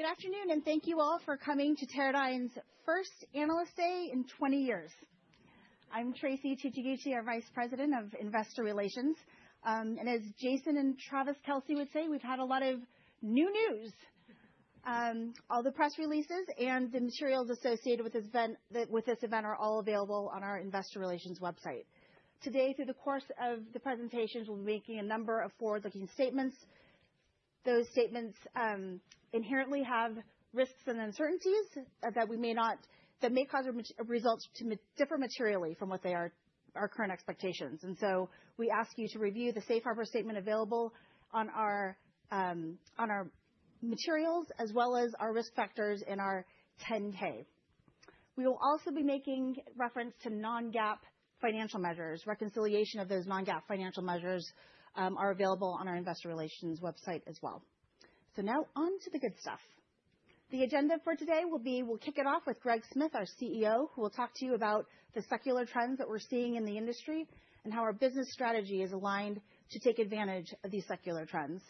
Good afternoon, and thank you all for coming to Teradyne's first Analyst Day in 20 years. I'm Traci Tsuchiguchi, our Vice President of Investor Relations. As Jason and Travis Kelce would say, we've had a lot of new news. All the press releases and the materials associated with this event are all available on our Investor Relations website. Today, through the course of the presentations, we'll be making a number of forward-looking statements. Those statements inherently have risks and uncertainties that may cause results to differ materially from what are our current expectations. We ask you to review the Safe Harbor statement available on our materials, as well as our risk factors in our 10-K. We will also be making reference to non-GAAP financial measures. Reconciliation of those non-GAAP financial measures is available on our Investor Relations website as well. Now on to the good stuff. The agenda for today will be we'll kick it off with Greg Smith, our CEO, who will talk to you about the secular trends that we're seeing in the industry and how our business strategy is aligned to take advantage of these secular trends.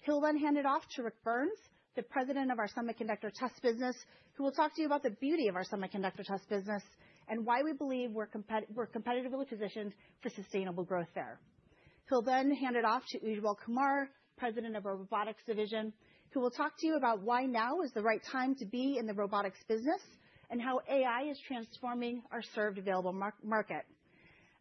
He'll then hand it off to Rick Burns, the President of our Semiconductor Test Business, who will talk to you about the beauty of our Semiconductor Test Business and why we believe we're competitively positioned for sustainable growth there. He'll then hand it off to Ujjwal Kumar, President of our Robotics Division, who will talk to you about why now is the right time to be in the robotics business and how AI is transforming our served-available market.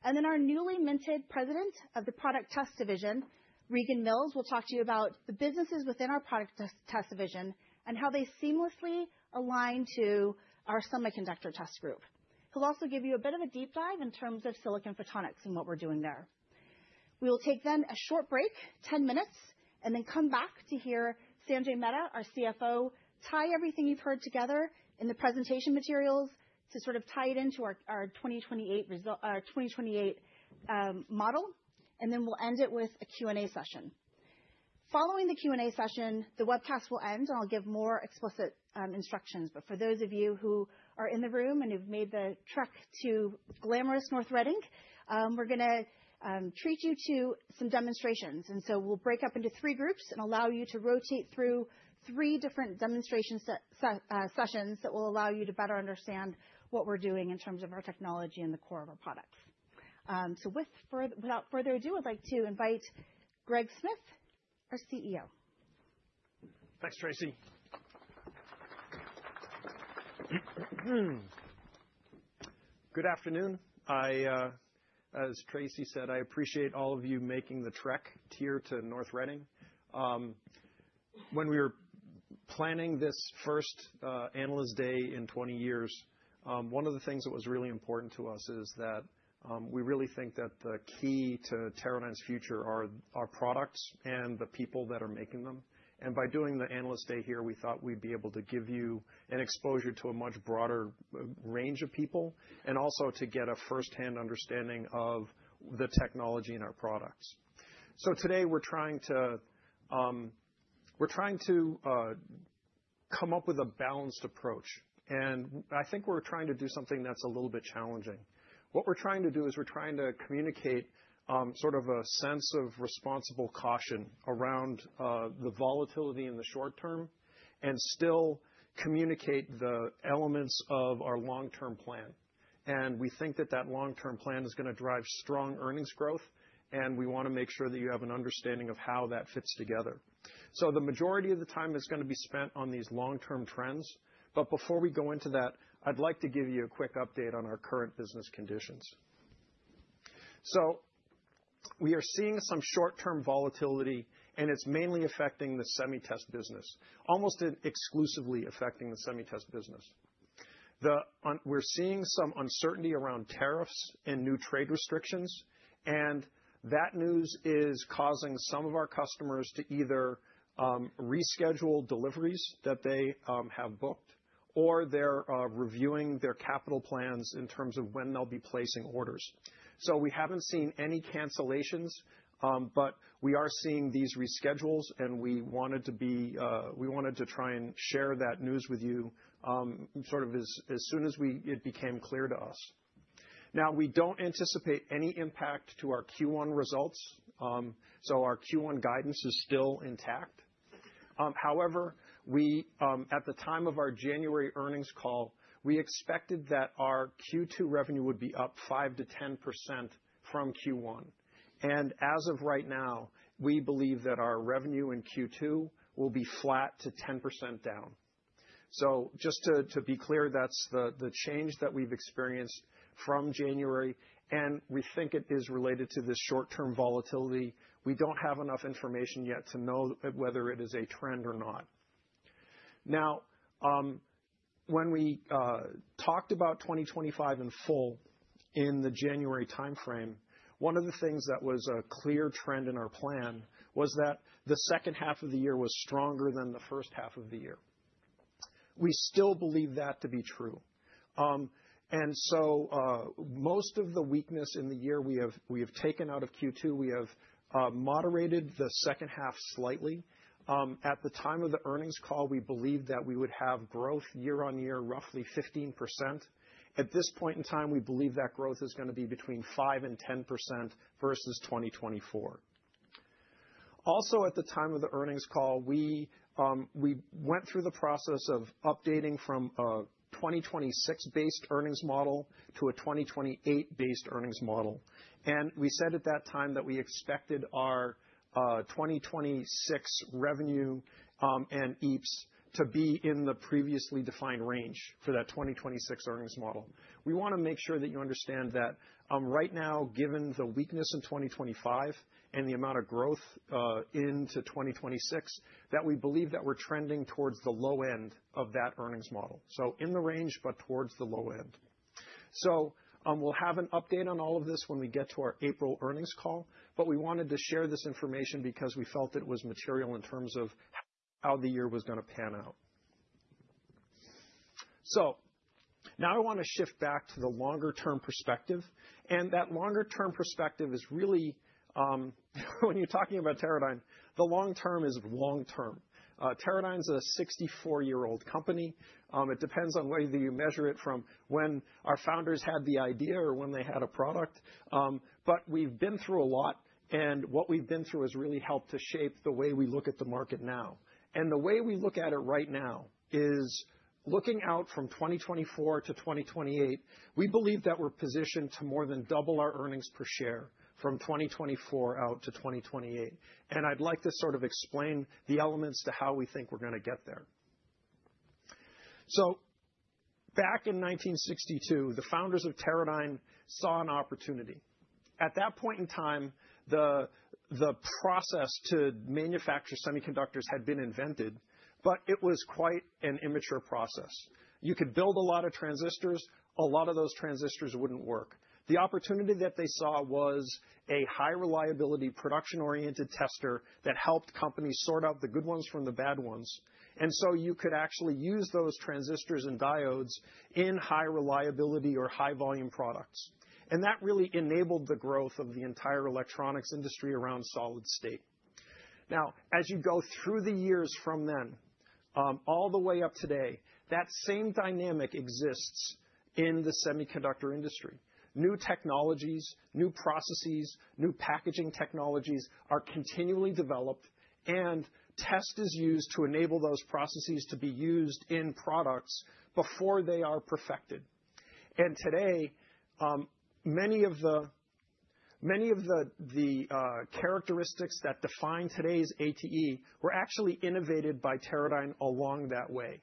Our newly minted President of the Product Test Division, Regan Mills, will talk to you about the businesses within our Product Test Division and how they seamlessly align to our Semiconductor Test Group. He'll also give you a bit of a deep dive in terms of silicon photonics and what we're doing there. We will take a short break, 10 minutes, and then come back to hear Sanjay Mehta, our CFO, tie everything you've heard together in the presentation materials to sort of tie it into our 2028 model. We will end it with a Q&A session. Following the Q&A session, the webcast will end, and I'll give more explicit instructions. For those of you who are in the room and who've made the trek to glamorous North Reading, we're going to treat you to some demonstrations. We will break up into three groups and allow you to rotate through three different demonstration sessions that will allow you to better understand what we are doing in terms of our technology and the core of our products. Without further ado, I would like to invite Greg Smith, our CEO. Thanks, Traci. Good afternoon. As Traci said, I appreciate all of you making the trek here to North Reading. When we were planning this first Analyst Day in 20 years, one of the things that was really important to us is that we really think that the key to Teradyne's future are our products and the people that are making them. By doing the Analyst Day here, we thought we'd be able to give you an exposure to a much broader range of people and also to get a firsthand understanding of the technology and our products. Today, we're trying to come up with a balanced approach. I think we're trying to do something that's a little bit challenging. What we're trying to do is we're trying to communicate sort of a sense of responsible caution around the volatility in the short term and still communicate the elements of our long-term plan. We think that that long-term plan is going to drive strong earnings growth, and we want to make sure that you have an understanding of how that fits together. The majority of the time is going to be spent on these long-term trends. Before we go into that, I'd like to give you a quick update on our current business conditions. We are seeing some short-term volatility, and it's mainly affecting the semi-test business, almost exclusively affecting the semi-test business. We're seeing some uncertainty around tariffs and new trade restrictions. That news is causing some of our customers to either reschedule deliveries that they have booked or they're reviewing their capital plans in terms of when they'll be placing orders. We haven't seen any cancellations, but we are seeing these reschedules, and we wanted to try and share that news with you as soon as it became clear to us. We do not anticipate any impact to our Q1 results. Our Q1 guidance is still intact. At the time of our January earnings call, we expected that our Q2 revenue would be up 5%-10% from Q1. As of right now, we believe that our revenue in Q2 will be flat to 10% down. Just to be clear, that's the change that we've experienced from January. We think it is related to this short-term volatility. We don't have enough information yet to know whether it is a trend or not. Now, when we talked about 2025 in full in the January timeframe, one of the things that was a clear trend in our plan was that the second half of the year was stronger than the first half of the year. We still believe that to be true. Most of the weakness in the year we have taken out of Q2, we have moderated the second half slightly. At the time of the earnings call, we believed that we would have growth year on year, roughly 15%. At this point in time, we believe that growth is going to be between 5-10% versus 2024. Also, at the time of the earnings call, we went through the process of updating from a 2026-based earnings model to a 2028-based earnings model. We said at that time that we expected our 2026 revenue and EPS to be in the previously defined range for that 2026 earnings model. We want to make sure that you understand that right now, given the weakness in 2025 and the amount of growth into 2026, we believe that we're trending towards the low end of that earnings model. In the range, but towards the low end. We will have an update on all of this when we get to our April earnings call. We wanted to share this information because we felt it was material in terms of how the year was going to pan out. Now I want to shift back to the longer-term perspective. That longer-term perspective is really, when you're talking about Teradyne, the long term is long term. Teradyne is a 64-year-old company. It depends on whether you measure it from when our founders had the idea or when they had a product. We have been through a lot, and what we have been through has really helped to shape the way we look at the market now. The way we look at it right now is looking out from 2024 to 2028, we believe that we are positioned to more than double our earnings per share from 2024 out to 2028. I would like to sort of explain the elements to how we think we are going to get there. Back in 1962, the founders of Teradyne saw an opportunity. At that point in time, the process to manufacture semiconductors had been invented, but it was quite an immature process. You could build a lot of transistors. A lot of those transistors would not work. The opportunity that they saw was a high-reliability, production-oriented tester that helped companies sort out the good ones from the bad ones. You could actually use those transistors and diodes in high-reliability or high-volume products. That really enabled the growth of the entire electronics industry around solid state. Now, as you go through the years from then all the way up to today, that same dynamic exists in the semiconductor industry. New technologies, new processes, new packaging technologies are continually developed, and test is used to enable those processes to be used in products before they are perfected. Today, many of the characteristics that define today's ATE were actually innovated by Teradyne along that way.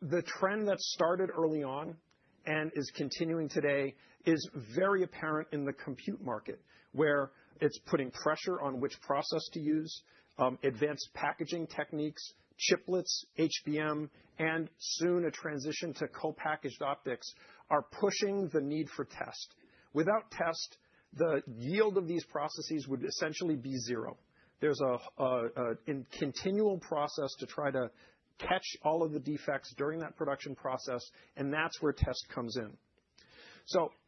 The trend that started early on and is continuing today is very apparent in the compute market, where it's putting pressure on which process to use. Advanced packaging techniques, chiplets, HBM, and soon a transition to co-packaged optics are pushing the need for test. Without test, the yield of these processes would essentially be zero. There's a continual process to try to catch all of the defects during that production process, and that's where test comes in.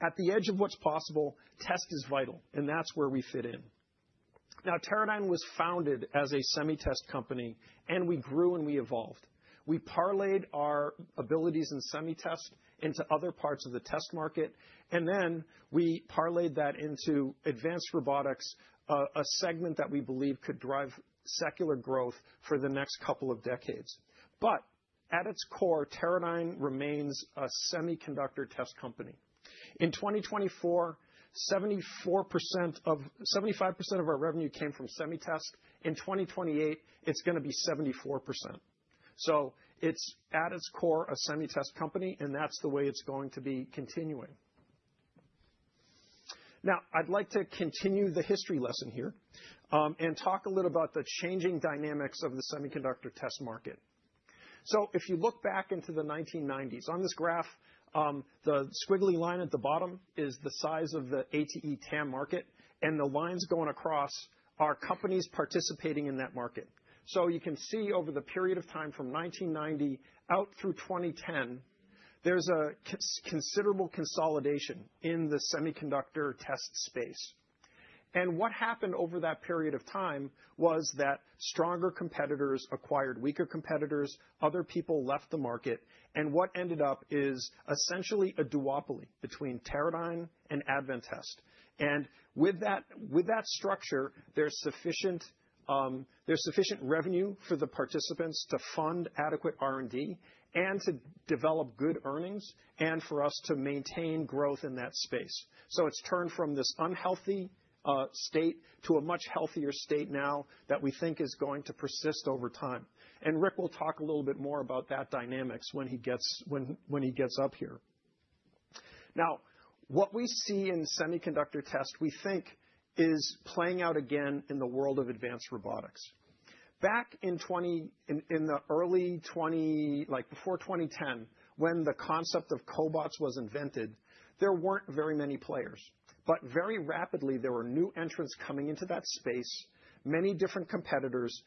At the edge of what's possible, test is vital, and that's where we fit in. Teradyne was founded as a semi-test company, and we grew and we evolved. We parlayed our abilities in semi-test into other parts of the test market, and then we parlayed that into advanced robotics, a segment that we believe could drive secular growth for the next couple of decades. At its core, Teradyne remains a semiconductor test company. In 2024, 75% of our revenue came from semi-test. In 2028, it's going to be 74%. It is at its core a semi-test company, and that's the way it's going to be continuing. Now, I'd like to continue the history lesson here and talk a little about the changing dynamics of the semiconductor test market. If you look back into the 1990s, on this graph, the squiggly line at the bottom is the size of the ATE TAM market, and the lines going across are companies participating in that market. You can see over the period of time from 1990 out through 2010, there's a considerable consolidation in the semiconductor test space. What happened over that period of time was that stronger competitors acquired weaker competitors, other people left the market, and what ended up is essentially a duopoly between Teradyne and Adventest. With that structure, there's sufficient revenue for the participants to fund adequate R&D and to develop good earnings and for us to maintain growth in that space. It has turned from this unhealthy state to a much healthier state now that we think is going to persist over time. Rick will talk a little bit more about that dynamics when he gets up here. What we see in semiconductor test, we think, is playing out again in the world of advanced robotics. Back in the early 2000s, like before 2010, when the concept of cobots was invented, there were not very many players. Very rapidly, there were new entrants coming into that space, many different competitors.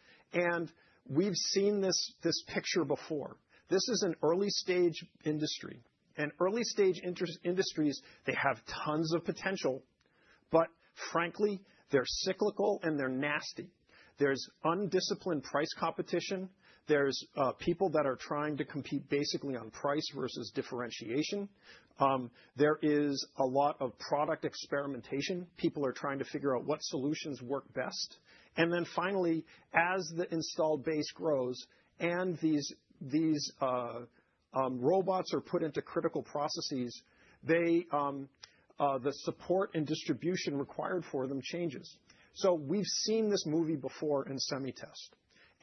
We have seen this picture before. This is an early-stage industry. Early-stage industries have tons of potential, but frankly, they are cyclical and they are nasty. There is undisciplined price competition. There's people that are trying to compete basically on price versus differentiation. There is a lot of product experimentation. People are trying to figure out what solutions work best. Finally, as the installed base grows and these robots are put into critical processes, the support and distribution required for them changes. We have seen this movie before in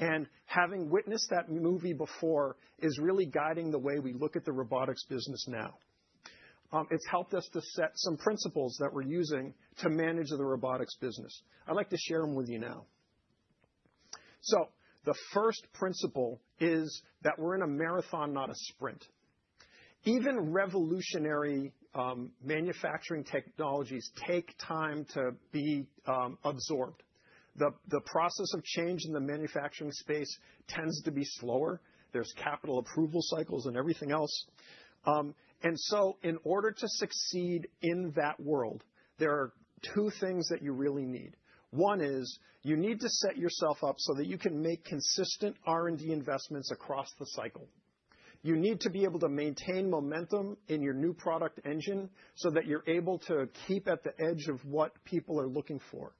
semi-test. Having witnessed that movie before is really guiding the way we look at the robotics business now. It has helped us to set some principles that we're using to manage the robotics business. I'd like to share them with you now. The first principle is that we're in a marathon, not a sprint. Even revolutionary manufacturing technologies take time to be absorbed. The process of change in the manufacturing space tends to be slower. There are capital approval cycles and everything else. In order to succeed in that world, there are two things that you really need. One is you need to set yourself up so that you can make consistent R&D investments across the cycle. You need to be able to maintain momentum in your new product engine so that you're able to keep at the edge of what people are looking for.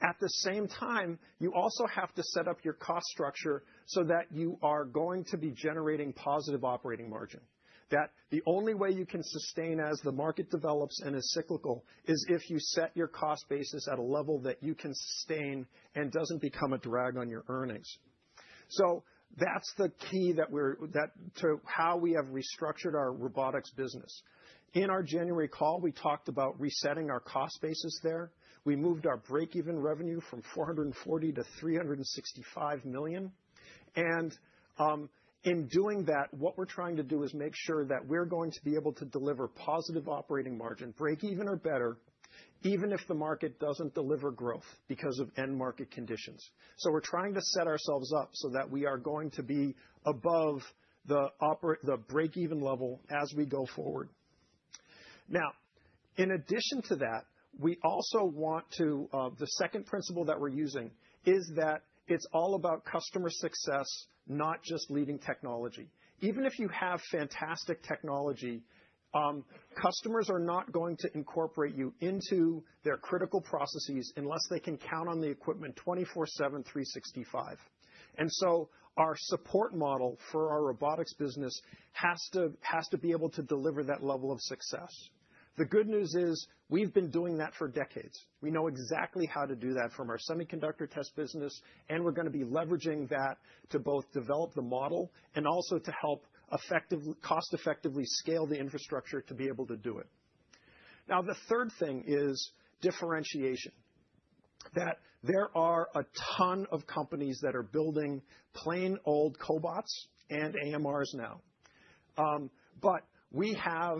At the same time, you also have to set up your cost structure so that you are going to be generating positive operating margin. The only way you can sustain as the market develops and is cyclical is if you set your cost basis at a level that you can sustain and doesn't become a drag on your earnings. That's the key to how we have restructured our robotics business. In our January call, we talked about resetting our cost basis there. We moved our break-even revenue from $440 million to $365 million. In doing that, what we're trying to do is make sure that we're going to be able to deliver positive operating margin, break-even or better, even if the market does not deliver growth because of end market conditions. We are trying to set ourselves up so that we are going to be above the break-even level as we go forward. In addition to that, the second principle that we're using is that it's all about customer success, not just leading technology. Even if you have fantastic technology, customers are not going to incorporate you into their critical processes unless they can count on the equipment 24/7, 365. Our support model for our robotics business has to be able to deliver that level of success. The good news is we've been doing that for decades. We know exactly how to do that from our semiconductor test business, and we're going to be leveraging that to both develop the model and also to help cost-effectively scale the infrastructure to be able to do it. Now, the third thing is differentiation. There are a ton of companies that are building plain old cobots and AMRs now. We have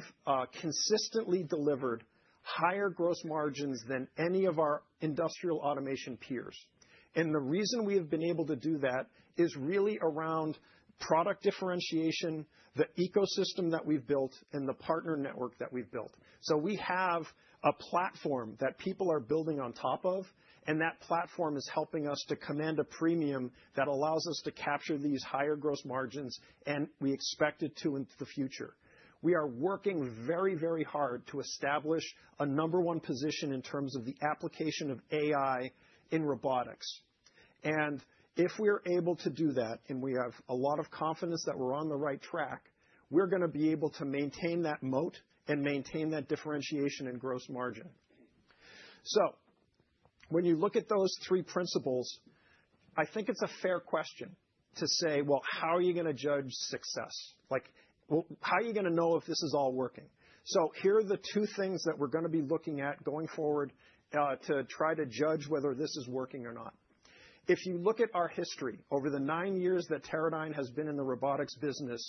consistently delivered higher gross margins than any of our industrial automation peers. The reason we have been able to do that is really around product differentiation, the ecosystem that we've built, and the partner network that we've built. We have a platform that people are building on top of, and that platform is helping us to command a premium that allows us to capture these higher gross margins, and we expect it to in the future. We are working very, very hard to establish a number one position in terms of the application of AI in robotics. And if we're able to do that, and we have a lot of confidence that we're on the right track, we're going to be able to maintain that moat and maintain that differentiation and gross margin. When you look at those three principles, I think it's a fair question to say, like, how are you going to judge success? Like, how are you going to know if this is all working? Here are the two things that we're going to be looking at going forward to try to judge whether this is working or not. If you look at our history over the nine years that Teradyne has been in the robotics business,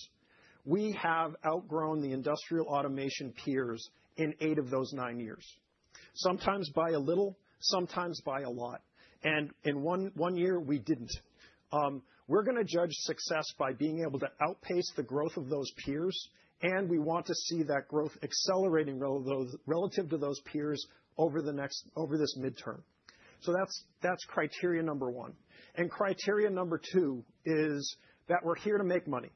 we have outgrown the industrial automation peers in eight of those nine years. Sometimes by a little, sometimes by a lot. In one year, we didn't. We're going to judge success by being able to outpace the growth of those peers, and we want to see that growth accelerating relative to those peers over this midterm. That's criteria number one. Criteria number two is that we're here to make money.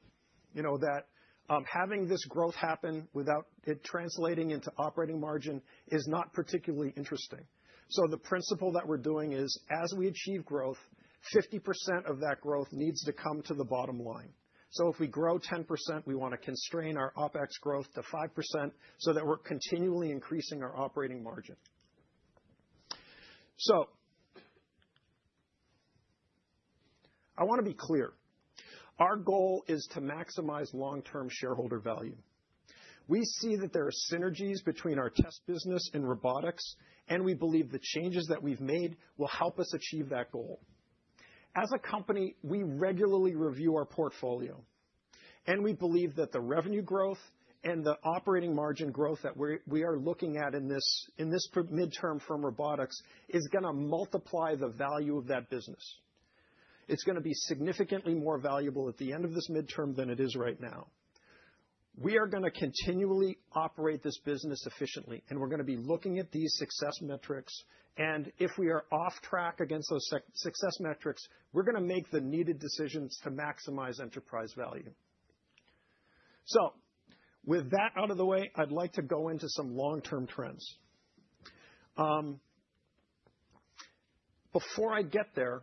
Having this growth happen without it translating into operating margin is not particularly interesting. The principle that we're doing is, as we achieve growth, 50% of that growth needs to come to the bottom line. If we grow 10%, we want to constrain our OpEx growth to 5% so that we're continually increasing our operating margin. I want to be clear. Our goal is to maximize long-term shareholder value. We see that there are synergies between our test business and robotics, and we believe the changes that we've made will help us achieve that goal. As a company, we regularly review our portfolio, and we believe that the revenue growth and the operating margin growth that we are looking at in this midterm from robotics is going to multiply the value of that business. It is going to be significantly more valuable at the end of this midterm than it is right now. We are going to continually operate this business efficiently, and we're going to be looking at these success metrics. If we are off track against those success metrics, we're going to make the needed decisions to maximize enterprise value. With that out of the way, I'd like to go into some long-term trends. Before I get there,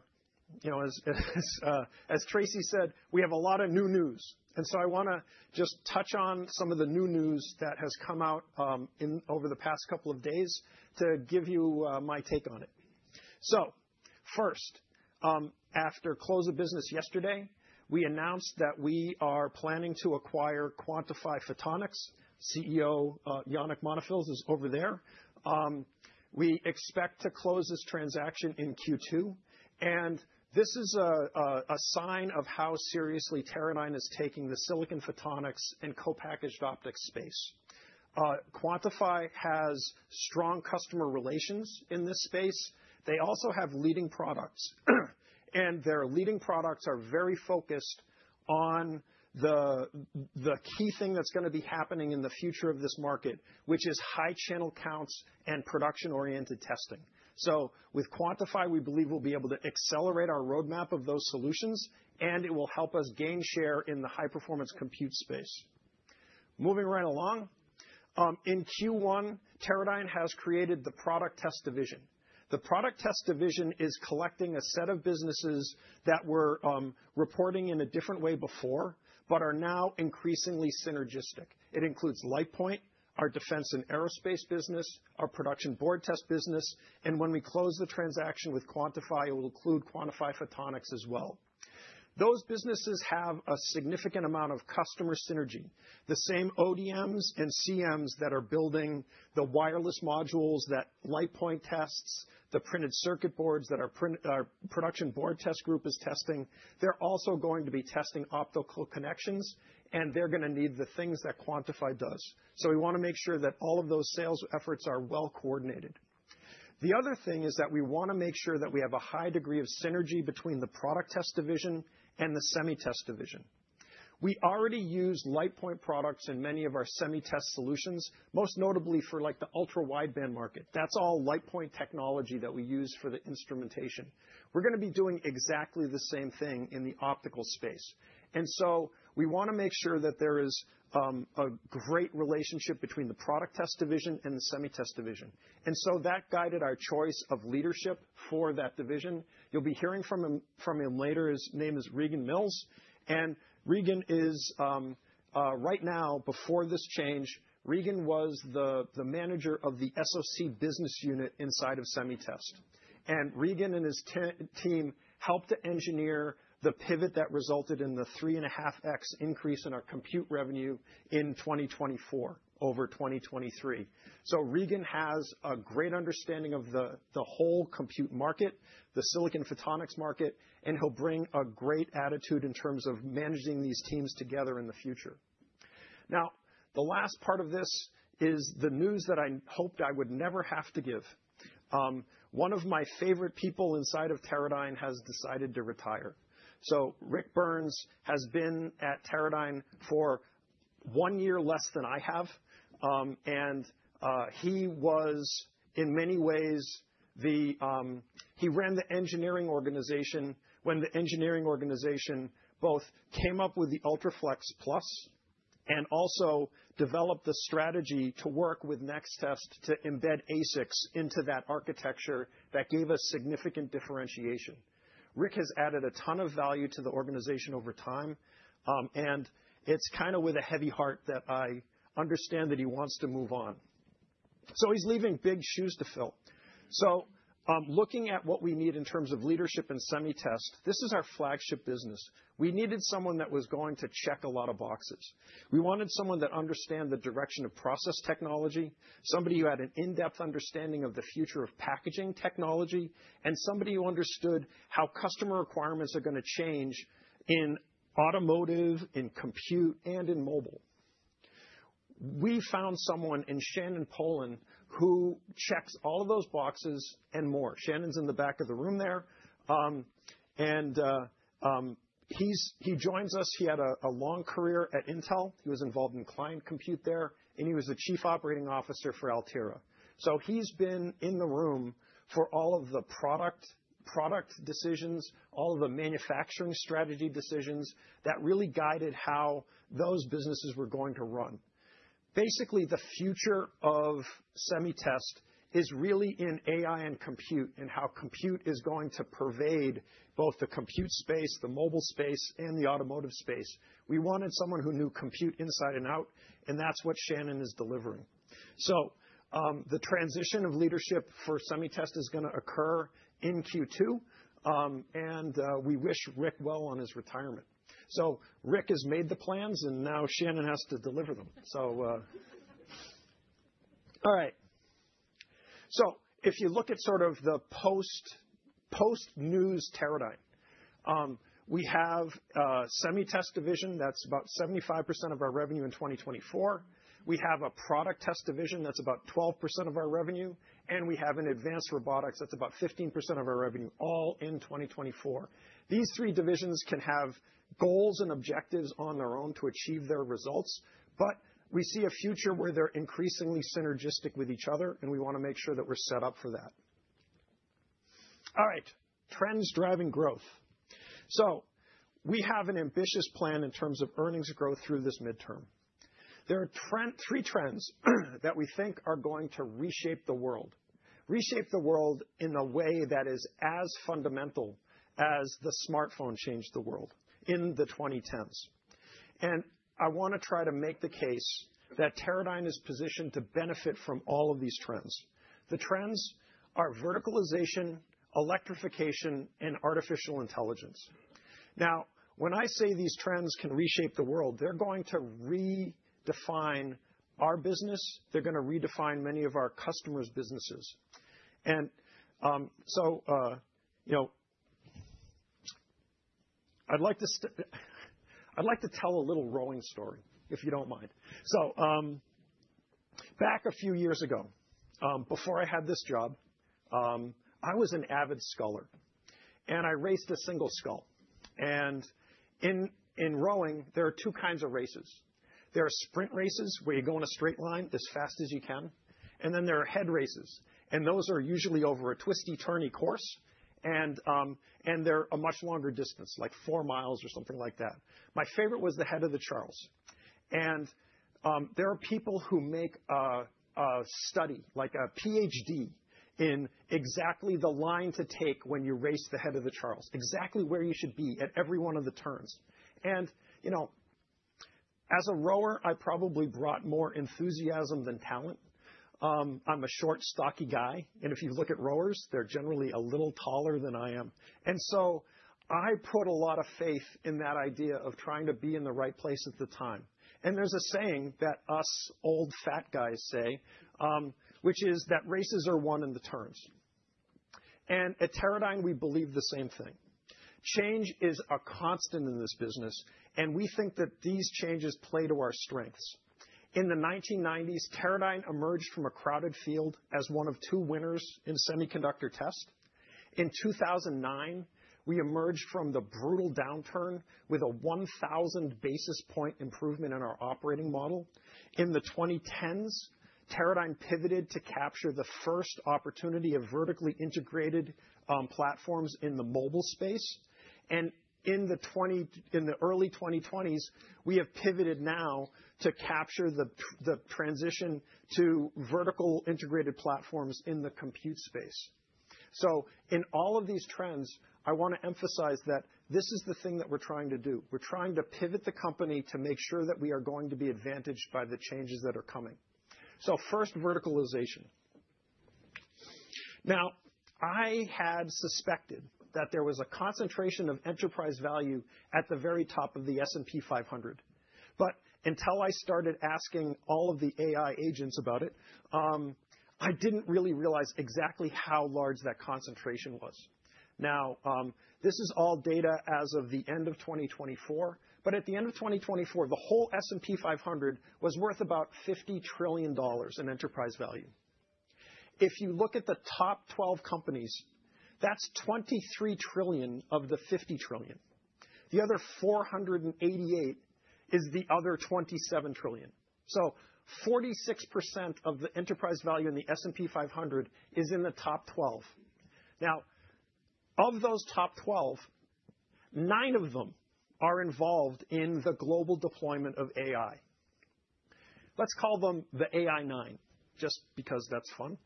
as Traci said, we have a lot of new news. I want to just touch on some of the new news that has come out over the past couple of days to give you my take on it. First, after close of business yesterday, we announced that we are planning to acquire Quantifi Photonics. CEO Iannick Monfils is over there. We expect to close this transaction in Q2, and this is a sign of how seriously Teradyne is taking the silicon photonics and co-packaged optics space. Quantifi has strong customer relations in this space. They also have leading products, and their leading products are very focused on the key thing that's going to be happening in the future of this market, which is high channel counts and production-oriented testing. With Quantifi, we believe we'll be able to accelerate our roadmap of those solutions, and it will help us gain share in the high-performance compute space. Moving right along, in Q1, Teradyne has created the product test division. The product test division is collecting a set of businesses that were reporting in a different way before, but are now increasingly synergistic. It includes LitePoint, our defense and aerospace business, our production board test business, and when we close the transaction with Quantifi, it will include Quantifi Photonics as well. Those businesses have a significant amount of customer synergy. The same ODMs and CMs that are building the wireless modules that LitePoint tests, the printed circuit boards that our production board test group is testing, they're also going to be testing optical connections, and they're going to need the things that Quantifi does. We want to make sure that all of those sales efforts are well coordinated. The other thing is that we want to make sure that we have a high degree of synergy between the product test division and the semi-test division. We already use LitePoint products in many of our semi-test solutions, most notably for like the ultra-wide band market. That's all LitePoint technology that we use for the instrumentation. We're going to be doing exactly the same thing in the optical space. We want to make sure that there is a great relationship between the product test division and the semi-test division. That guided our choice of leadership for that division. You'll be hearing from him later. His name is Regan Mills. Regan is, right now, before this change, Regan was the manager of the SOC business unit inside of semi-test. Regan and his team helped to engineer the pivot that resulted in the three and a half X increase in our compute revenue in 2024 over 2023. Regan has a great understanding of the whole compute market, the silicon photonics market, and he'll bring a great attitude in terms of managing these teams together in the future. Now, the last part of this is the news that I hoped I would never have to give. One of my favorite people inside of Teradyne has decided to retire. Rick Burns has been at Teradyne for one year less than I have, and he was, in many ways, the he ran the engineering organization when the engineering organization both came up with the UltraFLEXplus and also developed the strategy to work with Next Test to embed ASICs into that architecture that gave us significant differentiation. Rick has added a ton of value to the organization over time, and it's kind of with a heavy heart that I understand that he wants to move on. He's leaving big shoes to fill. Looking at what we need in terms of leadership in semi-test, this is our flagship business. We needed someone that was going to check a lot of boxes. We wanted someone that understands the direction of process technology, somebody who had an in-depth understanding of the future of packaging technology, and somebody who understood how customer requirements are going to change in automotive, in compute, and in mobile. We found someone in Shannon Poland who checks all of those boxes and more. Shannon's in the back of the room there, and he joins us. He had a long career at Intel. He was involved in client compute there, and he was the Chief Operating Officer for Altera. He's been in the room for all of the product decisions, all of the manufacturing strategy decisions that really guided how those businesses were going to run. Basically, the future of semi-test is really in AI and compute and how compute is going to pervade both the compute space, the mobile space, and the automotive space. We wanted someone who knew compute inside and out, and that's what Shannon is delivering. The transition of leadership for semi-test is going to occur in Q2, and we wish Rick well on his retirement. Rick has made the plans, and now Shannon has to deliver them. All right. If you look at sort of the post-news Teradyne, we have a semi-test division that's about 75% of our revenue in 2024. We have a product test division that's about 12% of our revenue, and we have an advanced robotics that's about 15% of our revenue, all in 2024. These three divisions can have goals and objectives on their own to achieve their results, but we see a future where they're increasingly synergistic with each other, and we want to make sure that we're set up for that. All right. Trends driving growth. We have an ambitious plan in terms of earnings growth through this midterm. There are three trends that we think are going to reshape the world. Reshape the world in a way that is as fundamental as the smartphone changed the world in the 2010s. I want to try to make the case that Teradyne is positioned to benefit from all of these trends. The trends are verticalization, electrification, and artificial intelligence. Now, when I say these trends can reshape the world, they're going to redefine our business. They're going to redefine many of our customers' businesses. I would like to tell a little rowing story, if you don't mind. Back a few years ago, before I had this job, I was an avid sculler, and I raced a single scull. In rowing, there are two kinds of races. There are sprint races where you go in a straight line as fast as you can, and then there are head races, and those are usually over a twisty-turny course, and they're a much longer distance, like four miles or something like that. My favorite was the Head of the Charles. There are people who make a study, like a PhD, in exactly the line to take when you race the Head of the Charles, exactly where you should be at every one of the turns. As a rower, I probably brought more enthusiasm than talent. I'm a short, stocky guy, and if you look at rowers, they're generally a little taller than I am. I put a lot of faith in that idea of trying to be in the right place at the time. There is a saying that us old fat guys say, which is that races are won in the turns. At Teradyne, we believe the same thing. Change is a constant in this business, and we think that these changes play to our strengths. In the 1990s, Teradyne emerged from a crowded field as one of two winners in semiconductor tests. In 2009, we emerged from the brutal downturn with a 1,000 basis point improvement in our operating model. In the 2010s, Teradyne pivoted to capture the first opportunity of vertically integrated platforms in the mobile space. In the early 2020s, we have pivoted now to capture the transition to vertical integrated platforms in the compute space. In all of these trends, I want to emphasize that this is the thing that we're trying to do. We're trying to pivot the company to make sure that we are going to be advantaged by the changes that are coming. First, verticalization. I had suspected that there was a concentration of enterprise value at the very top of the S&P 500, but until I started asking all of the AI agents about it, I did not really realize exactly how large that concentration was. This is all data as of the end of 2024, but at the end of 2024, the whole S&P 500 was worth about $50 trillion in enterprise value. If you look at the top 12 companies, that is $23 trillion of the $50 trillion. The other 488 is the other $27 trillion. So 46% of the enterprise value in the S&P 500 is in the top 12. Now, of those top 12, nine of them are involved in the global deployment of AI. Let's call them the AI nine, just because that's fun.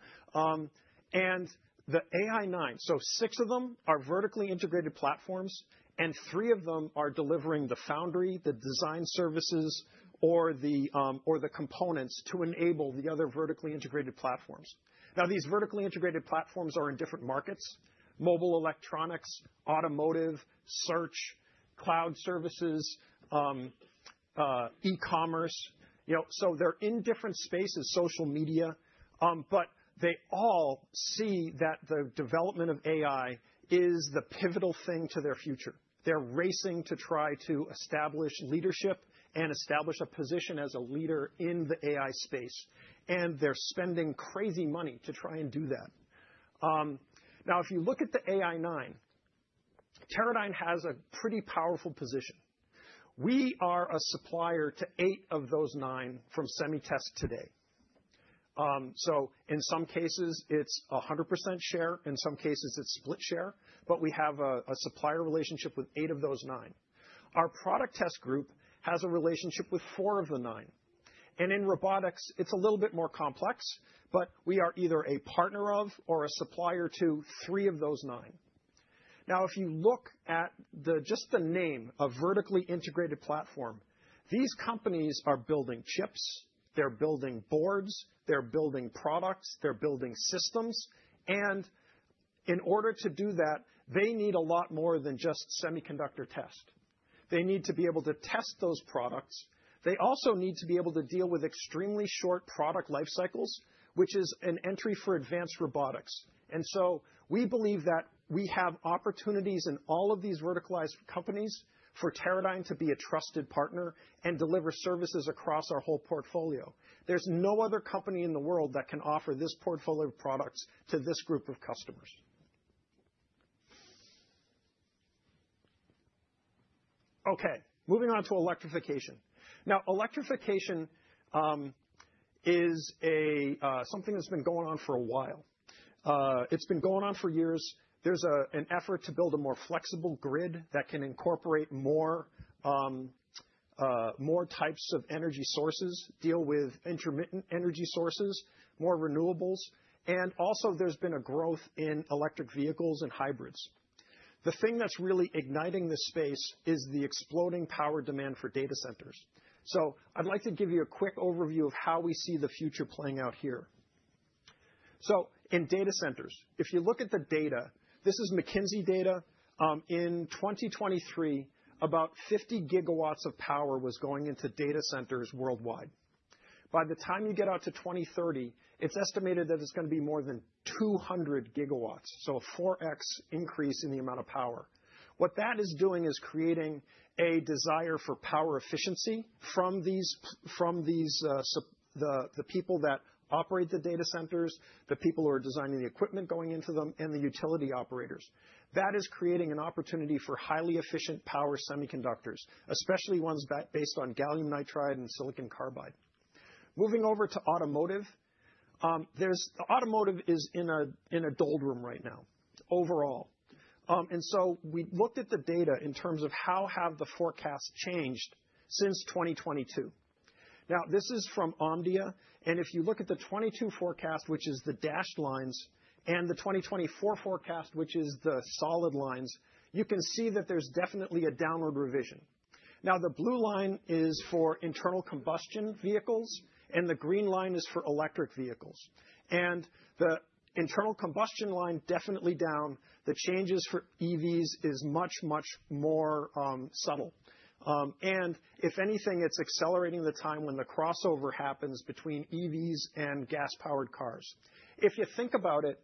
The AI nine, so six of them are vertically integrated platforms, and three of them are delivering the foundry, the design services, or the components to enable the other vertically integrated platforms. These vertically integrated platforms are in different markets: mobile electronics, automotive, search, cloud services, e-commerce. They are in different spaces, social media, but they all see that the development of AI is the pivotal thing to their future. They are racing to try to establish leadership and establish a position as a leader in the AI space, and they are spending crazy money to try and do that. If you look at the AI nine, Teradyne has a pretty powerful position. We are a supplier to eight of those nine from semi-test today. In some cases, it's a 100% share. In some cases, it's split share, but we have a supplier relationship with eight of those nine. Our product test group has a relationship with four of the nine. In robotics, it's a little bit more complex, but we are either a partner of or a supplier to three of those nine. Now, if you look at just the name of vertically integrated platform, these companies are building chips, they're building boards, they're building products, they're building systems, and in order to do that, they need a lot more than just semiconductor test. They need to be able to test those products. They also need to be able to deal with extremely short product life cycles, which is an entry for advanced robotics. We believe that we have opportunities in all of these verticalized companies for Teradyne to be a trusted partner and deliver services across our whole portfolio. There is no other company in the world that can offer this portfolio of products to this group of customers. Moving on to electrification. Electrification is something that has been going on for a while. It has been going on for years. There is an effort to build a more flexible grid that can incorporate more types of energy sources, deal with intermittent energy sources, more renewables, and also there has been a growth in electric vehicles and hybrids. The thing that is really igniting this space is the exploding power demand for data centers. I would like to give you a quick overview of how we see the future playing out here. In data centers, if you look at the data, this is McKinsey data. In 2023, about 50 GW of power was going into data centers worldwide. By the time you get out to 2030, it's estimated that it's going to be more than 200 GW, so a 4X increase in the amount of power. What that is doing is creating a desire for power efficiency from the people that operate the data centers, the people who are designing the equipment going into them, and the utility operators. That is creating an opportunity for highly efficient power semiconductors, especially ones based on gallium nitride and silicon carbide. Moving over to automotive, automotive is in a doldrum right now overall. And we looked at the data in terms of how have the forecasts changed since 2022. Now, this is from Omdia, and if you look at the 2022 forecast, which is the dashed lines, and the 2024 forecast, which is the solid lines, you can see that there's definitely a downward revision. The blue line is for internal combustion vehicles, and the green line is for electric vehicles. The internal combustion line is definitely down, the changes for EVs is much, much more subtle. If anything, it's accelerating the time when the crossover happens between EVs and gas-powered cars. If you think about it,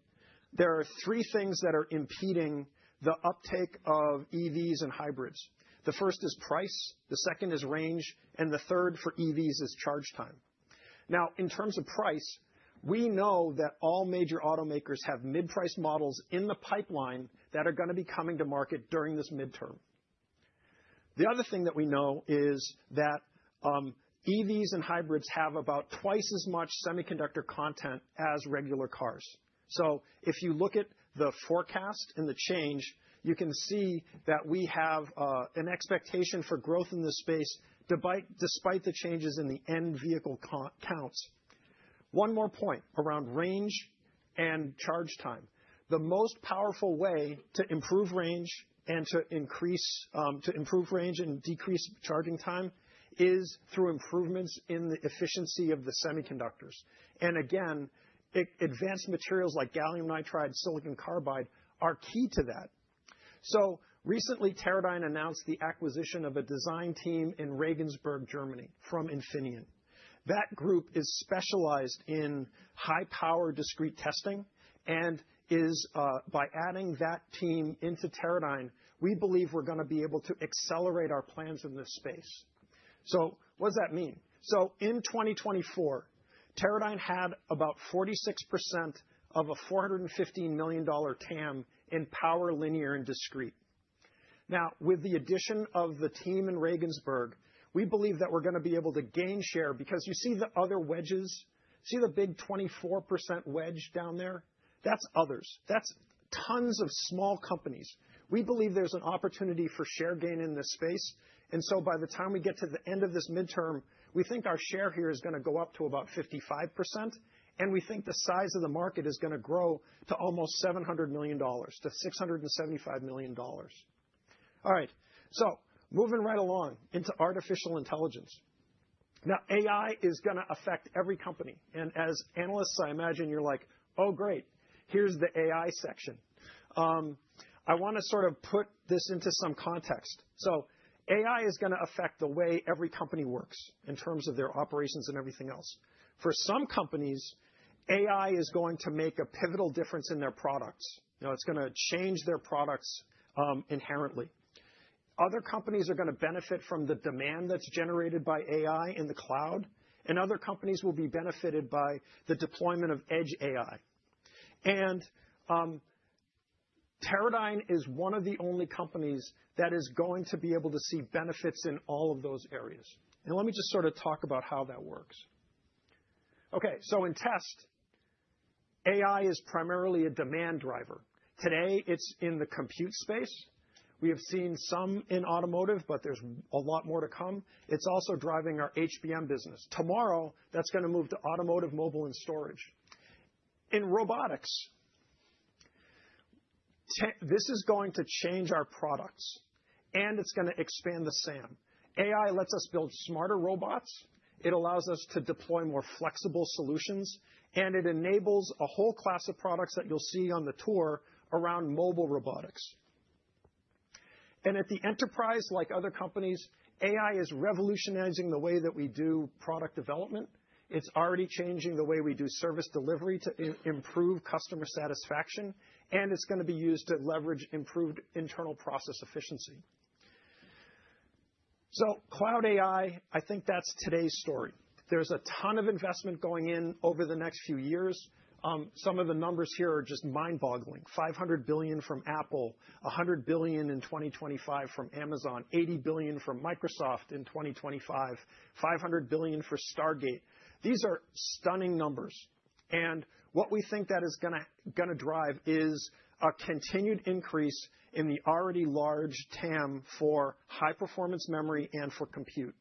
there are three things that are impeding the uptake of EVs and hybrids. The first is price, the second is range, and the third for EVs is charge time. In terms of price, we know that all major automakers have mid-priced models in the pipeline that are going to be coming to market during this midterm. The other thing that we know is that EVs and hybrids have about twice as much semiconductor content as regular cars. If you look at the forecast and the change, you can see that we have an expectation for growth in this space despite the changes in the end vehicle counts. One more point around range and charge time. The most powerful way to improve range and decrease charging time is through improvements in the efficiency of the semiconductors. Again, advanced materials like gallium nitride, silicon carbide are key to that. Recently, Teradyne announced the acquisition of a design team in Regensburg, Germany, from Infineon. That group is specialized in high-power discrete testing, and by adding that team into Teradyne, we believe we're going to be able to accelerate our plans in this space. What does that mean? In 2024, Teradyne had about 46% of a $415 million TAM in power linear and discrete. Now, with the addition of the team in Regensburg, we believe that we're going to be able to gain share because you see the other wedges, see the big 24% wedge down there? That's others. That's tons of small companies. We believe there's an opportunity for share gain in this space. By the time we get to the end of this midterm, we think our share here is going to go up to about 55%, and we think the size of the market is going to grow to almost $700 million to $675 million. All right. Moving right along into artificial intelligence. Now, AI is going to affect every company. As analysts, I imagine you're like, "Oh, great. Here's the AI section. I want to sort of put this into some context. AI is going to affect the way every company works in terms of their operations and everything else. For some companies, AI is going to make a pivotal difference in their products. It's going to change their products inherently. Other companies are going to benefit from the demand that's generated by AI in the cloud, and other companies will be benefited by the deployment of edge AI. Teradyne is one of the only companies that is going to be able to see benefits in all of those areas. Let me just sort of talk about how that works. In test, AI is primarily a demand driver. Today, it's in the compute space. We have seen some in automotive, but there's a lot more to come. It's also driving our HBM business. Tomorrow, that's going to move to automotive, mobile, and storage. In robotics, this is going to change our products, and it's going to expand the SAM. AI lets us build smarter robots. It allows us to deploy more flexible solutions, and it enables a whole class of products that you'll see on the tour around mobile robotics. At the enterprise, like other companies, AI is revolutionizing the way that we do product development. It's already changing the way we do service delivery to improve customer satisfaction, and it's going to be used to leverage improved internal process efficiency. Cloud AI, I think that's today's story. There's a ton of investment going in over the next few years. Some of the numbers here are just mind-boggling: $500 billion from Apple, $100 billion in 2025 from Amazon, $80 billion from Microsoft in 2025, $500 billion for Stargate. These are stunning numbers. What we think that is going to drive is a continued increase in the already large TAM for high-performance memory and for compute.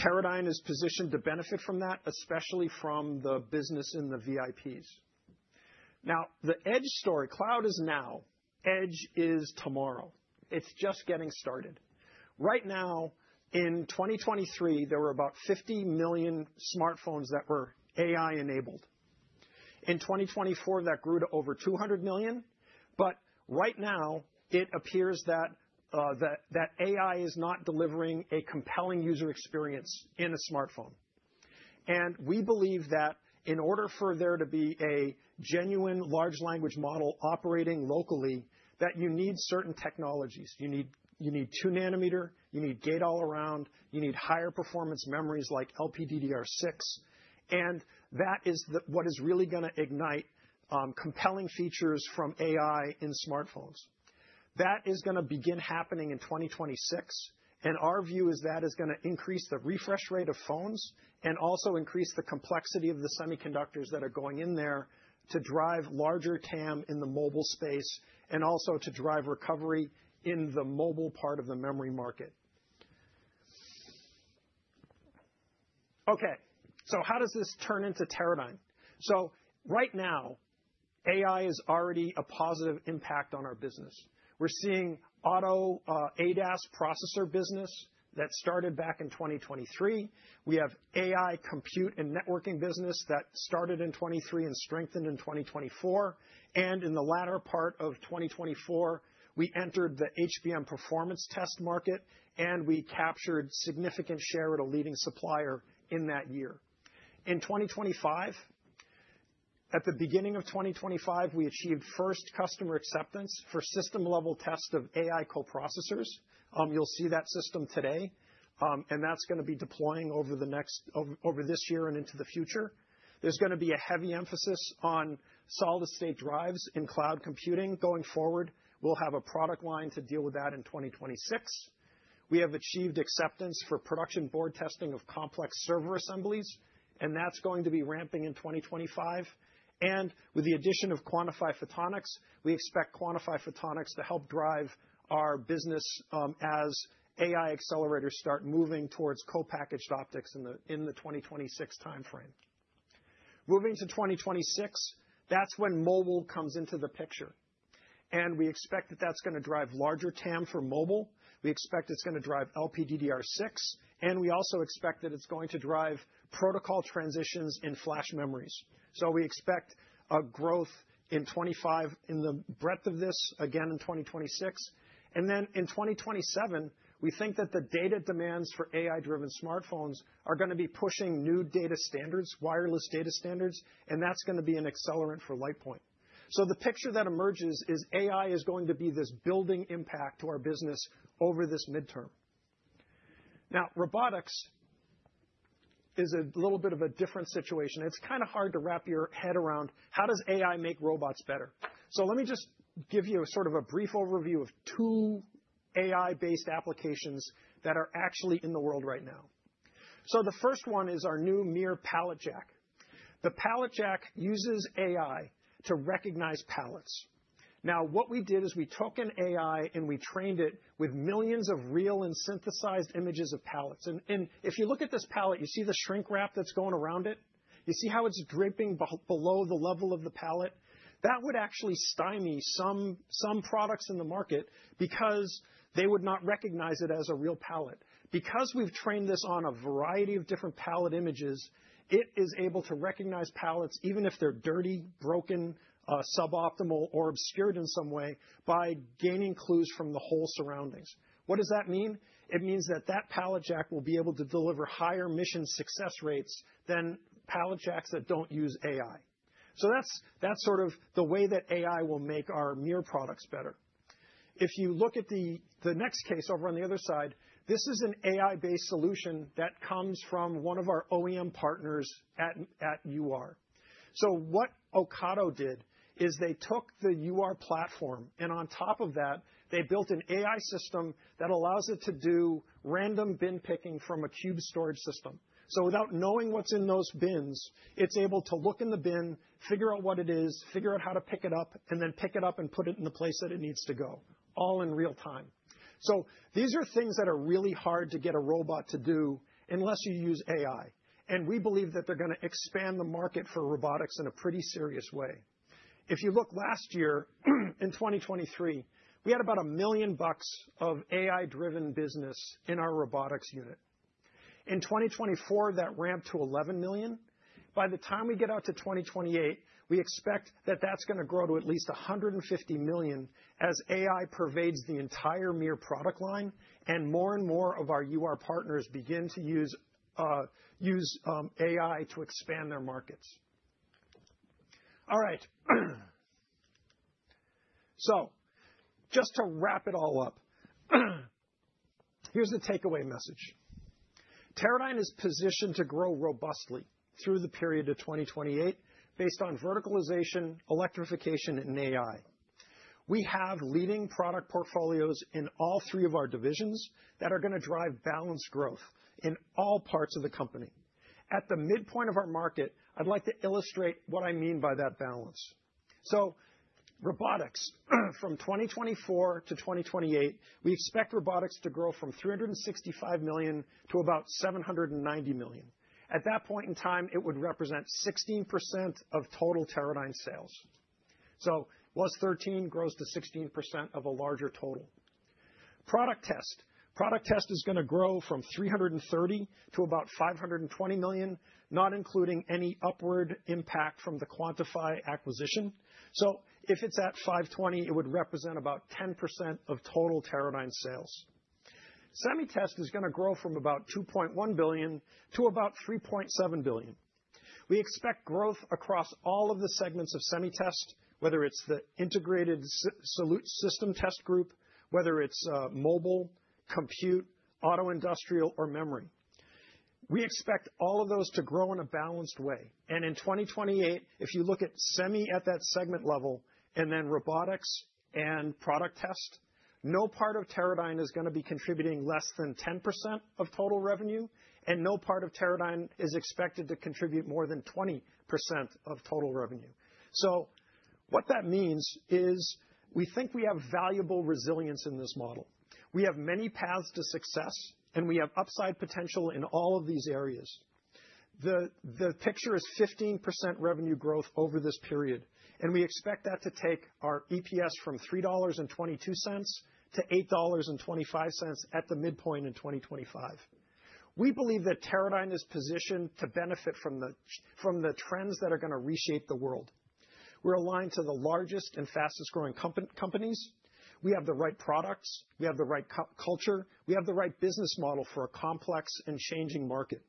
Teradyne is positioned to benefit from that, especially from the business in the VIPs. Now, the edge story, cloud is now, edge is tomorrow. It's just getting started. Right now, in 2023, there were about 50 million smartphones that were AI-enabled. In 2024, that grew to over 200 million, but right now, it appears that AI is not delivering a compelling user experience in a smartphone. We believe that in order for there to be a genuine large language model operating locally, you need certain technologies. You need two nanometers, you need gate all around, you need higher performance memories like LPDDR6, and that is what is really going to ignite compelling features from AI in smartphones. That is going to begin happening in 2026, and our view is that is going to increase the refresh rate of phones and also increase the complexity of the semiconductors that are going in there to drive larger TAM in the mobile space and also to drive recovery in the mobile part of the memory market. Okay. How does this turn into Teradyne? Right now, AI is already a positive impact on our business. We're seeing auto ADAS processor business that started back in 2023. We have AI compute and networking business that started in 2023 and strengthened in 2024. In the latter part of 2024, we entered the HBM performance test market, and we captured significant share at a leading supplier in that year. In 2025, at the beginning of 2025, we achieved first customer acceptance for system-level test of AI co-processors. You'll see that system today, and that's going to be deploying over this year and into the future. There's going to be a heavy emphasis on solid-state drives in cloud computing. Going forward, we'll have a product line to deal with that in 2026. We have achieved acceptance for production board testing of complex server assemblies, and that's going to be ramping in 2025. With the addition of Quantifi Photonics, we expect Quantifi Photonics to help drive our business as AI accelerators start moving towards co-packaged optics in the 2026 timeframe. Moving to 2026, that's when mobile comes into the picture. We expect that that's going to drive larger TAM for mobile. We expect it's going to drive LPDDR6, and we also expect that it's going to drive protocol transitions in flash memories. We expect a growth in 2025 in the breadth of this again in 2026. In 2027, we think that the data demands for AI-driven smartphones are going to be pushing new data standards, wireless data standards, and that's going to be an accelerant for LitePoint. The picture that emerges is AI is going to be this building impact to our business over this midterm. Now, robotics is a little bit of a different situation. It's kind of hard to wrap your head around how does AI make robots better. Let me just give you sort of a brief overview of two AI-based applications that are actually in the world right now. The first one is our new MiR Pallet Jack. The Pallet Jack uses AI to recognize pallets. What we did is we took an AI and we trained it with millions of real and synthesized images of pallets. If you look at this pallet, you see the shrink wrap that's going around it. You see how it's dripping below the level of the pallet. That would actually stymie some products in the market because they would not recognize it as a real pallet. Because we've trained this on a variety of different pallet images, it is able to recognize pallets even if they're dirty, broken, suboptimal, or obscured in some way by gaining clues from the whole surroundings. What does that mean? It means that that Pallet Jack will be able to deliver higher mission success rates than Pallet Jacks that don't use AI. That's sort of the way that AI will make our MiR products better. If you look at the next case over on the other side, this is an AI-based solution that comes from one of our OEM partners at UR. What Ocado did is they took the UR platform, and on top of that, they built an AI system that allows it to do random bin picking from a cube storage system. Without knowing what's in those bins, it's able to look in the bin, figure out what it is, figure out how to pick it up, and then pick it up and put it in the place that it needs to go, all in real time. These are things that are really hard to get a robot to do unless you use AI. We believe that they're going to expand the market for robotics in a pretty serious way. If you look last year, in 2023, we had about $1 million of AI-driven business in our robotics unit. In 2024, that ramped to $11 million. By the time we get out to 2028, we expect that that's going to grow to at least $150 million as AI pervades the entire MiR product line and more and more of our UR partners begin to use AI to expand their markets. All right. Just to wrap it all up, here's the takeaway message. Teradyne is positioned to grow robustly through the period of 2028 based on verticalization, electrification, and AI. We have leading product portfolios in all three of our divisions that are going to drive balanced growth in all parts of the company. At the midpoint of our market, I'd like to illustrate what I mean by that balance. Robotics, from 2024 to 2028, we expect robotics to grow from $365 million to about $790 million. At that point in time, it would represent 16% of total Teradyne sales. Thirteen grows to 16% of a larger total. Product test is going to grow from $330 million to about $520 million, not including any upward impact from the Quantifi acquisition. If it's at $520 million, it would represent about 10% of total Teradyne sales. Semi-test is going to grow from about $2.1 billion to about $3.7 billion. We expect growth across all of the segments of semi-test, whether it's the integrated system test group, whether it's mobile, compute, auto industrial, or memory. We expect all of those to grow in a balanced way. In 2028, if you look at semi at that segment level and then robotics and product test, no part of Teradyne is going to be contributing less than 10% of total revenue, and no part of Teradyne is expected to contribute more than 20% of total revenue. What that means is we think we have valuable resilience in this model. We have many paths to success, and we have upside potential in all of these areas. The picture is 15% revenue growth over this period, and we expect that to take our EPS from $3.22 to $8.25 at the midpoint in 2025. We believe that Teradyne is positioned to benefit from the trends that are going to reshape the world. We're aligned to the largest and fastest growing companies. We have the right products. We have the right culture. We have the right business model for a complex and changing market.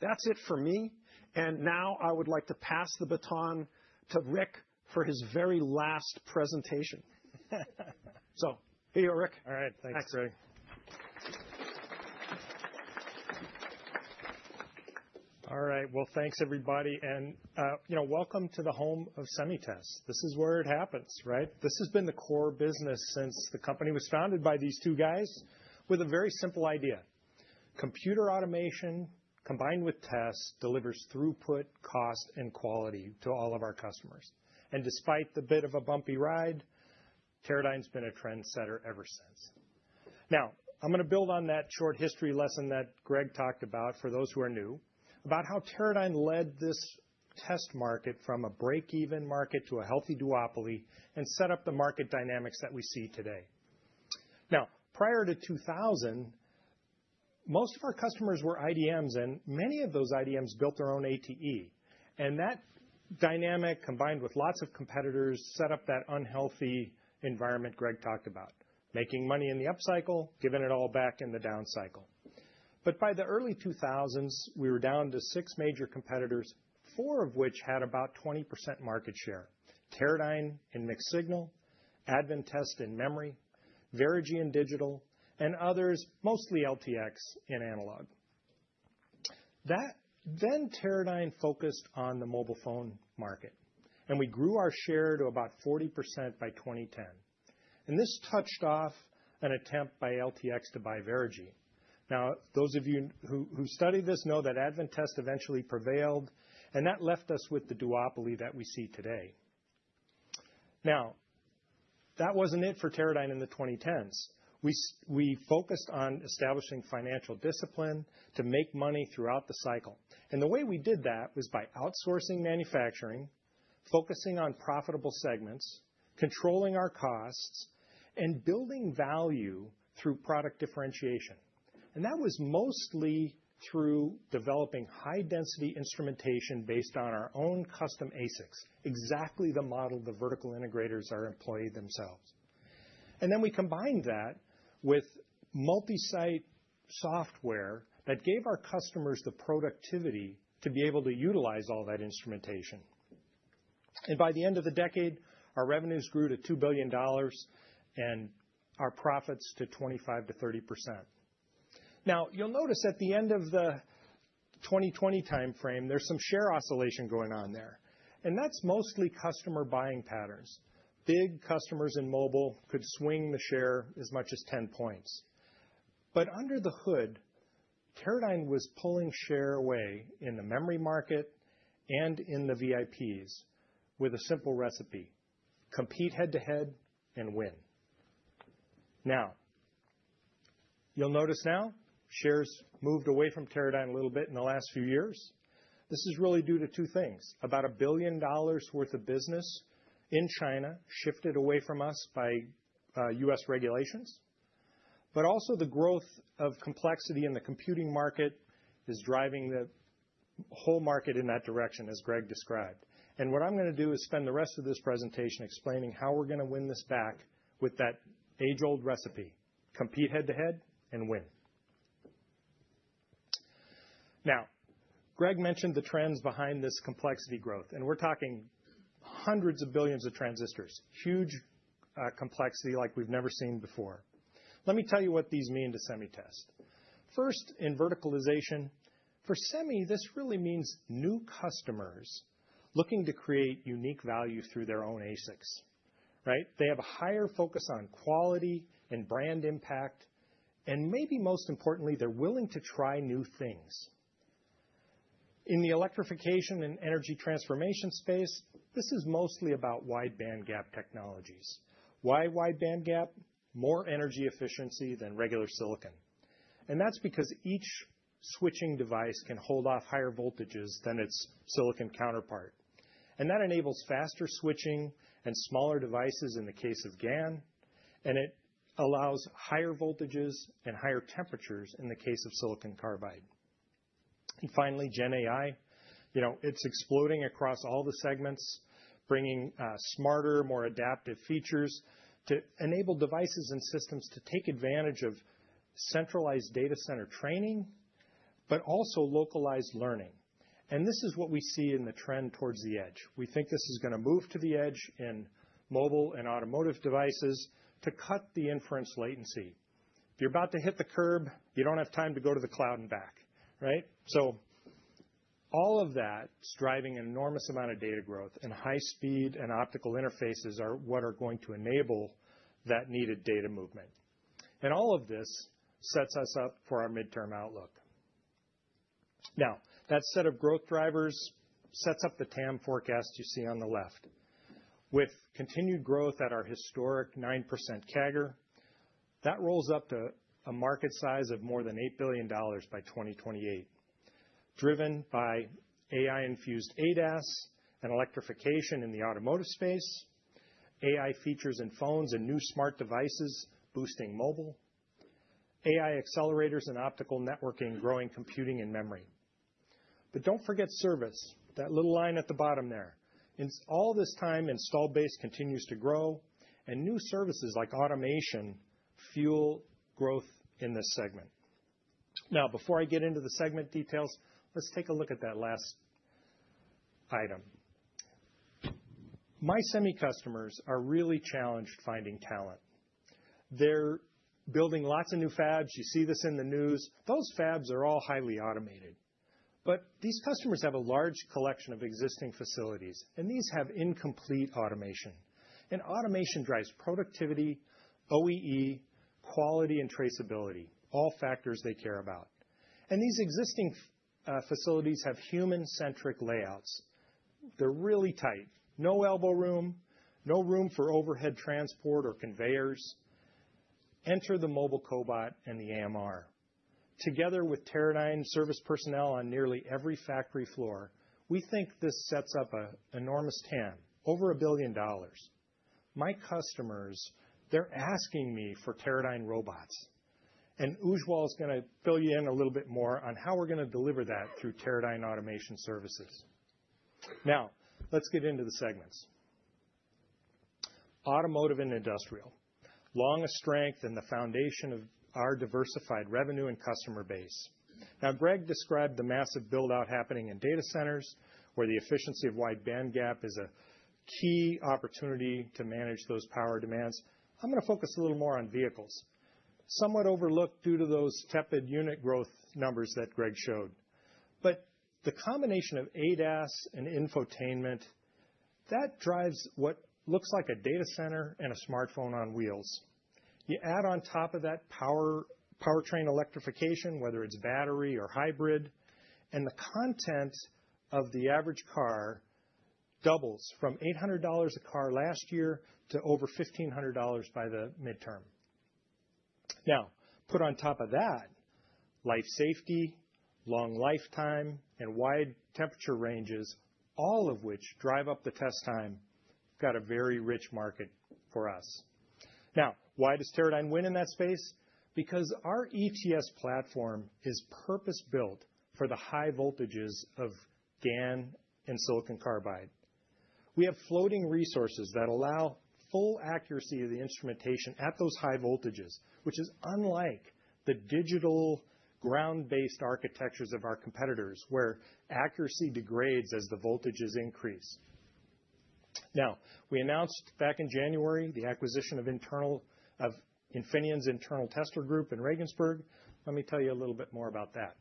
That's it for me. I would like to pass the baton to Rick for his very last presentation. Here you go, Rick. All right. Thanks, Greg. All right. Thanks, everybody. Welcome to the home of semi-test. This is where it happens, right? This has been the core business since the company was founded by these two guys with a very simple idea. Computer automation combined with test delivers throughput, cost, and quality to all of our customers. Despite the bit of a bumpy ride, Teradyne's been a trendsetter ever since. Now, I'm going to build on that short history lesson that Greg talked about for those who are new about how Teradyne led this test market from a break-even market to a healthy duopoly and set up the market dynamics that we see today. Now, prior to 2000, most of our customers were IDMs, and many of those IDMs built their own ATE. That dynamic, combined with lots of competitors, set up that unhealthy environment Greg talked about, making money in the upcycle, giving it all back in the downcycle. By the early 2000s, we were down to six major competitors, four of which had about 20% market share: Teradyne and Mixed Signal, Advantest and Memory, Verigy and Digital, and others, mostly LTX and Analog. Teradyne focused on the mobile phone market, and we grew our share to about 40% by 2010. This touched off an attempt by LTX to buy Verigy. Now, those of you who study this know that Advantest eventually prevailed, and that left us with the duopoly that we see today. That was not it for Teradyne in the 2010s. We focused on establishing financial discipline to make money throughout the cycle. The way we did that was by outsourcing manufacturing, focusing on profitable segments, controlling our costs, and building value through product differentiation. That was mostly through developing high-density instrumentation based on our own custom ASICs, exactly the model the vertical integrators are employing themselves. We combined that with multi-site software that gave our customers the productivity to be able to utilize all that instrumentation. By the end of the decade, our revenues grew to $2 billion and our profits to 25%-30%. You will notice at the end of the 2020 timeframe, there is some share oscillation going on there. That is mostly customer buying patterns. Big customers in mobile could swing the share as much as 10 percentage points. Under the hood, Teradyne was pulling share away in the memory market and in the VIPs with a simple recipe: compete head-to-head and win. You will notice now shares moved away from Teradyne a little bit in the last few years. This is really due to two things. About a billion dollars' worth of business in China shifted away from us by U.S. regulations. Also, the growth of complexity in the computing market is driving the whole market in that direction, as Greg described. What I'm going to do is spend the rest of this presentation explaining how we're going to win this back with that age-old recipe: compete head-to-head and win. Greg mentioned the trends behind this complexity growth, and we're talking hundreds of billions of transistors, huge complexity like we've never seen before. Let me tell you what these mean to semi-test. First, in verticalization, for semi, this really means new customers looking to create unique value through their own ASICs, right? They have a higher focus on quality and brand impact, and maybe most importantly, they're willing to try new things. In the electrification and energy transformation space, this is mostly about wide-band gap technologies. Why wide-band gap? More energy efficiency than regular silicon. That is because each switching device can hold off higher voltages than its silicon counterpart. That enables faster switching and smaller devices in the case of GAN, and it allows higher voltages and higher temperatures in the case of silicon carbide. Finally, GenAI, it is exploding across all the segments, bringing smarter, more adaptive features to enable devices and systems to take advantage of centralized data center training, but also localized learning. This is what we see in the trend towards the edge. We think this is going to move to the edge in mobile and automotive devices to cut the inference latency. If you are about to hit the curb, you do not have time to go to the cloud and back, right? All of that is driving an enormous amount of data growth, and high-speed and optical interfaces are what are going to enable that needed data movement. All of this sets us up for our midterm outlook. Now, that set of growth drivers sets up the TAM forecast you see on the left. With continued growth at our historic 9% CAGR, that rolls up to a market size of more than $8 billion by 2028, driven by AI-infused ADAS and electrification in the automotive space, AI features in phones and new smart devices boosting mobile, AI accelerators and optical networking, growing computing and memory. Do not forget service, that little line at the bottom there. All this time, installed base continues to grow, and new services like automation fuel growth in this segment. Now, before I get into the segment details, let's take a look at that last item. My semi-customers are really challenged finding talent. They're building lots of new fabs. You see this in the news. Those fabs are all highly automated. These customers have a large collection of existing facilities, and these have incomplete automation. Automation drives productivity, OEE, quality, and traceability, all factors they care about. These existing facilities have human-centric layouts. They're really tight. No elbow room, no room for overhead transport or conveyors. Enter the mobile cobot and the AMR. Together with Teradyne service personnel on nearly every factory floor, we think this sets up an enormous TAM, over $1 billion. My customers, they're asking me for Teradyne robots. Ujjwal is going to fill you in a little bit more on how we're going to deliver that through Teradyne automation services. Now, let's get into the segments. Automotive and industrial, long a strength and the foundation of our diversified revenue and customer base. Now, Greg described the massive buildout happening in data centers, where the efficiency of wide-band gap is a key opportunity to manage those power demands. I'm going to focus a little more on vehicles, somewhat overlooked due to those tepid unit growth numbers that Greg showed. The combination of ADAS and infotainment, that drives what looks like a data center and a smartphone on wheels. You add on top of that powertrain electrification, whether it's battery or hybrid, and the content of the average car doubles from $800 a car last year to over $1,500 by the midterm. Now, put on top of that, life safety, long lifetime, and wide temperature ranges, all of which drive up the test time, got a very rich market for us. Now, why does Teradyne win in that space? Because our ETS platform is purpose-built for the high voltages of GAN and silicon carbide. We have floating resources that allow full accuracy of the instrumentation at those high voltages, which is unlike the digital ground-based architectures of our competitors, where accuracy degrades as the voltages increase. We announced back in January the acquisition of Infineon's internal tester group in Regensburg. Let me tell you a little bit more about that.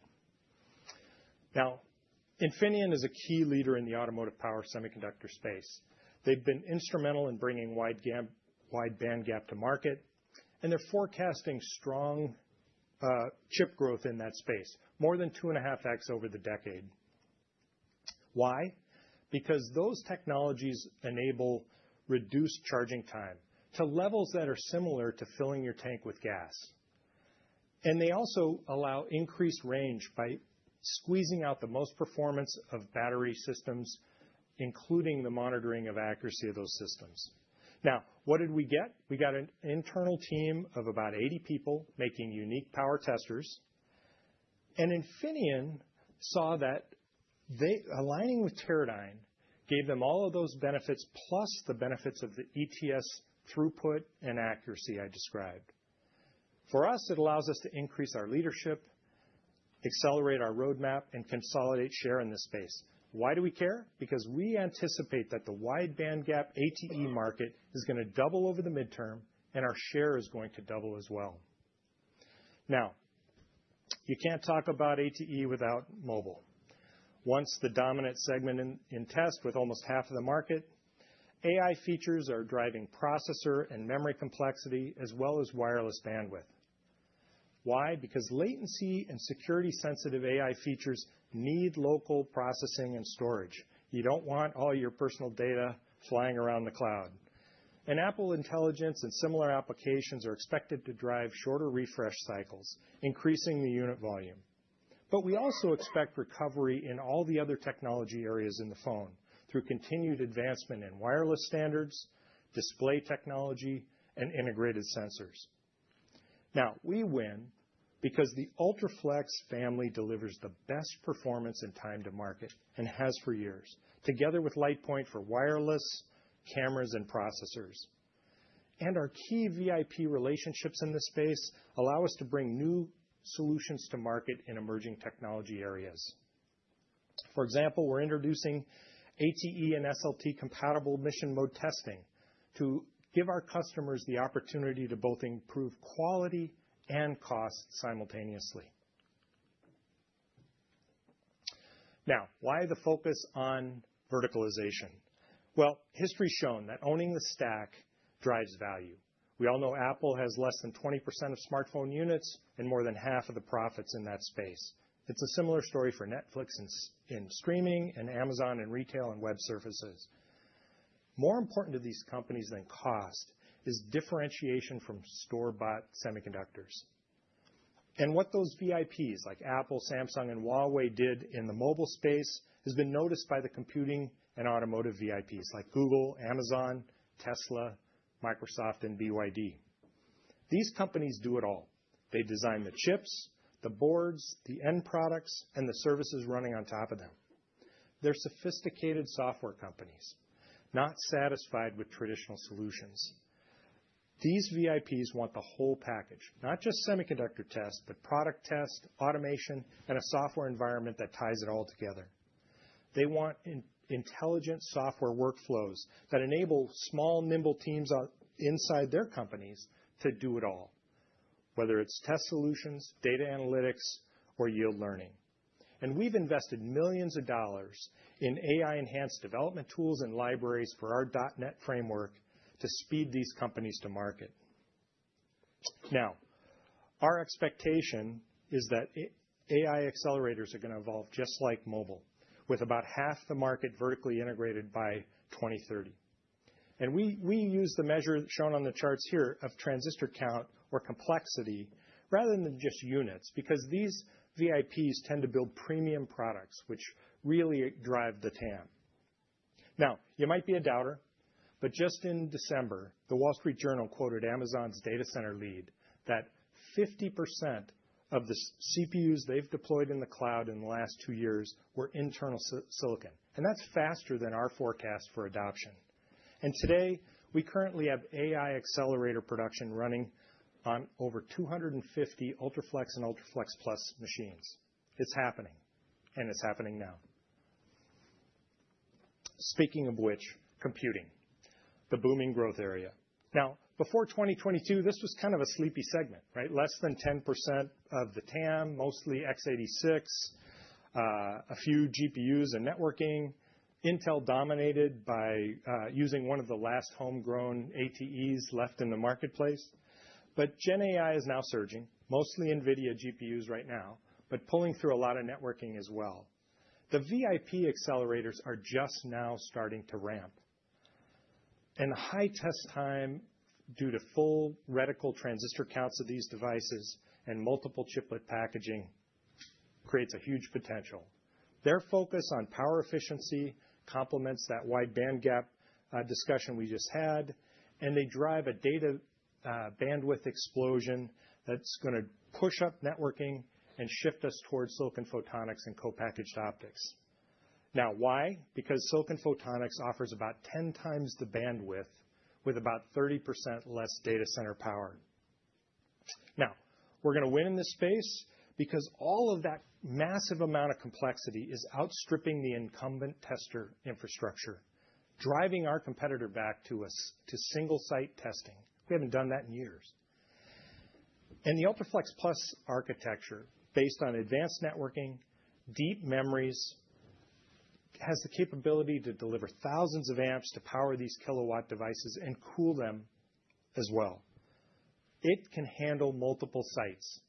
Infineon is a key leader in the automotive power semiconductor space. They've been instrumental in bringing wide-band gap to market, and they're forecasting strong chip growth in that space, more than two and a half X over the decade. Why? Because those technologies enable reduced charging time to levels that are similar to filling your tank with gas. They also allow increased range by squeezing out the most performance of battery systems, including the monitoring of accuracy of those systems. Now, what did we get? We got an internal team of about 80 people making unique power testers. Infineon saw that aligning with Teradyne gave them all of those benefits plus the benefits of the ETS throughput and accuracy I described. For us, it allows us to increase our leadership, accelerate our roadmap, and consolidate share in this space. Why do we care? Because we anticipate that the wide-bandgap ATE market is going to double over the midterm, and our share is going to double as well. You can't talk about ATE without mobile. Once the dominant segment in test with almost half of the market, AI features are driving processor and memory complexity, as well as wireless bandwidth. Why? Because latency and security-sensitive AI features need local processing and storage. You do not want all your personal data flying around the cloud. Apple Intelligence and similar applications are expected to drive shorter refresh cycles, increasing the unit volume. We also expect recovery in all the other technology areas in the phone through continued advancement in wireless standards, display technology, and integrated sensors. We win because the UltraFLEX family delivers the best performance and time to market and has for years, together with LitePoint for wireless cameras and processors. Our key VIP relationships in this space allow us to bring new solutions to market in emerging technology areas. For example, we are introducing ATE and SLT compatible mission mode testing to give our customers the opportunity to both improve quality and cost simultaneously. Now, why the focus on verticalization? History has shown that owning the stack drives value. We all know Apple has less than 20% of smartphone units and more than half of the profits in that space. It's a similar story for Netflix and streaming and Amazon and retail and web services. More important to these companies than cost is differentiation from store-bought semiconductors. What those VIPs like Apple, Samsung, and Huawei did in the mobile space has been noticed by the computing and automotive VIPs like Google, Amazon, Tesla, Microsoft, and BYD. These companies do it all. They design the chips, the boards, the end products, and the services running on top of them. They're sophisticated software companies, not satisfied with traditional solutions. These VIPs want the whole package, not just semiconductor tests, but product tests, automation, and a software environment that ties it all together. They want intelligent software workflows that enable small, nimble teams inside their companies to do it all, whether it's test solutions, data analytics, or yield learning. We have invested millions of dollars in AI-enhanced development tools and libraries for our .NET framework to speed these companies to market. Our expectation is that AI accelerators are going to evolve just like mobile, with about half the market vertically integrated by 2030. We use the measure shown on the charts here of transistor count or complexity rather than just units because these VIPs tend to build premium products, which really drive the TAM. You might be a doubter, but just in December, The Wall Street Journal quoted Amazon's data center lead that 50% of the CPUs they've deployed in the cloud in the last two years were internal silicon. That is faster than our forecast for adoption. Today, we currently have AI accelerator production running on over 250 UltraFLEX and UltraFLEXplus machines. It's happening, and it's happening now. Speaking of which, computing, the booming growth area. Now, before 2022, this was kind of a sleepy segment, right? Less than 10% of the TAM, mostly x86, a few GPUs and networking, Intel dominated by using one of the last homegrown ATEs left in the marketplace. GenAI is now surging, mostly NVIDIA GPUs right now, but pulling through a lot of networking as well. The VIP accelerators are just now starting to ramp. High test time due to full reticle transistor counts of these devices and multiple chiplet packaging creates a huge potential. Their focus on power efficiency complements that wide-band gap discussion we just had, and they drive a data bandwidth explosion that's going to push up networking and shift us towards silicon photonics and co-packaged optics. Now, why? Because silicon photonics offers about 10 times the bandwidth with about 30% less data center power. Now, we're going to win in this space because all of that massive amount of complexity is outstripping the incumbent tester infrastructure, driving our competitor back to single-site testing. We haven't done that in years. The UltraFLEXplus architecture, based on advanced networking, deep memories, has the capability to deliver thousands of amps to power these kilowatt devices and cool them as well. It can handle multiple sites.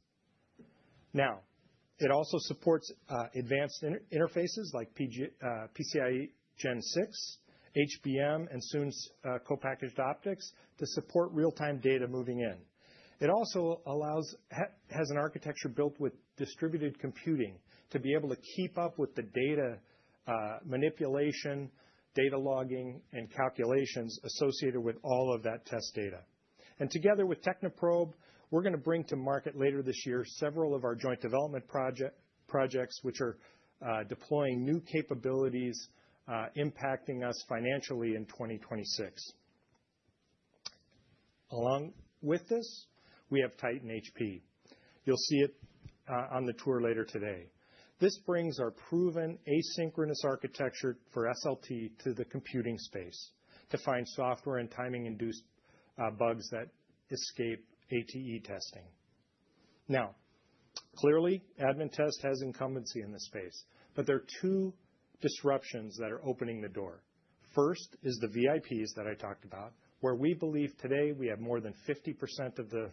It also supports advanced interfaces like PCIe Gen 6, HBM, and soon co-packaged optics to support real-time data moving in. It also has an architecture built with distributed computing to be able to keep up with the data manipulation, data logging, and calculations associated with all of that test data. Together with Technoprobe, we're going to bring to market later this year several of our joint development projects, which are deploying new capabilities impacting us financially in 2026. Along with this, we have Titan HP. You'll see it on the tour later today. This brings our proven asynchronous architecture for SLT to the computing space to find software and timing-induced bugs that escape ATE testing. Now, clearly, Adventest has incumbency in this space, but there are two disruptions that are opening the door. First is the VIPs that I talked about, where we believe today we have more than 50% of the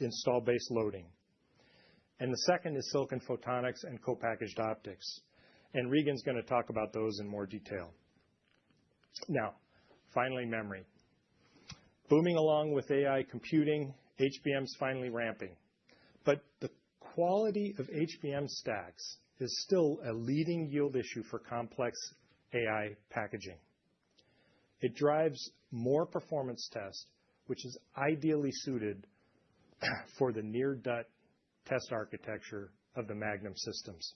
installed base loading. The second is silicon photonics and co-packaged optics. Regan's going to talk about those in more detail. Now, finally, memory. Booming along with AI computing, HBM's finally ramping. The quality of HBM stacks is still a leading yield issue for complex AI packaging. It drives more performance tests, which is ideally suited for the near-DUT test architecture of the Magnum systems.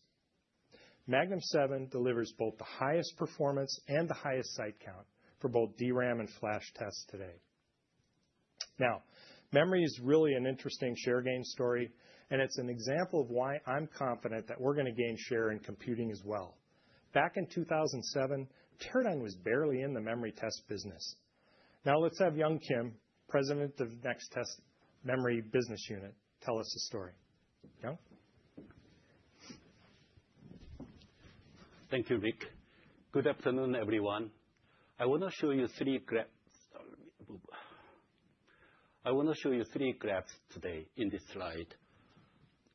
Magnum 7 delivers both the highest performance and the highest site count for both DRAM and flash tests today. Now, memory is really an interesting share gain story, and it's an example of why I'm confident that we're going to gain share in computing as well. Back in 2007, Teradyne was barely in the memory test business. Now, let's have Young Kim, President of Next Test Memory Business Unit, tell us a story. Young. Thank you, Rick. Good afternoon, everyone. I want to show you three graphs. I want to show you three graphs today in this slide: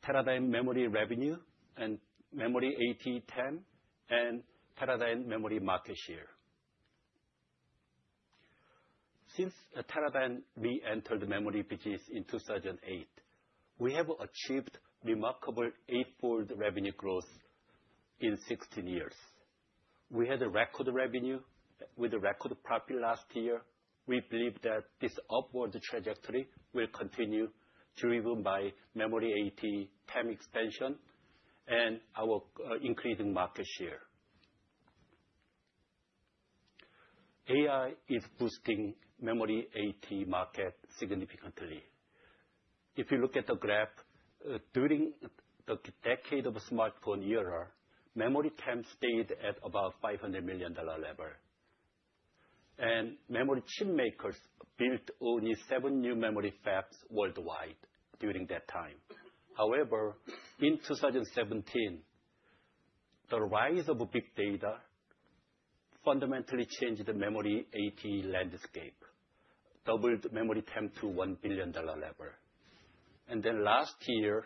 Teradyne memory revenue and memory AT10 and Teradyne memory market share. Since Teradyne re-entered the memory business in 2008, we have achieved remarkable eight-fold revenue growth in 16 years. We had a record revenue with a record profit last year. We believe that this upward trajectory will continue driven by memory AT10 expansion and our increasing market share. AI is boosting memory AT market significantly. If you look at the graph, during the decade of smartphone era, memory TAM stayed at about $500 million level. Memory chip makers built only seven new memory fabs worldwide during that time. However, in 2017, the rise of big data fundamentally changed the memory AT landscape, doubled memory TAM to $1 billion level. Last year,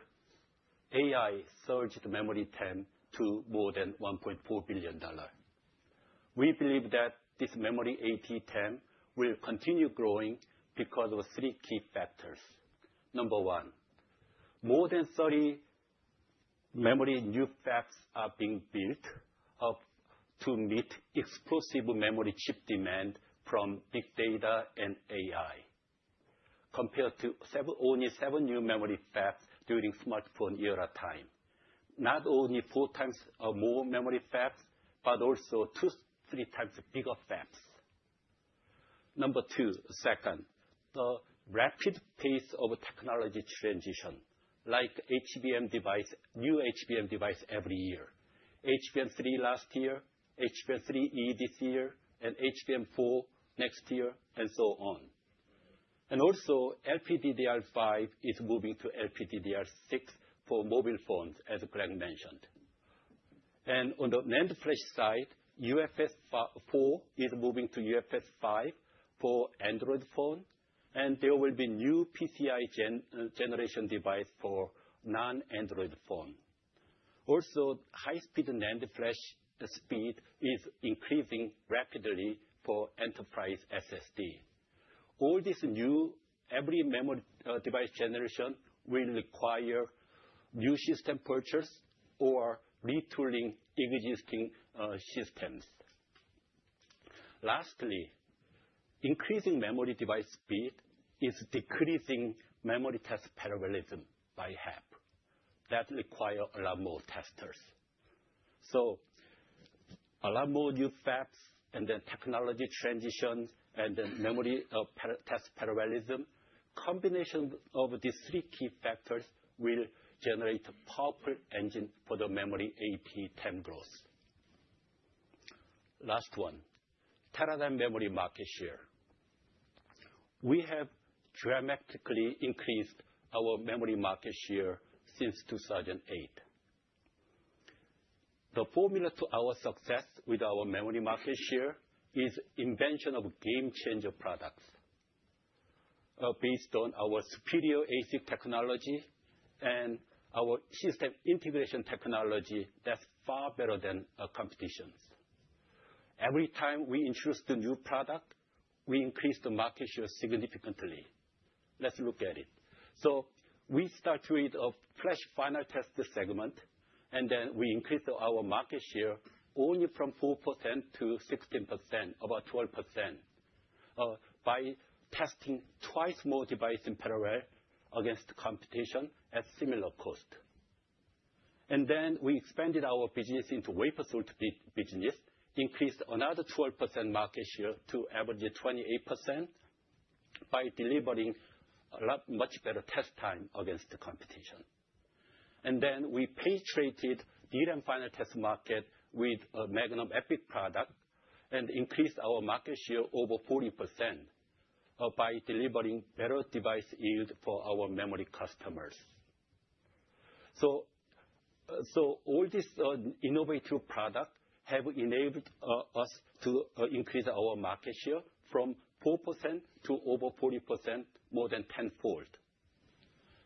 AI surged memory TAM to more than $1.4 billion. We believe that this memory ATE will continue growing because of three key factors. Number one, more than 30 memory new fabs are being built to meet explosive memory chip demand from big data and AI, compared to only seven new memory fabs during smartphone era time. Not only four times more memory fabs, but also two to three times bigger fabs. Number two, the rapid pace of technology transition, like new HBM device every year: HBM3 last year, HBM3E this year, and HBM4 next year, and so on. Also, LPDDR5 is moving to LPDDR6 for mobile phones, as Greg mentioned. On the NAND flash side, UFS 4 is moving to UFS 5 for Android phones, and there will be new PCIe generation devices for non-Android phones. Also, high-speed NAND flash speed is increasing rapidly for enterprise SSD. All this new, every memory device generation will require new system purchase or retooling existing systems. Lastly, increasing memory device speed is decreasing memory test parallelism by half. That requires a lot more testers. A lot more new fabs and then technology transition and then memory test parallelism, combination of these three key factors will generate a powerful engine for the memory ATE growth. Last one, Teradyne memory market share. We have dramatically increased our memory market share since 2008. The formula to our success with our memory market share is the invention of game-changer products based on our superior AC technology and our system integration technology that's far better than our competitions. Every time we introduce the new product, we increase the market share significantly. Let's look at it. We start with a flash final test segment, and then we increase our market share only from 4% to 16%, about 12%, by testing twice more devices in parallel against competition at similar cost. We expanded our business into wafer-sort business, increased another 12% market share to average 28% by delivering a lot much better test time against the competition. We penetrated the DRAM final test market with a Magnum Epic product and increased our market share over 40% by delivering better device yield for our memory customers. All these innovative products have enabled us to increase our market share from 4% to over 40%, more than tenfold.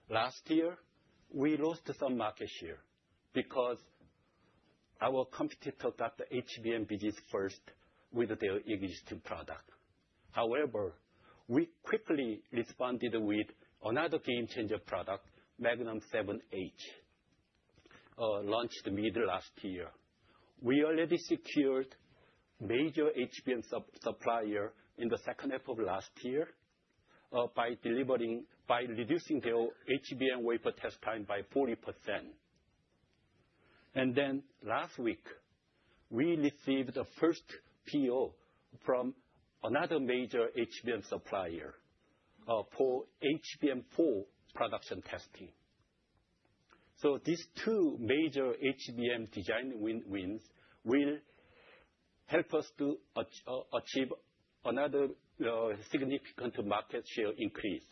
Last year, we lost some market share because our competitor got the HBM business first with their existing product. However, we quickly responded with another game-changer product, Magnum 7H, launched mid last year. We already secured a major HBM supplier in the second half of last year by reducing their HBM wafer test time by 40%. Last week, we received a first PO from another major HBM supplier for HBM4 production testing. These two major HBM design wins will help us to achieve another significant market share increase.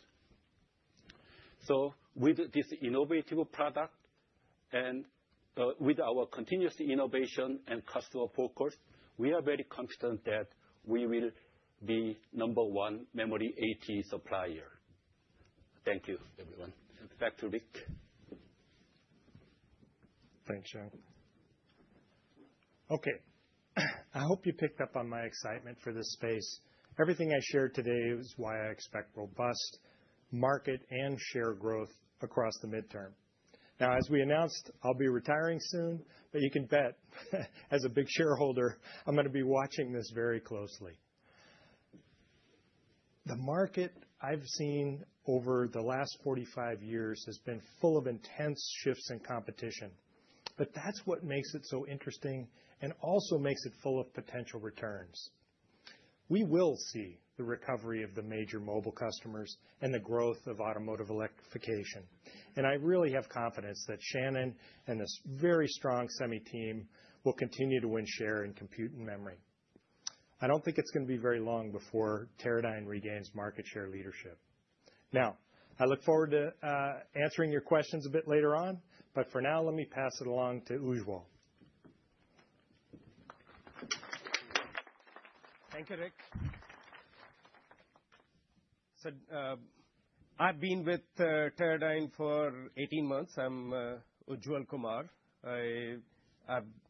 With this innovative product and with our continuous innovation and customer focus, we are very confident that we will be number one memory ATE supplier. Thank you, everyone. Back to Rick. Thanks, Young. I hope you picked up on my excitement for this space. Everything I shared today is why I expect robust market and share growth across the midterm. Now, as we announced, I'll be retiring soon, but you can bet, as a big shareholder, I'm going to be watching this very closely. The market I've seen over the last 45 years has been full of intense shifts in competition, that's what makes it so interesting and also makes it full of potential returns. We will see the recovery of the major mobile customers and the growth of automotive electrification. I really have confidence that Shannon and this very strong semi team will continue to win share in compute and memory. I don't think it's going to be very long before Teradyne regains market share leadership. I look forward to answering your questions a bit later on, but for now, let me pass it along to Ujjwal. Thank you, Rick. I've been with Teradyne for 18 months. I'm Ujjwal Kumar.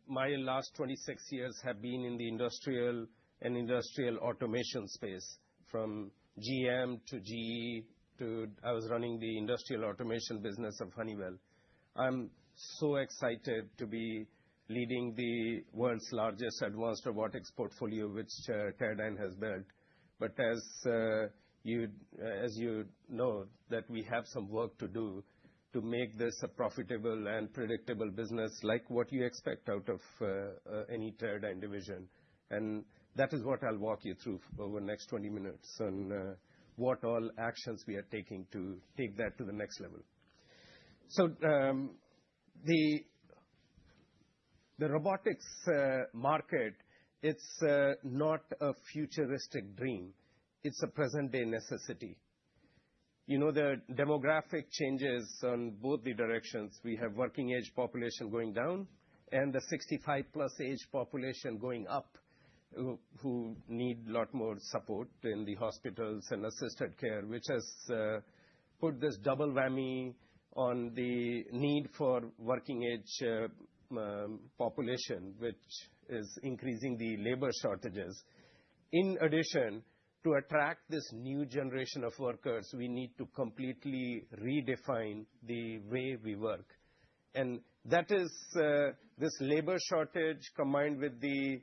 My last 26 years have been in the industrial and industrial automation space, from GM to GE to I was running the industrial automation business of Honeywell. I'm so excited to be leading the world's largest advanced robotics portfolio, which Teradyne has built. As you know, we have some work to do to make this a profitable and predictable business, like what you expect out of any Teradyne division. That is what I'll walk you through over the next 20 minutes and what all actions we are taking to take that to the next level. The robotics market, it's not a futuristic dream. It's a present-day necessity. You know the demographic changes on both the directions. We have working-age population going down and the 65-plus age population going up who need a lot more support in the hospitals and assisted care, which has put this double whammy on the need for working-age population, which is increasing the labor shortages. In addition, to attract this new generation of workers, we need to completely redefine the way we work. That is, this labor shortage combined with the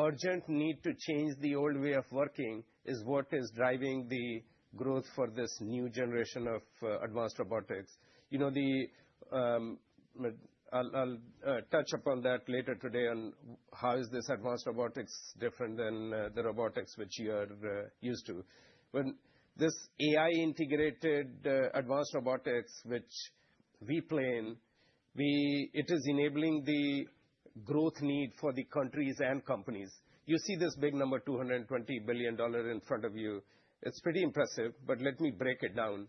urgent need to change the old way of working is what is driving the growth for this new generation of advanced robotics. You know, I'll touch upon that later today on how is this advanced robotics different than the robotics which you're used to. This AI-integrated advanced robotics, which we plain, it is enabling the growth need for the countries and companies. You see this big number, $220 billion in front of you. It's pretty impressive, but let me break it down.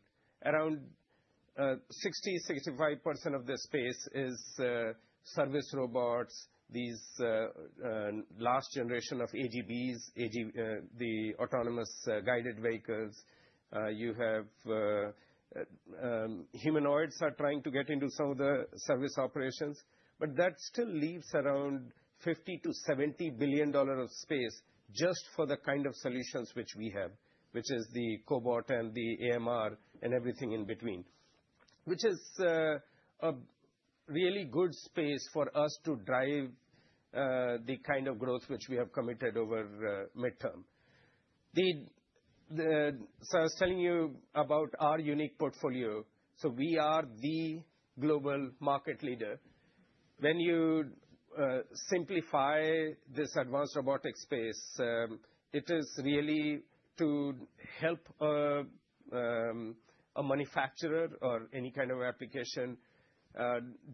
Around 60-65% of this space is service robots, these last generation of AGVs, the autonomous guided vehicles. You have humanoids trying to get into some of the service operations, but that still leaves around $50 billion-$70 billion of space just for the kind of solutions which we have, which is the cobot and the AMR and everything in between, which is a really good space for us to drive the kind of growth which we have committed over midterm. I was telling you about our unique portfolio. We are the global market leader. When you simplify this advanced robotics space, it is really to help a manufacturer or any kind of application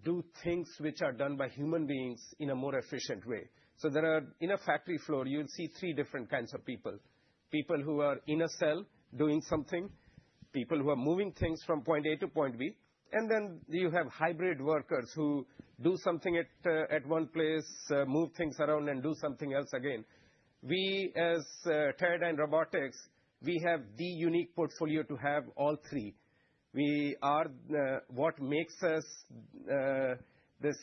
do things which are done by human beings in a more efficient way. There are in a factory floor, you'll see three different kinds of people: people who are in a cell doing something, people who are moving things from point A to point B, and then you have hybrid workers who do something at one place, move things around, and do something else again. We, as Teradyne Robotics, we have the unique portfolio to have all three. What makes us this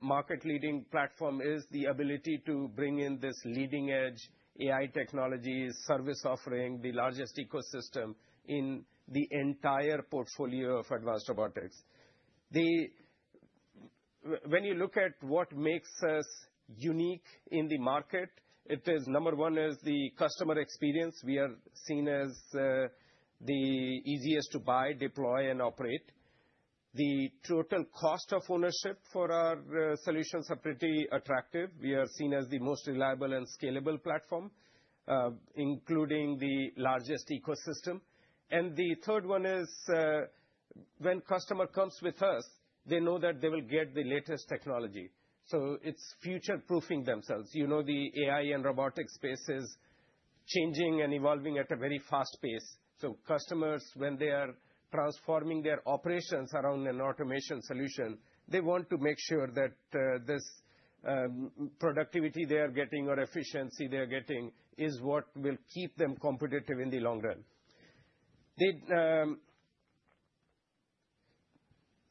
market-leading platform is the ability to bring in this leading-edge AI technology, service offering the largest ecosystem in the entire portfolio of advanced robotics. When you look at what makes us unique in the market, number one is the customer experience. We are seen as the easiest to buy, deploy, and operate. The total cost of ownership for our solutions is pretty attractive. We are seen as the most reliable and scalable platform, including the largest ecosystem. The third one is when a customer comes with us, they know that they will get the latest technology. It's future-proofing themselves. You know the AI and robotics space is changing and evolving at a very fast pace. Customers, when they are transforming their operations around an automation solution, want to make sure that this productivity they are getting or efficiency they are getting is what will keep them competitive in the long run.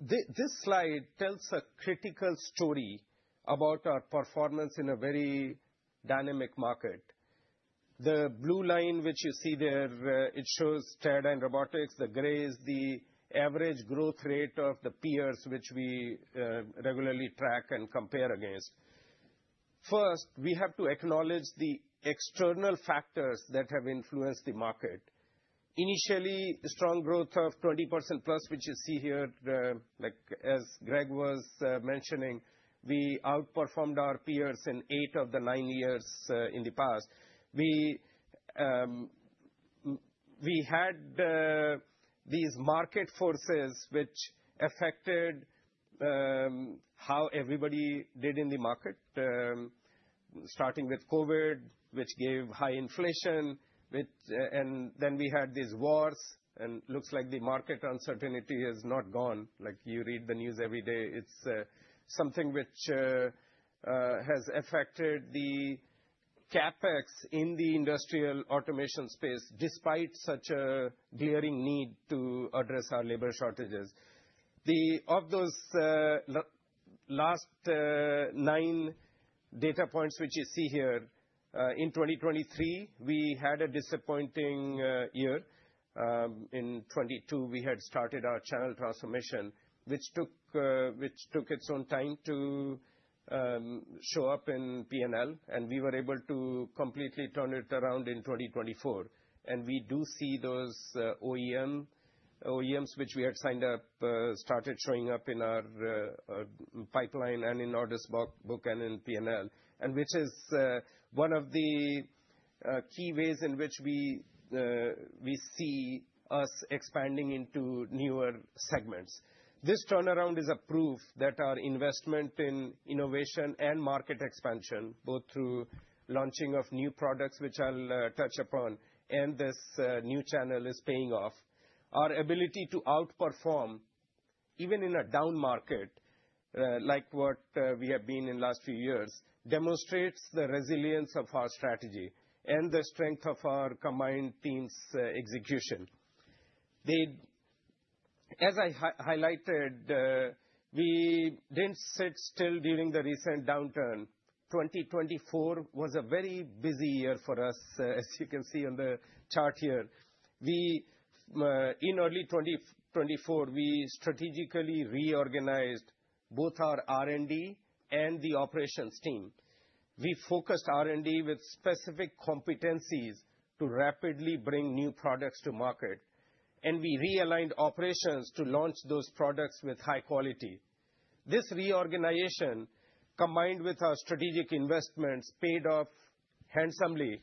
This slide tells a critical story about our performance in a very dynamic market. The blue line which you see there shows Teradyne Robotics. The gray is the average growth rate of the peers which we regularly track and compare against. First, we have to acknowledge the external factors that have influenced the market. Initially, strong growth of 20% plus, which you see here, as Greg was mentioning, we outperformed our peers in eight of the nine years in the past. We had these market forces which affected how everybody did in the market, starting with COVID, which gave high inflation, and then we had these wars, and it looks like the market uncertainty has not gone. Like you read the news every day, it's something which has affected the CapEx in the industrial automation space despite such a glaring need to address our labor shortages. Of those last nine data points which you see here, in 2023, we had a disappointing year. In 2022, we had started our channel transformation, which took its own time to show up in P&L, and we were able to completely turn it around in 2024. We do see those OEMs which we had signed up started showing up in our pipeline and in orders book and in P&L, which is one of the key ways in which we see us expanding into newer segments. This turnaround is a proof that our investment in innovation and market expansion, both through launching of new products, which I'll touch upon, and this new channel is paying off. Our ability to outperform even in a down market, like what we have been in the last few years, demonstrates the resilience of our strategy and the strength of our combined team's execution. As I highlighted, we didn't sit still during the recent downturn. 2024 was a very busy year for us, as you can see on the chart here. In early 2024, we strategically reorganized both our R&D and the operations team. We focused R&D with specific competencies to rapidly bring new products to market, and we realigned operations to launch those products with high quality. This reorganization, combined with our strategic investments, paid off handsomely.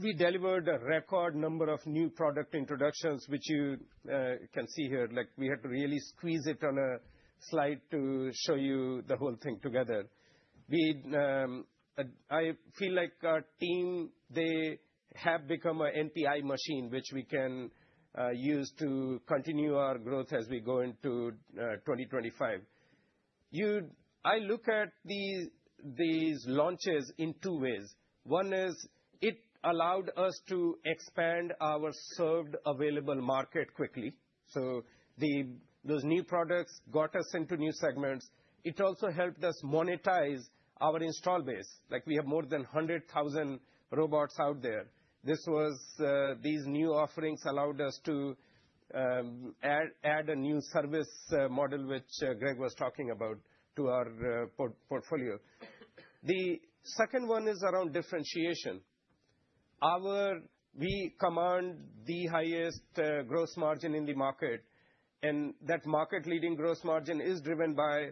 We delivered a record number of new product introductions, which you can see here. We had to really squeeze it on a slide to show you the whole thing together. I feel like our team, they have become an NPI machine, which we can use to continue our growth as we go into 2025. I look at these launches in two ways. One is it allowed us to expand our served available market quickly. Those new products got us into new segments. It also helped us monetize our install base. We have more than 100,000 robots out there. These new offerings allowed us to add a new service model, which Greg was talking about, to our portfolio. The second one is around differentiation. We command the highest gross margin in the market, and that market-leading gross margin is driven by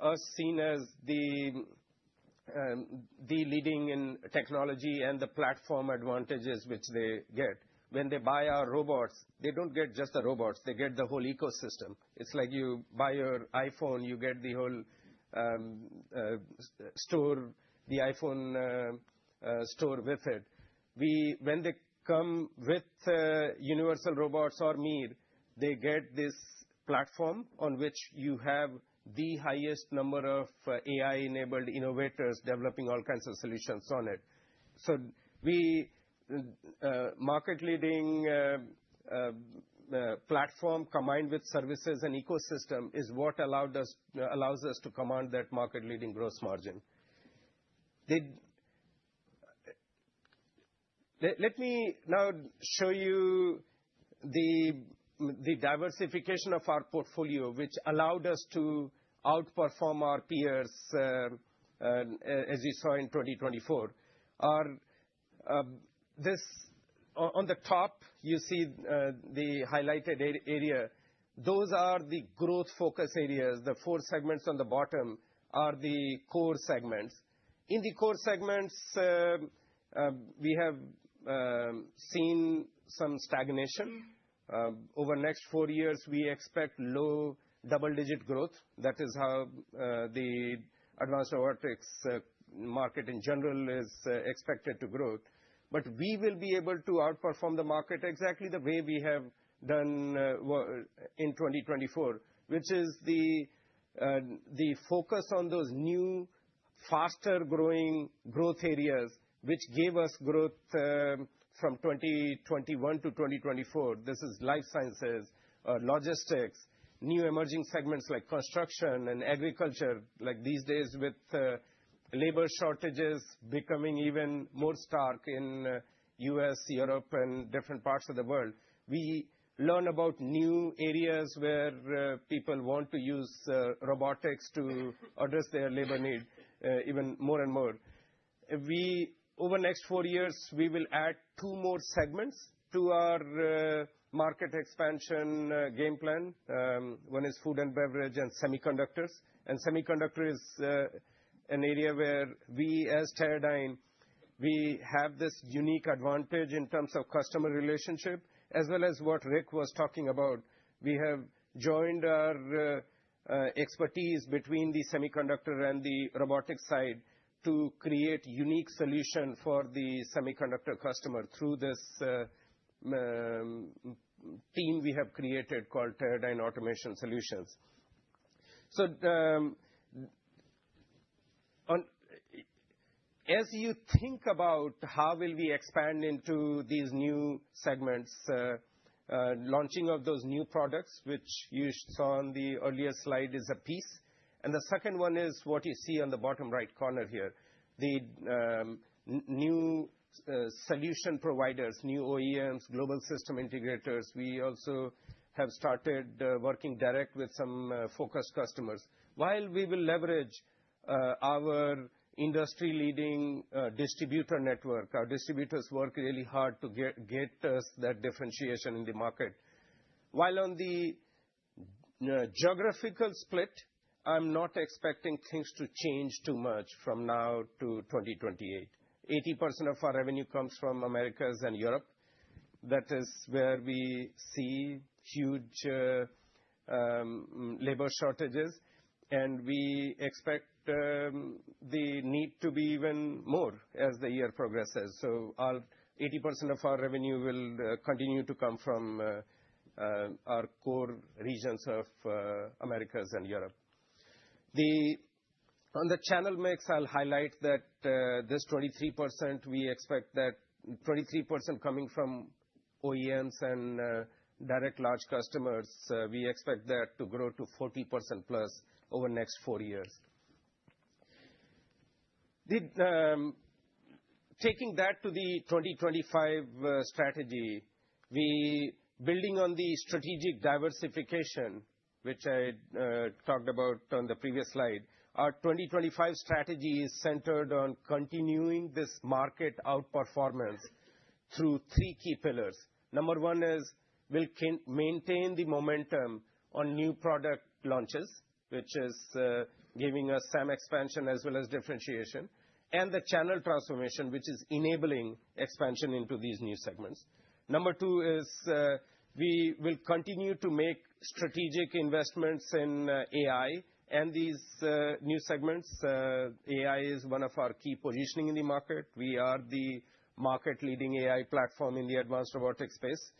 us seen as the leading in technology and the platform advantages which they get. When they buy our robots, they do not get just the robots. They get the whole ecosystem. It is like you buy your iPhone, you get the whole iPhone store with it. When they come with Universal Robots or MiR, they get this platform on which you have the highest number of AI-enabled innovators developing all kinds of solutions on it. The market-leading platform combined with services and ecosystem is what allows us to command that market-leading gross margin. Let me now show you the diversification of our portfolio, which allowed us to outperform our peers, as you saw in 2024. On the top, you see the highlighted area. Those are the growth-focused areas. The four segments on the bottom are the core segments. In the core segments, we have seen some stagnation. Over the next four years, we expect low double-digit growth. That is how the advanced robotics market in general is expected to grow. We will be able to outperform the market exactly the way we have done in 2024, which is the focus on those new, faster-growing growth areas, which gave us growth from 2021 to 2024. This is life sciences, logistics, new emerging segments like construction and agriculture. These days, with labor shortages becoming even more stark in the U.S., Europe, and different parts of the world, we learn about new areas where people want to use robotics to address their labor need even more and more. Over the next four years, we will add two more segments to our market expansion game plan. One is food and beverage and semiconductors. And semiconductor is an area where we, as Teradyne, have this unique advantage in terms of customer relationship, as well as what Rick was talking about. We have joined our expertise between the semiconductor and the robotics side to create a unique solution for the semiconductor customer through this team we have created called Teradyne Automation Solutions. So, as you think about how will we expand into these new segments, launching of those new products, which you saw on the earlier slide, is a piece. The second one is what you see on the bottom right corner here. The new solution providers, new OEMs, global system integrators. We also have started working direct with some focused customers. While we will leverage our industry-leading distributor network, our distributors work really hard to get us that differentiation in the market. While on the geographical split, I'm not expecting things to change too much from now to 2028. 80% of our revenue comes from Americas and Europe. That is where we see huge labor shortages, and we expect the need to be even more as the year progresses. 80% of our revenue will continue to come from our core regions of Americas and Europe. On the channel mix, I'll highlight that this 23%, we expect that 23% coming from OEMs and direct large customers. We expect that to grow to 40% plus over the next four years. Taking that to the 2025 strategy, building on the strategic diversification, which I talked about on the previous slide, our 2025 strategy is centered on continuing this market outperformance through three key pillars. Number one is we'll maintain the momentum on new product launches, which is giving us SAM expansion as well as differentiation, and the channel transformation, which is enabling expansion into these new segments. Number two is we will continue to make strategic investments in AI and these new segments. AI is one of our key positioning in the market. We are the market-leading AI platform in the advanced robotics space.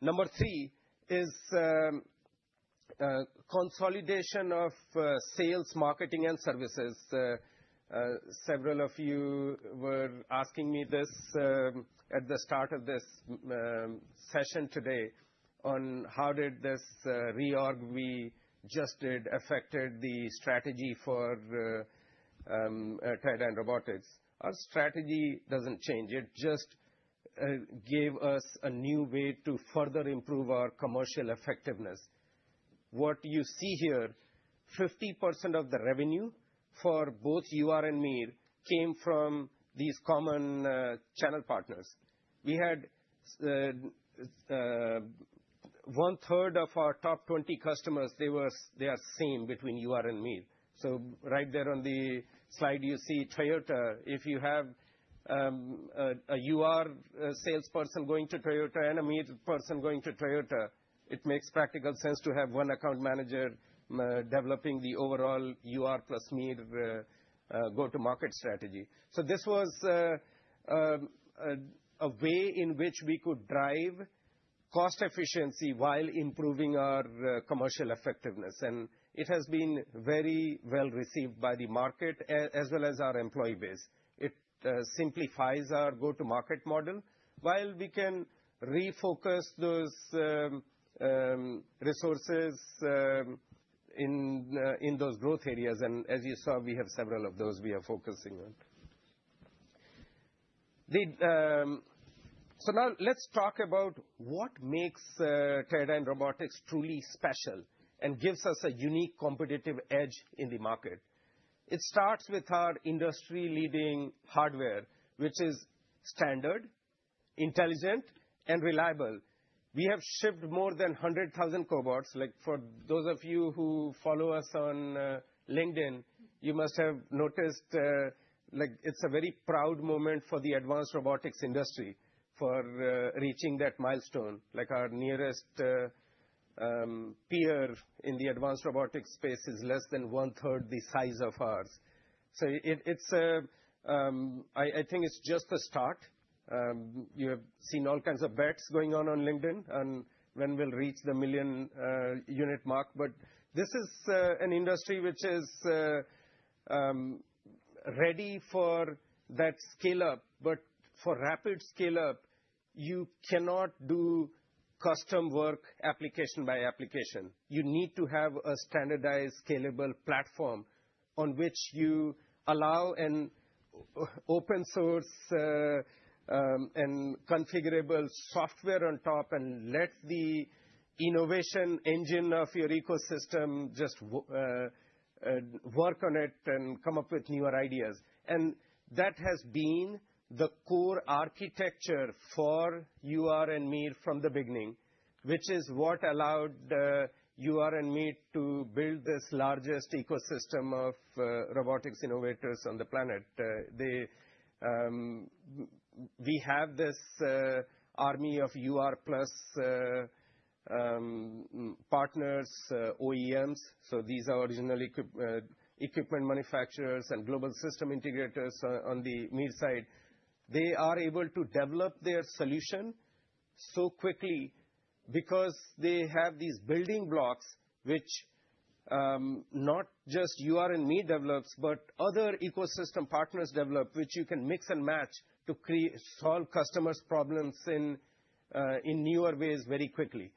Number three is consolidation of sales, marketing, and services. Several of you were asking me this at the start of this session today on how did this reorg we just did affect the strategy for Teradyne Robotics. Our strategy doesn't change. It just gave us a new way to further improve our commercial effectiveness. What you see here, 50% of the revenue for both UR and MiR came from these common channel partners. We had one-third of our top 20 customers; they are the same between UR and MiR. Right there on the slide, you see Toyota. If you have a UR salesperson going to Toyota and a MiR person going to Toyota, it makes practical sense to have one account manager developing the overall UR plus MiR go-to-market strategy. This was a way in which we could drive cost efficiency while improving our commercial effectiveness. It has been very well received by the market as well as our employee base. It simplifies our go-to-market model, while we can refocus those resources in those growth areas. As you saw, we have several of those we are focusing on. Now let's talk about what makes Teradyne Robotics truly special and gives us a unique competitive edge in the market. It starts with our industry-leading hardware, which is standard, intelligent, and reliable. We have shipped more than 100,000 cobots. For those of you who follow us on LinkedIn, you must have noticed it's a very proud moment for the advanced robotics industry for reaching that milestone. Our nearest peer in the advanced robotics space is less than one-third the size of ours. I think it's just the start. You have seen all kinds of bets going on on LinkedIn on when we'll reach the million-unit mark. This is an industry which is ready for that scale-up. For rapid scale-up, you cannot do custom work application by application. You need to have a standardized, scalable platform on which you allow an open-source and configurable software on top and let the innovation engine of your ecosystem just work on it and come up with newer ideas. That has been the core architecture for UR and MiR from the beginning, which is what allowed UR and MiR to build this largest ecosystem of robotics innovators on the planet. We have this army of UR plus partners, OEMs. These are original equipment manufacturers and global system integrators on the MiR side. They are able to develop their solution so quickly because they have these building blocks, which not just UR and MiR develops, but other ecosystem partners develop, which you can mix and match to solve customers' problems in newer ways very quickly.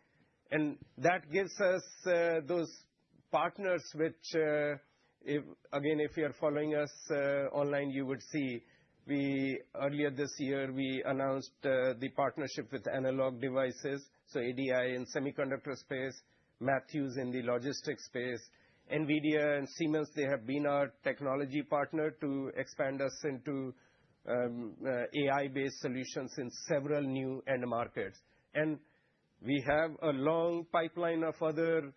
That gives us those partners, which, again, if you're following us online, you would see earlier this year, we announced the partnership with Analog Devices, so ADI in semiconductor space, Matthews in the logistics space, NVIDIA and Siemens, they have been our technology partner to expand us into AI-based solutions in several new end markets. We have a long pipeline of other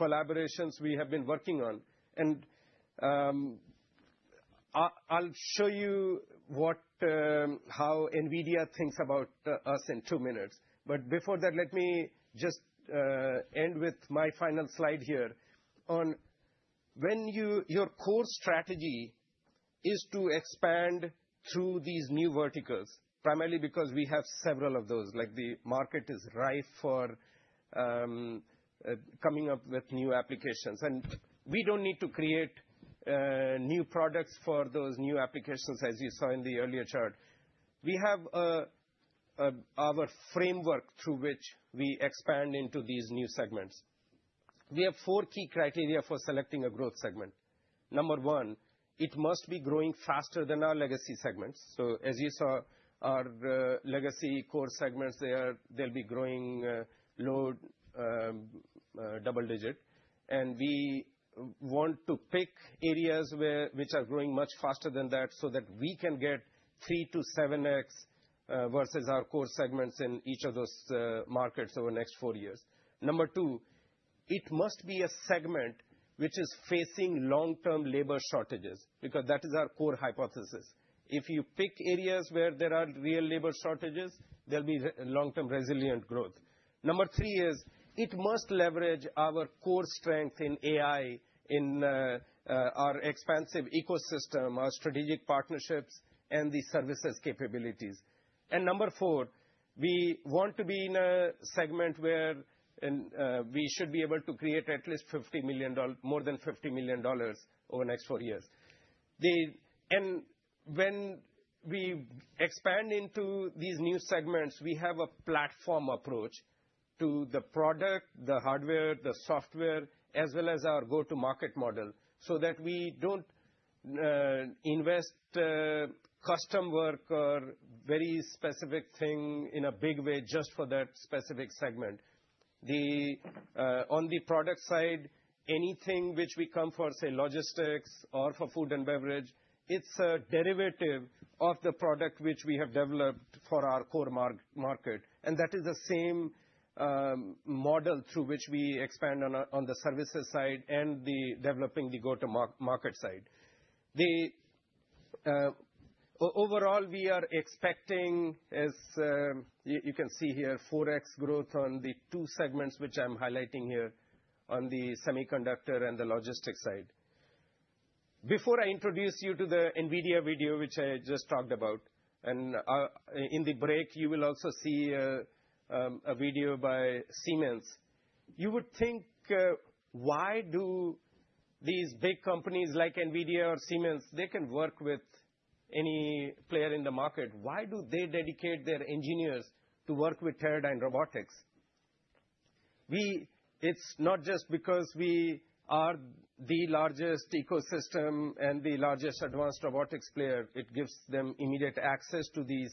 collaborations we have been working on. I'll show you how NVIDIA thinks about us in two minutes. Before that, let me just end with my final slide here on when your core strategy is to expand through these new verticals, primarily because we have several of those. The market is rife for coming up with new applications. We do not need to create new products for those new applications, as you saw in the earlier chart. We have our framework through which we expand into these new segments. We have four key criteria for selecting a growth segment. Number one, it must be growing faster than our legacy segments. As you saw, our legacy core segments, they will be growing low double-digit. We want to pick areas which are growing much faster than that so that we can get 3-7X versus our core segments in each of those markets over the next four years. Number two, it must be a segment which is facing long-term labor shortages because that is our core hypothesis. If you pick areas where there are real labor shortages, there'll be long-term resilient growth. Number three is it must leverage our core strength in AI, in our expansive ecosystem, our strategic partnerships, and the services capabilities. Number four, we want to be in a segment where we should be able to create at least more than $50 million over the next four years. When we expand into these new segments, we have a platform approach to the product, the hardware, the software, as well as our go-to-market model so that we don't invest custom work or very specific thing in a big way just for that specific segment. On the product side, anything which we come for, say, logistics or for food and beverage, it's a derivative of the product which we have developed for our core market. That is the same model through which we expand on the services side and developing the go-to-market side. Overall, we are expecting, as you can see here, 4X growth on the two segments which I'm highlighting here on the semiconductor and the logistics side. Before I introduce you to the NVIDIA video, which I just talked about, and in the break, you will also see a video by Siemens. You would think, why do these big companies like NVIDIA or Siemens, they can work with any player in the market? Why do they dedicate their engineers to work with Teradyne Robotics? It's not just because we are the largest ecosystem and the largest advanced robotics player. It gives them immediate access to this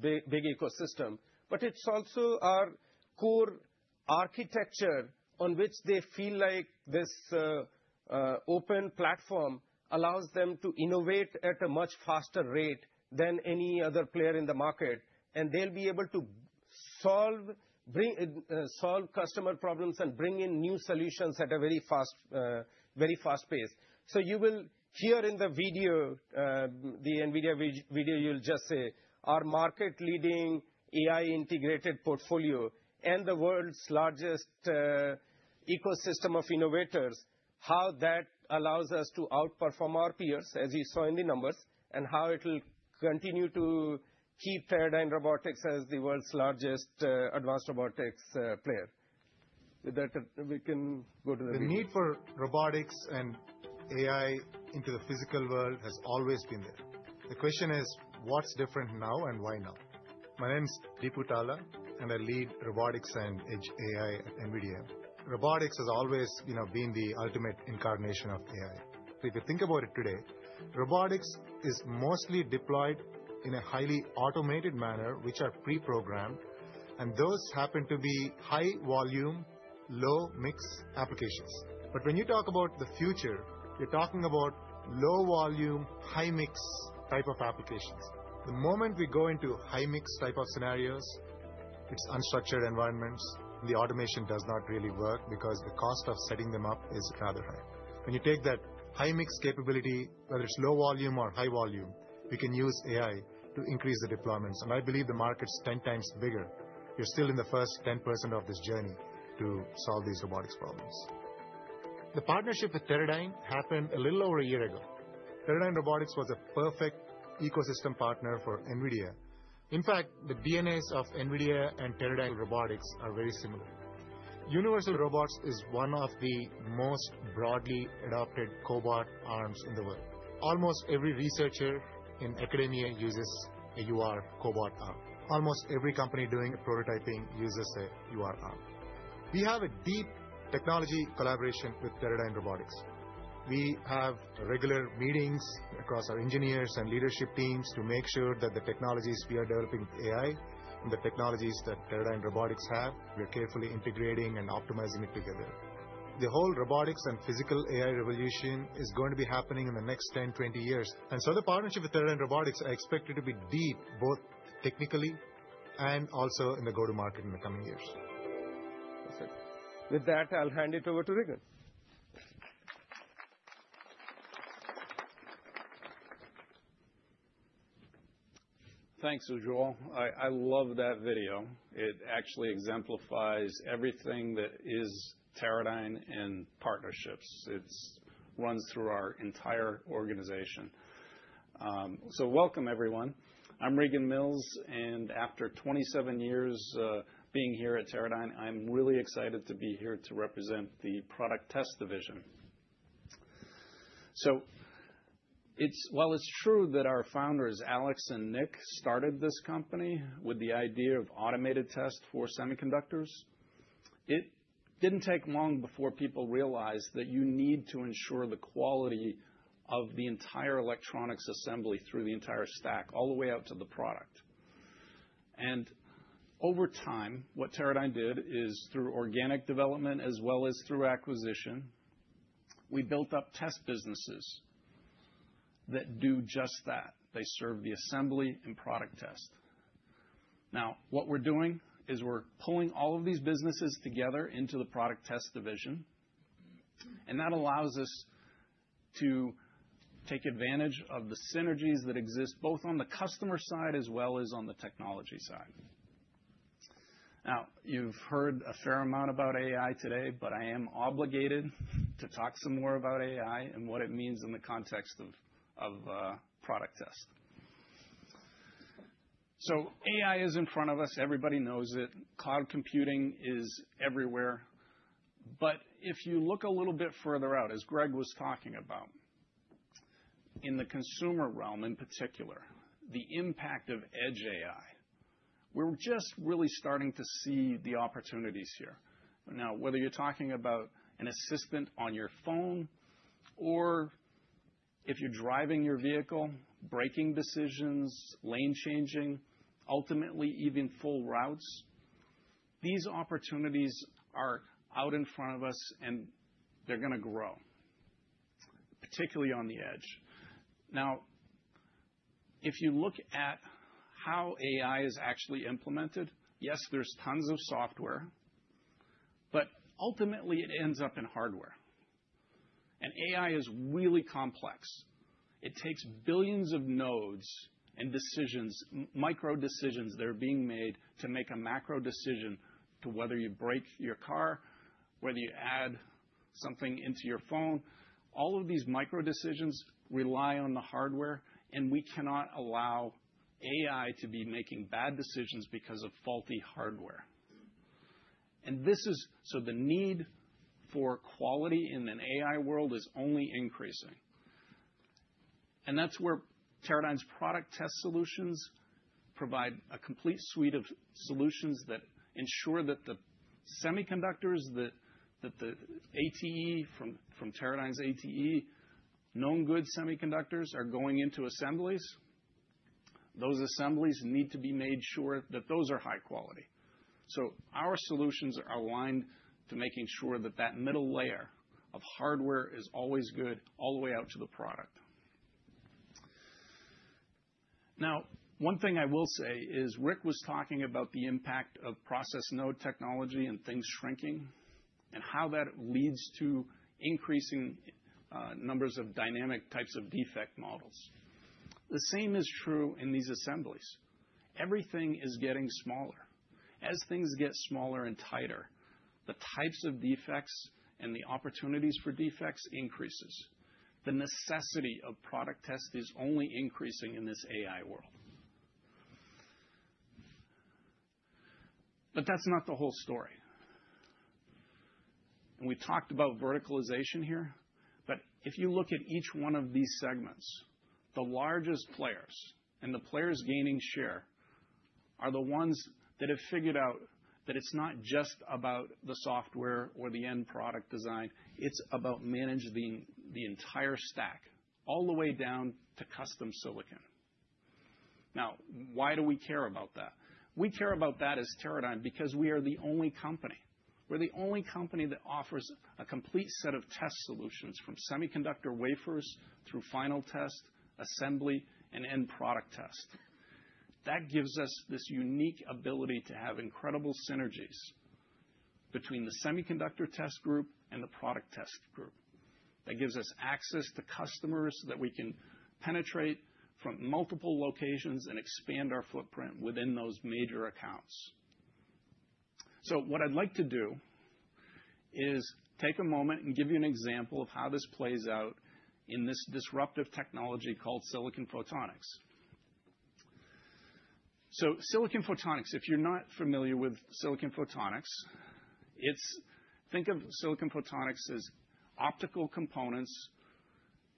big ecosystem. It's also our core architecture on which they feel like this open platform allows them to innovate at a much faster rate than any other player in the market. They'll be able to solve customer problems and bring in new solutions at a very fast pace. You will hear in the video, the NVIDIA video, you'll just see our market-leading AI integrated portfolio and the world's largest ecosystem of innovators, how that allows us to outperform our peers, as you saw in the numbers, and how it'll continue to keep Teradyne Robotics as the world's largest advanced robotics player. With that, we can go to the video. The need for robotics and AI into the physical world has always been there. The question is, what's different now and why now? My name is Deepu Talla, and I lead robotics and edge AI at NVIDIA. Robotics has always been the ultimate incarnation of AI. If you think about it today, robotics is mostly deployed in a highly automated manner, which are pre-programmed. Those happen to be high-volume, low-mix applications. When you talk about the future, you're talking about low-volume, high-mix type of applications. The moment we go into high-mix type of scenarios, it's unstructured environments, and the automation does not really work because the cost of setting them up is rather high. When you take that high-mix capability, whether it's low volume or high volume, we can use AI to increase the deployments. I believe the market's 10 times bigger. You're still in the first 10% of this journey to solve these robotics problems. The partnership with Teradyne happened a little over a year ago. Teradyne Robotics was a perfect ecosystem partner for NVIDIA. In fact, the DNAs of NVIDIA and Teradyne Robotics are very similar. Universal Robots is one of the most broadly adopted cobot arms in the world. Almost every researcher in academia uses a UR cobot arm. Almost every company doing prototyping uses a UR arm. We have a deep technology collaboration with Teradyne Robotics. We have regular meetings across our engineers and leadership teams to make sure that the technologies we are developing with AI and the technologies that Teradyne Robotics have, we're carefully integrating and optimizing it together. The whole robotics and physical AI revolution is going to be happening in the next 10-20 years. The partnership with Teradyne Robotics I expect it to be deep both technically and also in the go-to-market in the coming years. Perfect. With that, I'll hand it over to Regan. Thanks, Ujjwal. I love that video. It actually exemplifies everything that is Teradyne and partnerships. It runs through our entire organization. Welcome, everyone. I'm Regan Mills, and after 27 years being here at Teradyne, I'm really excited to be here to represent the product test division. While it's true that our founders, Alex and Nick, started this company with the idea of automated test for semiconductors, it didn't take long before people realized that you need to ensure the quality of the entire electronics assembly through the entire stack, all the way out to the product. Over time, what Teradyne did is, through organic development as well as through acquisition, we built up test businesses that do just that. They serve the assembly and product test. Now, what we're doing is we're pulling all of these businesses together into the product test division. That allows us to take advantage of the synergies that exist both on the customer side as well as on the technology side. Now, you've heard a fair amount about AI today, but I am obligated to talk some more about AI and what it means in the context of product test. AI is in front of us. Everybody knows it. Cloud computing is everywhere. If you look a little bit further out, as Greg was talking about, in the consumer realm in particular, the impact of edge AI, we're just really starting to see the opportunities here. Whether you're talking about an assistant on your phone or if you're driving your vehicle, braking decisions, lane changing, ultimately even full routes, these opportunities are out in front of us, and they're going to grow, particularly on the edge. Now, if you look at how AI is actually implemented, yes, there's tons of software, but ultimately it ends up in hardware. AI is really complex. It takes billions of nodes and decisions, micro decisions that are being made to make a macro decision to whether you brake your car, whether you add something into your phone. All of these micro decisions rely on the hardware, and we cannot allow AI to be making bad decisions because of faulty hardware. This is why the need for quality in an AI world is only increasing. That's where Teradyne's product test solutions provide a complete suite of solutions that ensure that the semiconductors, that the ATE from Teradyne's ATE, known good semiconductors, are going into assemblies. Those assemblies need to be made sure that those are high quality. Our solutions are aligned to making sure that that middle layer of hardware is always good all the way out to the product. One thing I will say is Rick was talking about the impact of process node technology and things shrinking and how that leads to increasing numbers of dynamic types of defect models. The same is true in these assemblies. Everything is getting smaller. As things get smaller and tighter, the types of defects and the opportunities for defects increases. The necessity of product test is only increasing in this AI world. That is not the whole story. We talked about verticalization here. If you look at each one of these segments, the largest players and the players gaining share are the ones that have figured out that it is not just about the software or the end product design. It's about managing the entire stack all the way down to custom silicon. Now, why do we care about that? We care about that as Teradyne because we are the only company. We're the only company that offers a complete set of test solutions from semiconductor wafers through final test, assembly, and end product test. That gives us this unique ability to have incredible synergies between the semiconductor test group and the product test group. That gives us access to customers that we can penetrate from multiple locations and expand our footprint within those major accounts. What I'd like to do is take a moment and give you an example of how this plays out in this disruptive technology called silicon photonics. Silicon photonics, if you're not familiar with silicon photonics, think of silicon photonics as optical components,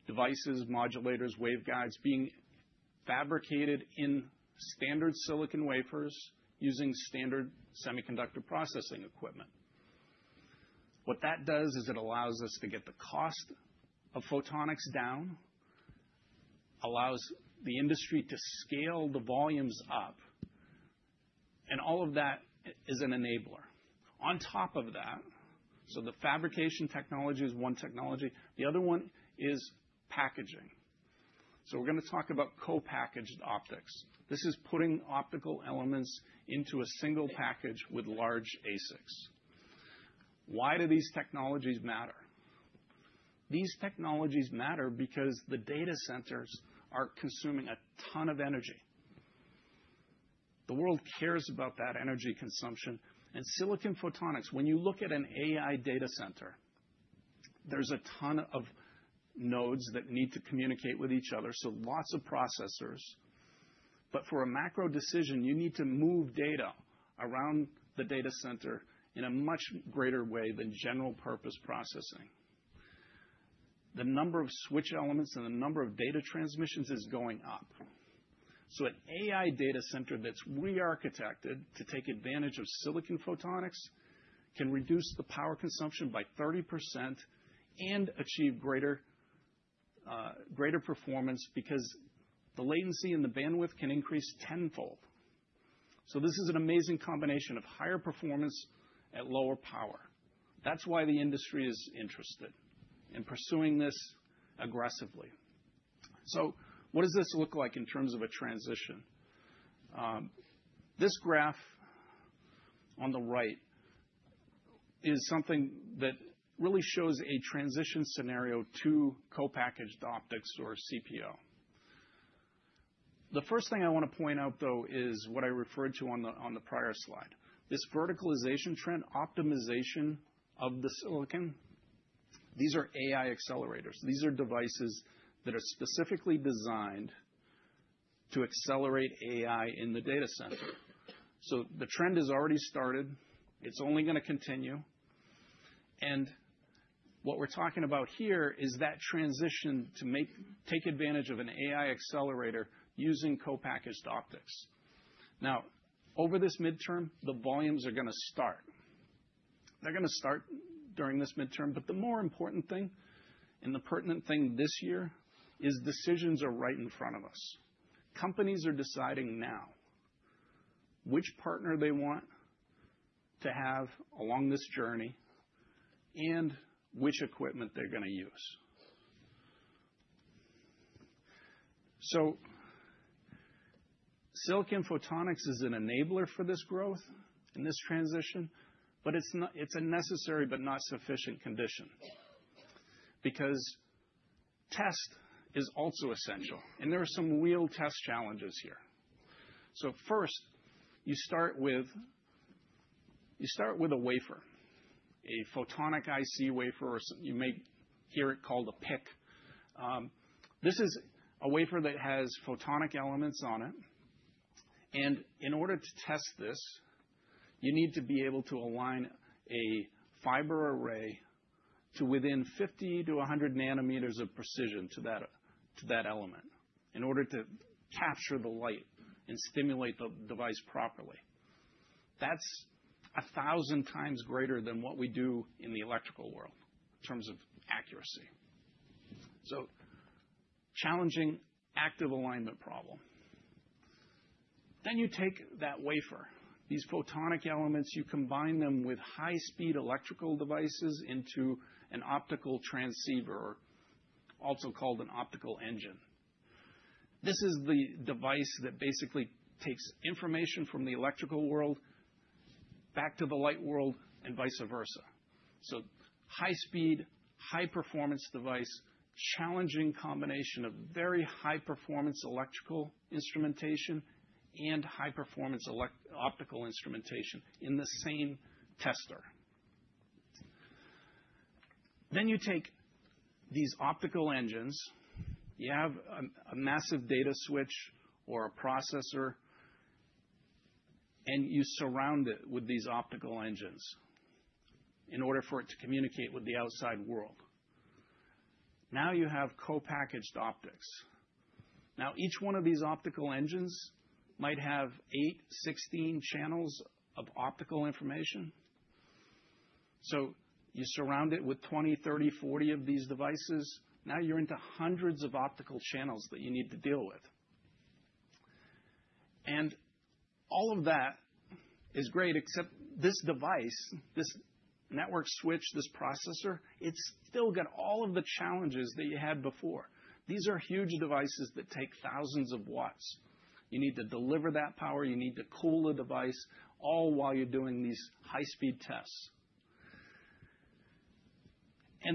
devices, modulators, waveguides being fabricated in standard silicon wafers using standard semiconductor processing equipment. What that does is it allows us to get the cost of photonics down, allows the industry to scale the volumes up. All of that is an enabler. On top of that, the fabrication technology is one technology. The other one is packaging. We're going to talk about co-packaged optics. This is putting optical elements into a single package with large ASICs. Why do these technologies matter? These technologies matter because the data centers are consuming a ton of energy. The world cares about that energy consumption. Silicon photonics, when you look at an AI data center, there's a ton of nodes that need to communicate with each other. Lots of processors. For a macro decision, you need to move data around the data center in a much greater way than general purpose processing. The number of switch elements and the number of data transmissions is going up. An AI data center that's re-architected to take advantage of silicon photonics can reduce the power consumption by 30% and achieve greater performance because the latency and the bandwidth can increase tenfold. This is an amazing combination of higher performance at lower power. That's why the industry is interested in pursuing this aggressively. What does this look like in terms of a transition? This graph on the right is something that really shows a transition scenario to co-packaged optics or CPO. The first thing I want to point out, though, is what I referred to on the prior slide. This verticalization trend, optimization of the silicon, these are AI accelerators. These are devices that are specifically designed to accelerate AI in the data center. The trend has already started. It's only going to continue. What we're talking about here is that transition to take advantage of an AI accelerator using co-packaged optics. Now, over this midterm, the volumes are going to start. They're going to start during this midterm. The more important thing and the pertinent thing this year is decisions are right in front of us. Companies are deciding now which partner they want to have along this journey and which equipment they're going to use. Silicon photonics is an enabler for this growth in this transition, but it's a necessary but not sufficient condition because test is also essential. There are some real test challenges here. First, you start with a wafer, a photonic IC wafer, or you may hear it called a PIC. This is a wafer that has photonic elements on it. In order to test this, you need to be able to align a fiber array to within 50-100 nanometers of precision to that element in order to capture the light and stimulate the device properly. That is 1,000 times greater than what we do in the electrical world in terms of accuracy. Challenging active alignment problem. You take that wafer, these photonic elements, you combine them with high-speed electrical devices into an optical transceiver, also called an optical engine. This is the device that basically takes information from the electrical world back to the light world and vice versa. High-speed, high-performance device, challenging combination of very high-performance electrical instrumentation and high-performance optical instrumentation in the same tester. You take these optical engines. You have a massive data switch or a processor, and you surround it with these optical engines in order for it to communicate with the outside world. Now, you have co-packaged optics. Each one of these optical engines might have 8, 16 channels of optical information. You surround it with 20, 30, 40 of these devices. Now, you're into hundreds of optical channels that you need to deal with. All of that is great, except this device, this network switch, this processor, it's still got all of the challenges that you had before. These are huge devices that take thousands of watts. You need to deliver that power. You need to cool the device all while you're doing these high-speed tests.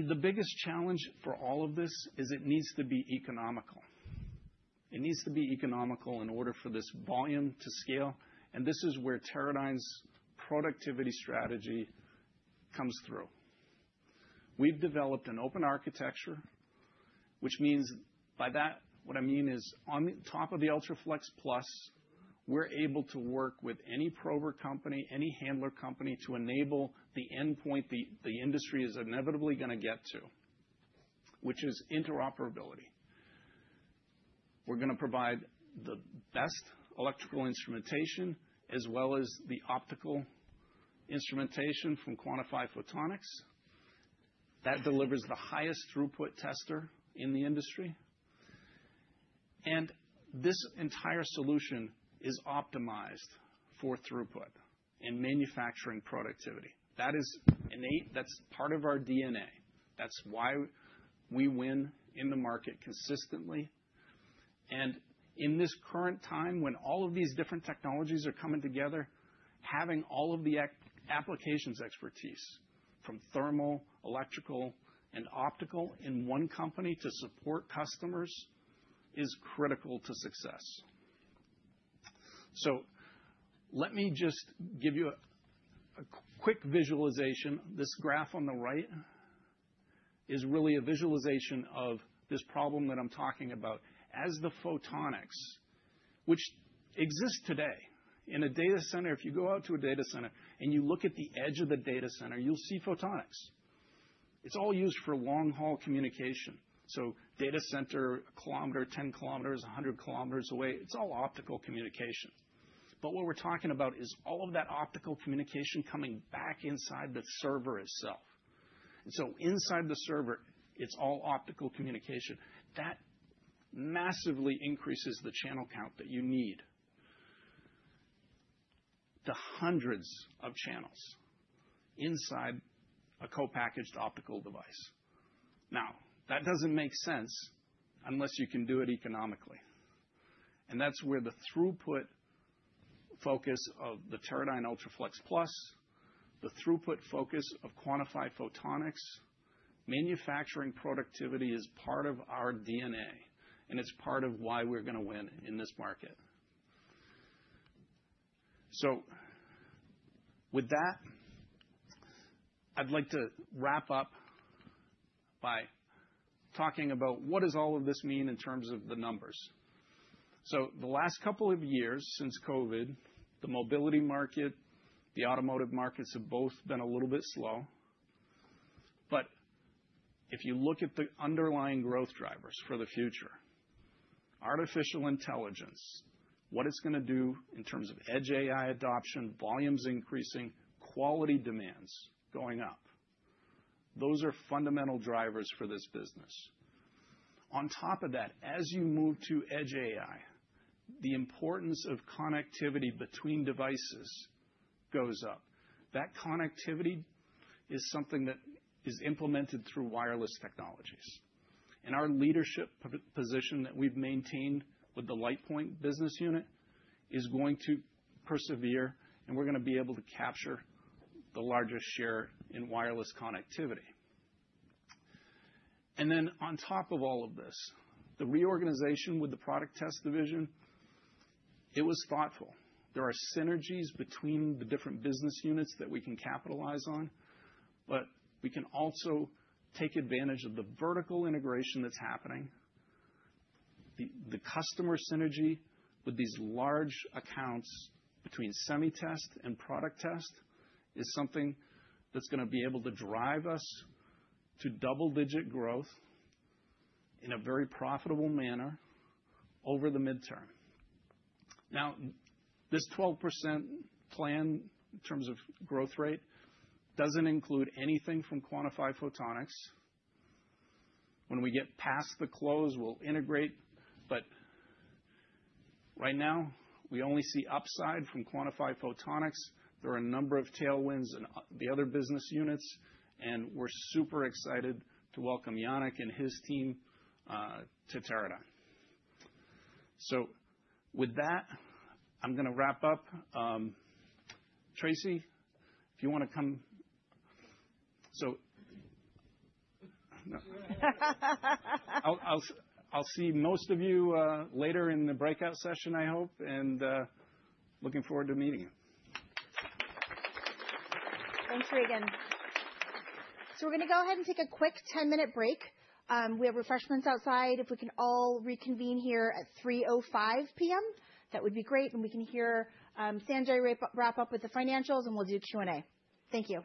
The biggest challenge for all of this is it needs to be economical. It needs to be economical in order for this volume to scale. This is where Teradyne's productivity strategy comes through. We've developed an open architecture, which means by that, what I mean is on the top of the UltraFLEXplus, we're able to work with any prober company, any handler company to enable the endpoint the industry is inevitably going to get to, which is interoperability. We're going to provide the best electrical instrumentation as well as the optical instrumentation from Quantifi Photonics. That delivers the highest throughput tester in the industry. This entire solution is optimized for throughput and manufacturing productivity. That is innate. That's part of our DNA. That's why we win in the market consistently. In this current time, when all of these different technologies are coming together, having all of the applications expertise from thermal, electrical, and optical in one company to support customers is critical to success. Let me just give you a quick visualization. This graph on the right is really a visualization of this problem that I'm talking about. As the photonics, which exist today in a data center, if you go out to a data center and you look at the edge of the data center, you'll see photonics. It's all used for long-haul communication. Data center a kilometer, 10 kilometers, 100 kilometers away. It's all optical communication. What we're talking about is all of that optical communication coming back inside the server itself. Inside the server, it's all optical communication. That massively increases the channel count that you need to hundreds of channels inside a co-packaged optical device. Now, that does not make sense unless you can do it economically. That is where the throughput focus of the Teradyne UltraFLEXplus, the throughput focus of Quantifi Photonics, manufacturing productivity is part of our DNA. It is part of why we are going to win in this market. With that, I would like to wrap up by talking about what does all of this mean in terms of the numbers. The last couple of years since COVID, the mobility market, the automotive markets have both been a little bit slow. If you look at the underlying growth drivers for the future, artificial intelligence, what it is going to do in terms of edge AI adoption, volumes increasing, quality demands going up, those are fundamental drivers for this business. On top of that, as you move to edge AI, the importance of connectivity between devices goes up. That connectivity is something that is implemented through wireless technologies. Our leadership position that we've maintained with the LitePoint business unit is going to persevere. We're going to be able to capture the largest share in wireless connectivity. On top of all of this, the reorganization with the product test division, it was thoughtful. There are synergies between the different business units that we can capitalize on. We can also take advantage of the vertical integration that's happening. The customer synergy with these large accounts between semi-test and product test is something that's going to be able to drive us to double-digit growth in a very profitable manner over the midterm. Now, this 12% plan in terms of growth rate doesn't include anything from Quantifi Photonics. When we get past the close, we'll integrate. Right now, we only see upside from Quantifi Photonics. There are a number of tailwinds in the other business units. We're super excited to welcome Yannick and his team to Teradyne. With that, I'm going to wrap up. Traci, if you want to come. I'll see most of you later in the breakout session, I hope. Looking forward to meeting you. Thanks, Regan. We're going to go ahead and take a quick 10-minute break. We have refreshments outside. If we can all reconvene here at 3:05 P.M., that would be great. We can hear Sanjay wrap up with the financials, and we'll do Q&A. Thank you.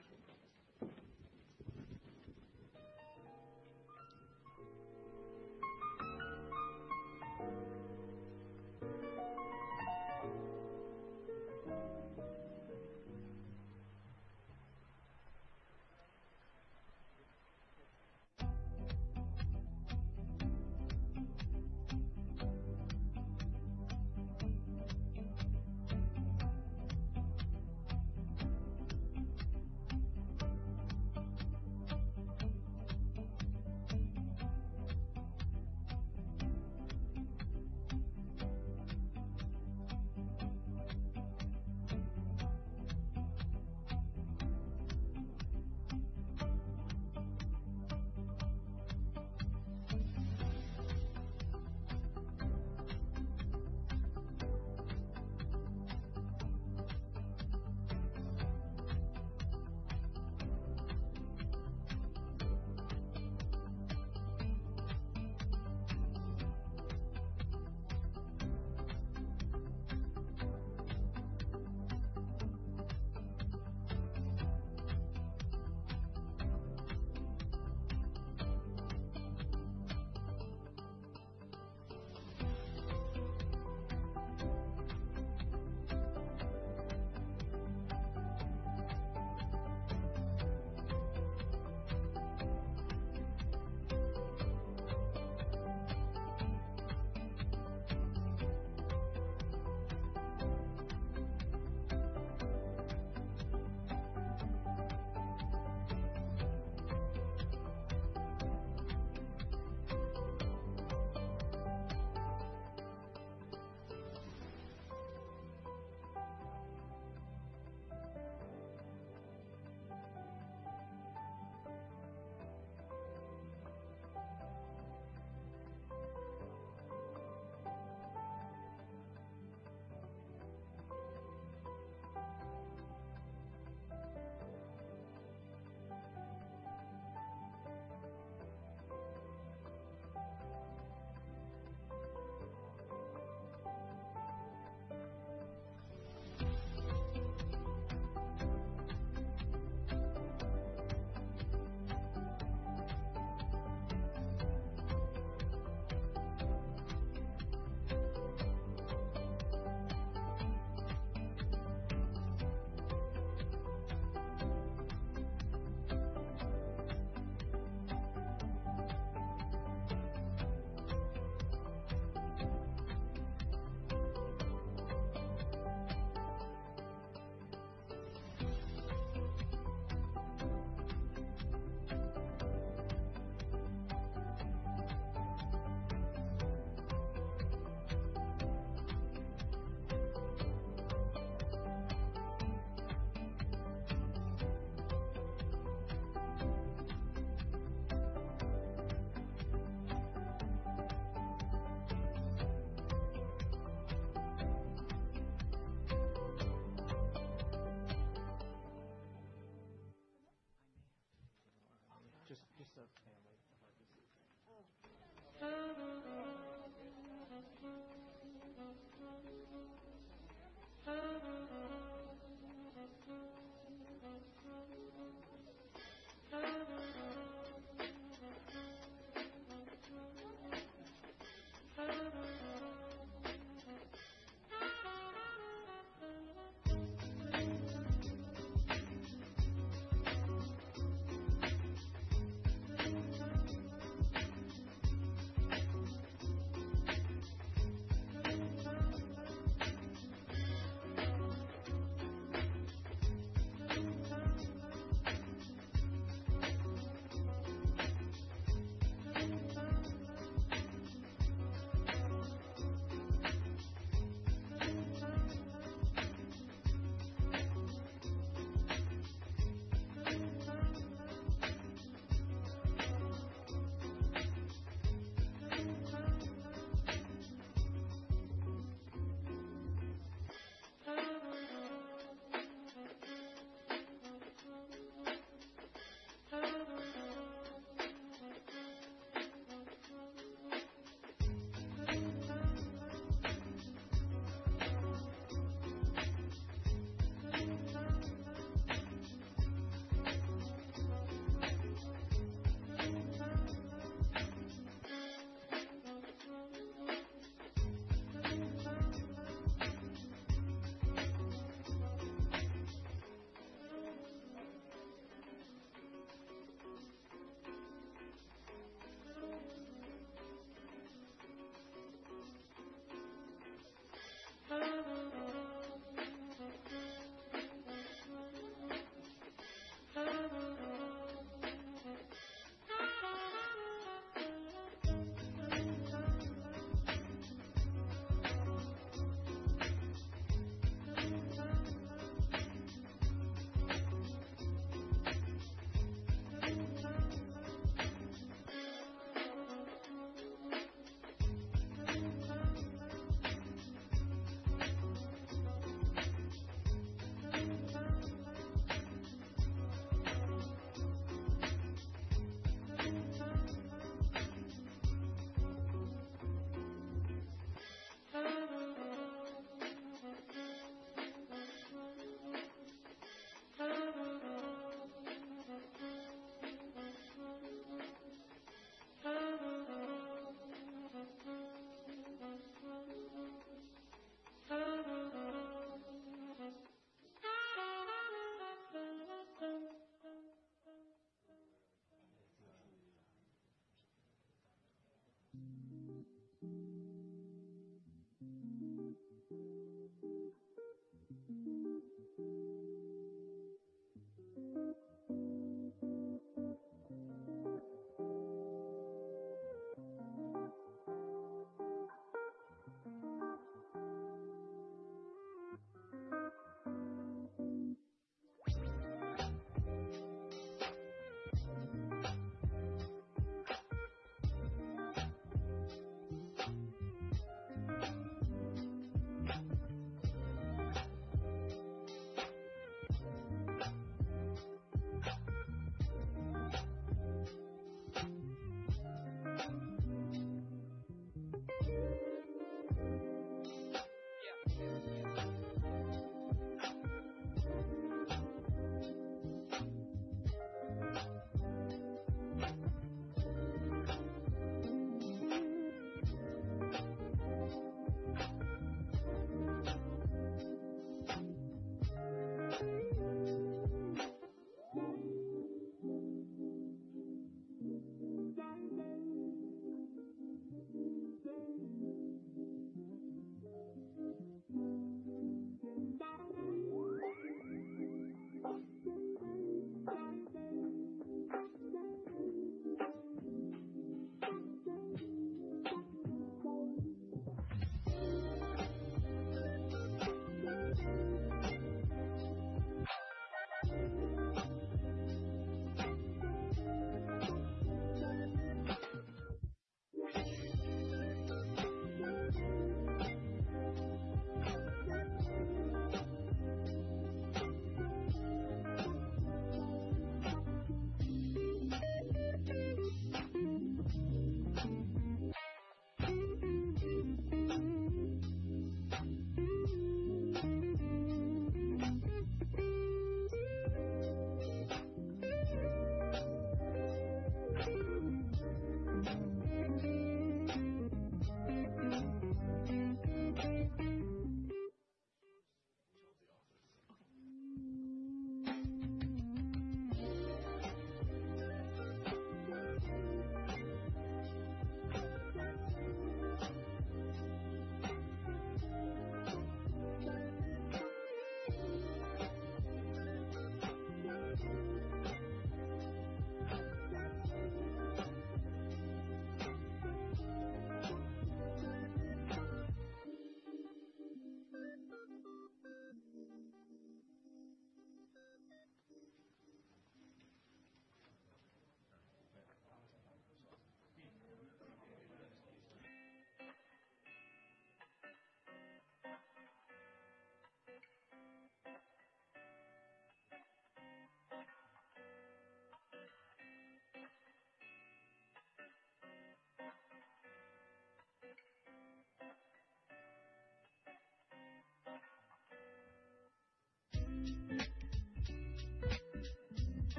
All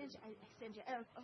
right.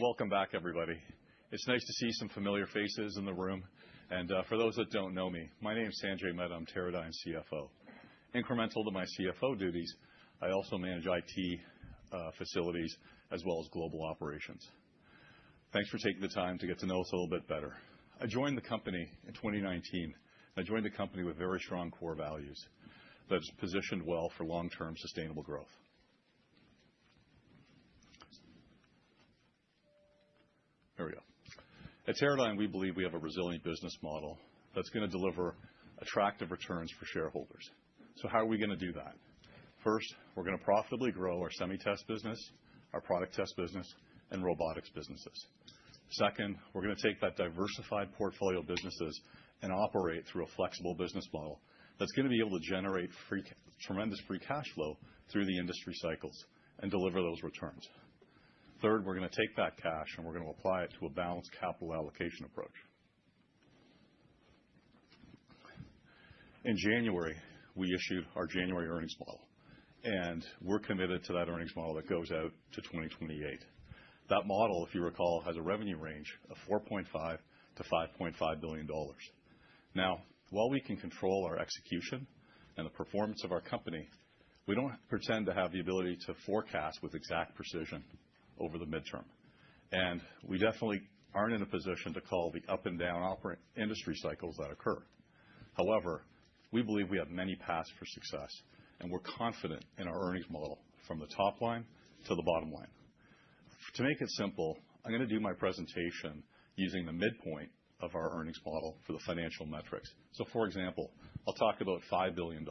Welcome back, everybody. It's nice to see some familiar faces in the room. For those that don't know me, my name is Sanjay Mehta. I'm Teradyne CFO. Incremental to my CFO duties, I also manage IT facilities as well as global operations. Thanks for taking the time to get to know us a little bit better. I joined the company in 2019. I joined the company with very strong core values that are positioned well for long-term sustainable growth. There we go. At Teradyne, we believe we have a resilient business model that's going to deliver attractive returns for shareholders. How are we going to do that? First, we're going to profitably grow our semi-test business, our product test business, and robotics businesses. Second, we're going to take that diversified portfolio of businesses and operate through a flexible business model that's going to be able to generate tremendous free cash flow through the industry cycles and deliver those returns. Third, we're going to take that cash, and we're going to apply it to a balanced capital allocation approach. In January, we issued our January earnings model. We're committed to that earnings model that goes out to 2028. That model, if you recall, has a revenue range of $4.5 billion-$5.5 billion. Now, while we can control our execution and the performance of our company, we don't pretend to have the ability to forecast with exact precision over the midterm. We definitely aren't in a position to call the up-and-down industry cycles that occur. However, we believe we have many paths for success. We're confident in our earnings model from the top line to the bottom line. To make it simple, I'm going to do my presentation using the midpoint of our earnings model for the financial metrics. For example, I'll talk about $5 billion.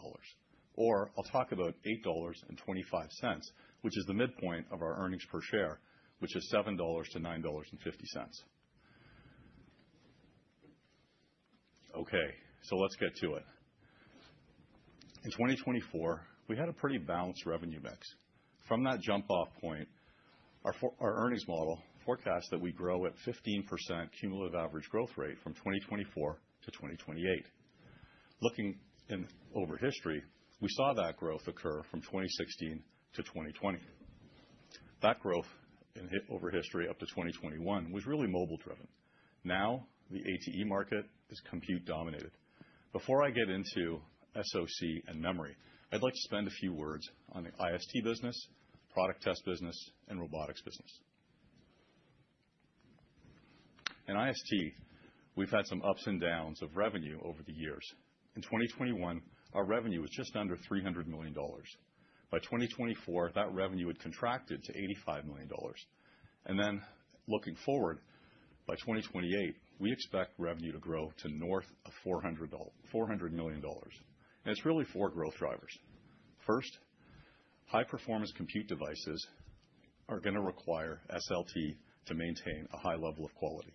I'll talk about $8.25, which is the midpoint of our earnings per share, which is $7-$9.50. Okay. Let's get to it. In 2024, we had a pretty balanced revenue mix. From that jump-off point, our earnings model forecasts that we grow at 15% cumulative average growth rate from 2024 to 2028. Looking over history, we saw that growth occur from 2016 to 2020. That growth over history up to 2021 was really mobile-driven. Now, the ATE market is compute-dominated. Before I get into SOC and memory, I'd like to spend a few words on the IST business, product test business, and robotics business. In IST, we've had some ups and downs of revenue over the years. In 2021, our revenue was just under $300 million. By 2024, that revenue had contracted to $85 million. Looking forward, by 2028, we expect revenue to grow to north of $400 million. It is really four growth drivers. First, high-performance compute devices are going to require SLT to maintain a high level of quality.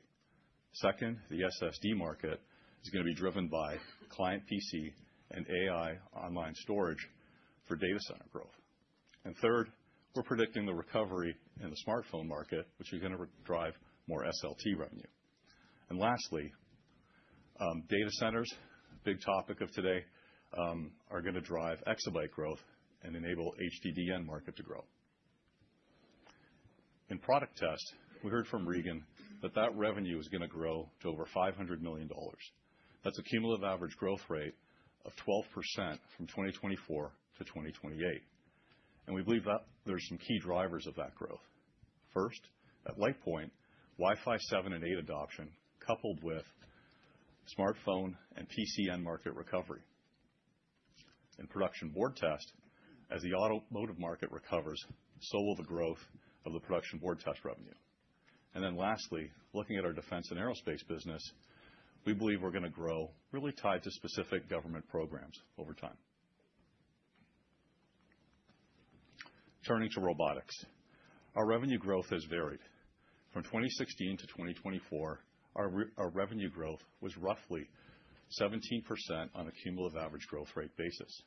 Second, the SSD market is going to be driven by client PC and AI online storage for data center growth. Third, we are predicting the recovery in the smartphone market, which is going to drive more SLT revenue. Lastly, data centers, big topic of today, are going to drive exabyte growth and enable HDDN market to grow. In product test, we heard from Regan that that revenue is going to grow to over $500 million. That is a cumulative average growth rate of 12% from 2024 to 2028. We believe there are some key drivers of that growth. First, at LitePoint, Wi-Fi 7 and 8 adoption coupled with smartphone and PCN market recovery. In production board test, as the automotive market recovers, so will the growth of the production board test revenue. Lastly, looking at our defense and aerospace business, we believe we're going to grow really tied to specific government programs over time. Turning to robotics, our revenue growth has varied. From 2016 to 2024, our revenue growth was roughly 17% on a cumulative average growth rate basis.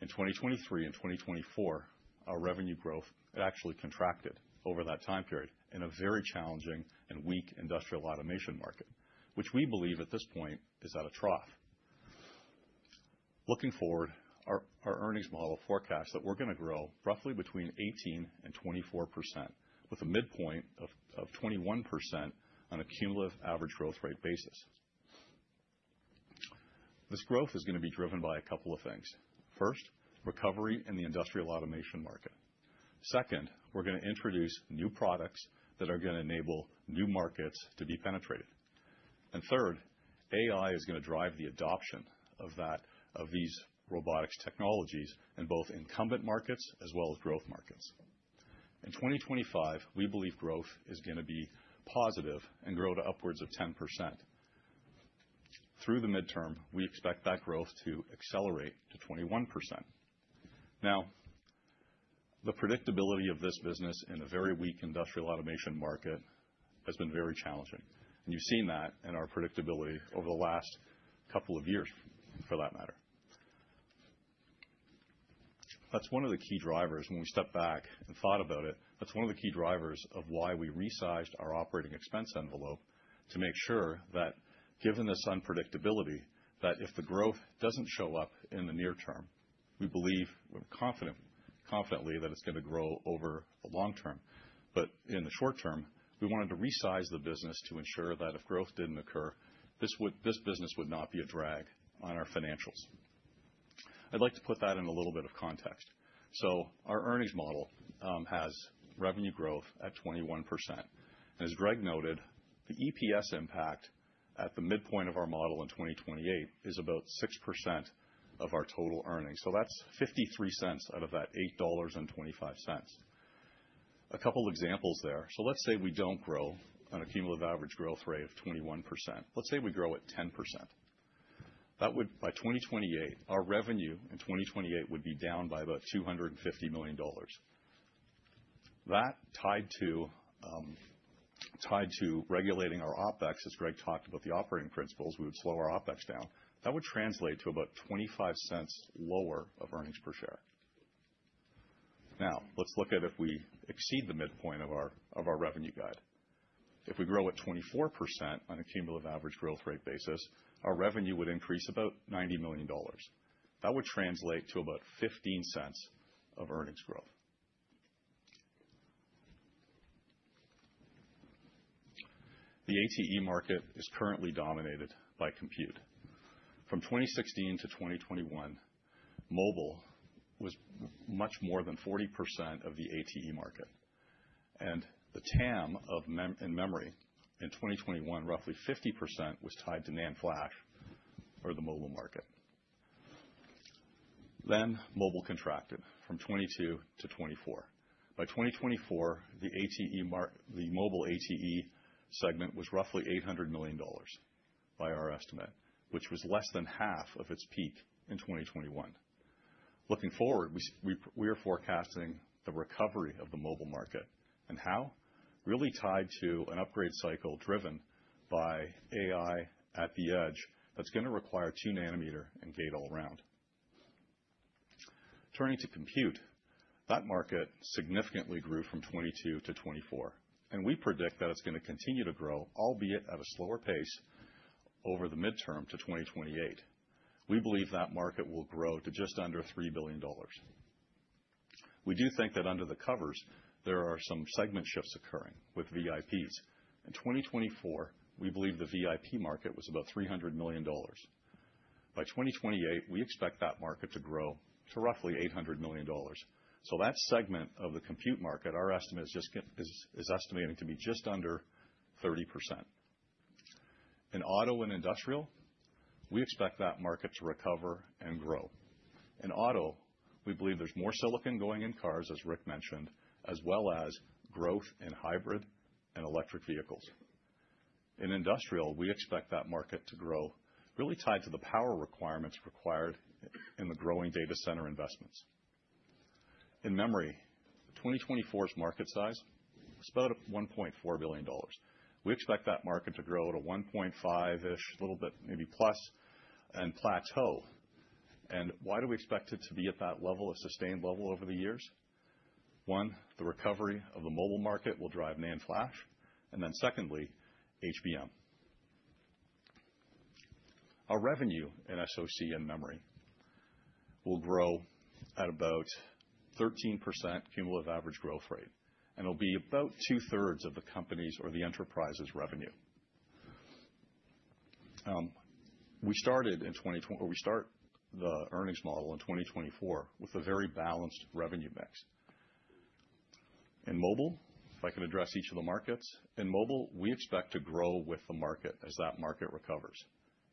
In 2023 and 2024, our revenue growth actually contracted over that time period in a very challenging and weak industrial automation market, which we believe at this point is at a trough. Looking forward, our earnings model forecasts that we're going to grow roughly between 18-24%, with a midpoint of 21% on a cumulative average growth rate basis. This growth is going to be driven by a couple of things. First, recovery in the industrial automation market. Second, we're going to introduce new products that are going to enable new markets to be penetrated. Third, AI is going to drive the adoption of these robotics technologies in both incumbent markets as well as growth markets. In 2025, we believe growth is going to be positive and grow to upwards of 10%. Through the midterm, we expect that growth to accelerate to 21%. Now, the predictability of this business in a very weak industrial automation market has been very challenging. You have seen that in our predictability over the last couple of years, for that matter. That is one of the key drivers. When we stepped back and thought about it, that's one of the key drivers of why we resized our operating expense envelope to make sure that, given this unpredictability, that if the growth doesn't show up in the near term, we believe confidently that it's going to grow over the long term. In the short term, we wanted to resize the business to ensure that if growth didn't occur, this business would not be a drag on our financials. I'd like to put that in a little bit of context. Our earnings model has revenue growth at 21%. As Greg noted, the EPS impact at the midpoint of our model in 2028 is about 6% of our total earnings. That's $0.53 out of that $8.25. A couple of examples there. Let's say we don't grow on a cumulative average growth rate of 21%. Let's say we grow at 10%. By 2028, our revenue in 2028 would be down by about $250 million. That tied to regulating our OpEx, as Greg talked about the operating principles, we would slow our OpEx down. That would translate to about 25 cents lower of earnings per share. Now, let's look at if we exceed the midpoint of our revenue guide. If we grow at 24% on a cumulative average growth rate basis, our revenue would increase about $90 million. That would translate to about 15 cents of earnings growth. The ATE market is currently dominated by compute. From 2016 to 2021, mobile was much more than 40% of the ATE market. The TAM in memory in 2021, roughly 50%, was tied to NAND flash for the mobile market. Mobile contracted from 2022 to 2024. By 2024, the mobile ATE segment was roughly $800 million by our estimate, which was less than half of its peak in 2021. Looking forward, we are forecasting the recovery of the mobile market. How? Really tied to an upgrade cycle driven by AI at the edge that's going to require two nanometers and gate all around. Turning to compute, that market significantly grew from 2022 to 2024. We predict that it's going to continue to grow, albeit at a slower pace, over the midterm to 2028. We believe that market will grow to just under $3 billion. We do think that under the covers, there are some segment shifts occurring with VIPs. In 2024, we believe the VIP market was about $300 million. By 2028, we expect that market to grow to roughly $800 million. That segment of the compute market, our estimate is estimating to be just under 30%. In auto and industrial, we expect that market to recover and grow. In auto, we believe there is more silicon going in cars, as Rick mentioned, as well as growth in hybrid and electric vehicles. In industrial, we expect that market to grow really tied to the power requirements required in the growing data center investments. In memory, 2024's market size was about $1.4 billion. We expect that market to grow at a 1.5%-ish, a little bit, maybe plus, and plateau. Why do we expect it to be at that level, a sustained level over the years? One, the recovery of the mobile market will drive NAND flash. Then secondly, HBM. Our revenue in SOC and memory will grow at about 13% cumulative average growth rate. It'll be about two-thirds of the company's or the enterprise's revenue. We started in 2020, or we start the earnings model in 2024 with a very balanced revenue mix. In mobile, if I can address each of the markets, in mobile, we expect to grow with the market as that market recovers.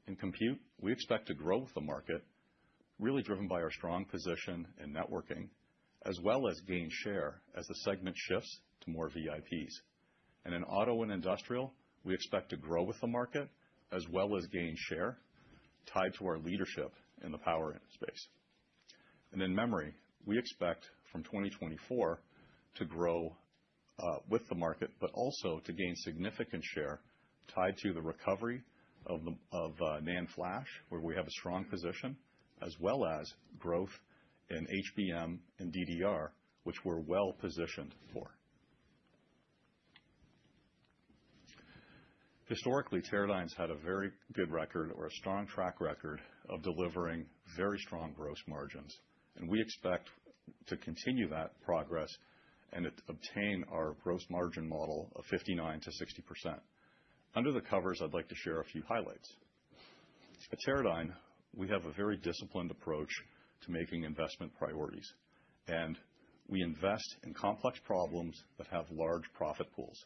In compute, we expect to grow with the market, really driven by our strong position in networking, as well as gain share as the segment shifts to more VIPs. In auto and industrial, we expect to grow with the market as well as gain share tied to our leadership in the power space. In memory, we expect from 2024 to grow with the market, but also to gain significant share tied to the recovery of NAND flash, where we have a strong position, as well as growth in HBM and DDR, which we're well positioned for. Historically, Teradyne's had a very good record or a strong track record of delivering very strong gross margins. We expect to continue that progress and obtain our gross margin model of 59-60%. Under the covers, I'd like to share a few highlights. At Teradyne, we have a very disciplined approach to making investment priorities. We invest in complex problems that have large profit pools.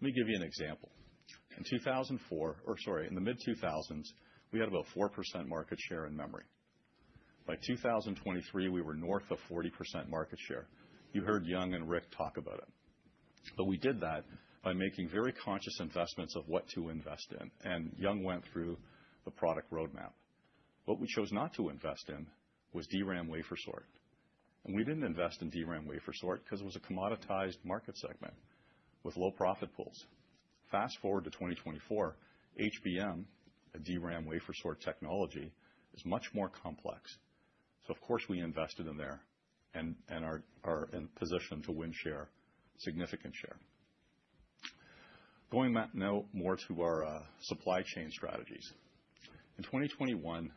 Let me give you an example. In 2004, or sorry, in the mid-2000s, we had about 4% market share in memory. By 2023, we were north of 40% market share. You heard Young and Rick talk about it. We did that by making very conscious investments of what to invest in. Young went through the product roadmap. What we chose not to invest in was DRAM wafer sort. We did not invest in DRAM wafer sort because it was a commoditized market segment with low profit pools. Fast forward to 2024, HBM, a DRAM wafer sort technology, is much more complex. Of course, we invested in there and are in position to win significant share. Going now more to our supply chain strategies. In 2021,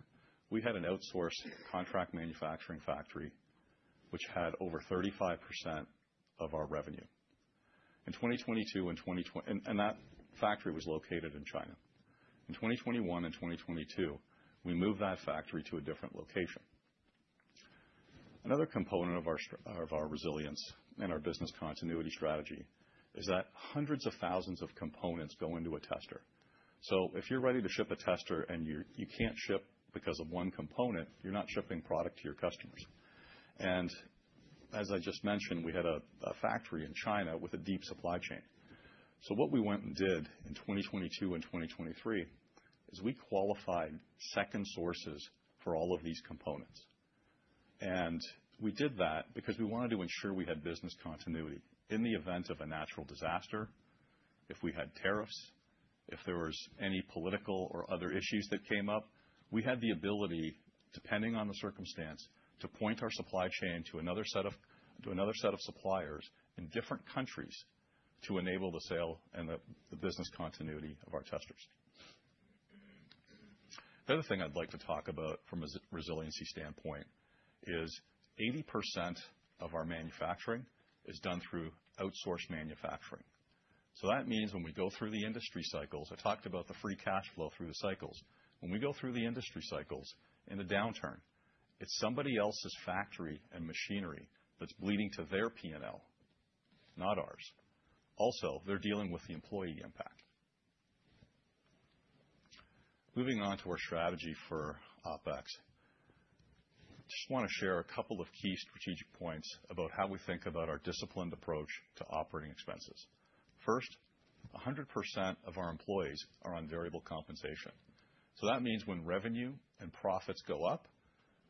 we had an outsourced contract manufacturing factory, which had over 35% of our revenue. In 2022, that factory was located in China. In 2021 and 2022, we moved that factory to a different location. Another component of our resilience and our business continuity strategy is that hundreds of thousands of components go into a tester. If you're ready to ship a tester and you can't ship because of one component, you're not shipping product to your customers. As I just mentioned, we had a factory in China with a deep supply chain. What we went and did in 2022 and 2023 is we qualified second sources for all of these components. We did that because we wanted to ensure we had business continuity in the event of a natural disaster, if we had tariffs, if there was any political or other issues that came up, we had the ability, depending on the circumstance, to point our supply chain to another set of suppliers in different countries to enable the sale and the business continuity of our testers. The other thing I'd like to talk about from a resiliency standpoint is 80% of our manufacturing is done through outsourced manufacturing. That means when we go through the industry cycles, I talked about the free cash flow through the cycles. When we go through the industry cycles in a downturn, it's somebody else's factory and machinery that's bleeding to their P&L, not ours. Also, they're dealing with the employee impact. Moving on to our strategy for OpEx, I just want to share a couple of key strategic points about how we think about our disciplined approach to operating expenses. First, 100% of our employees are on variable compensation. That means when revenue and profits go up,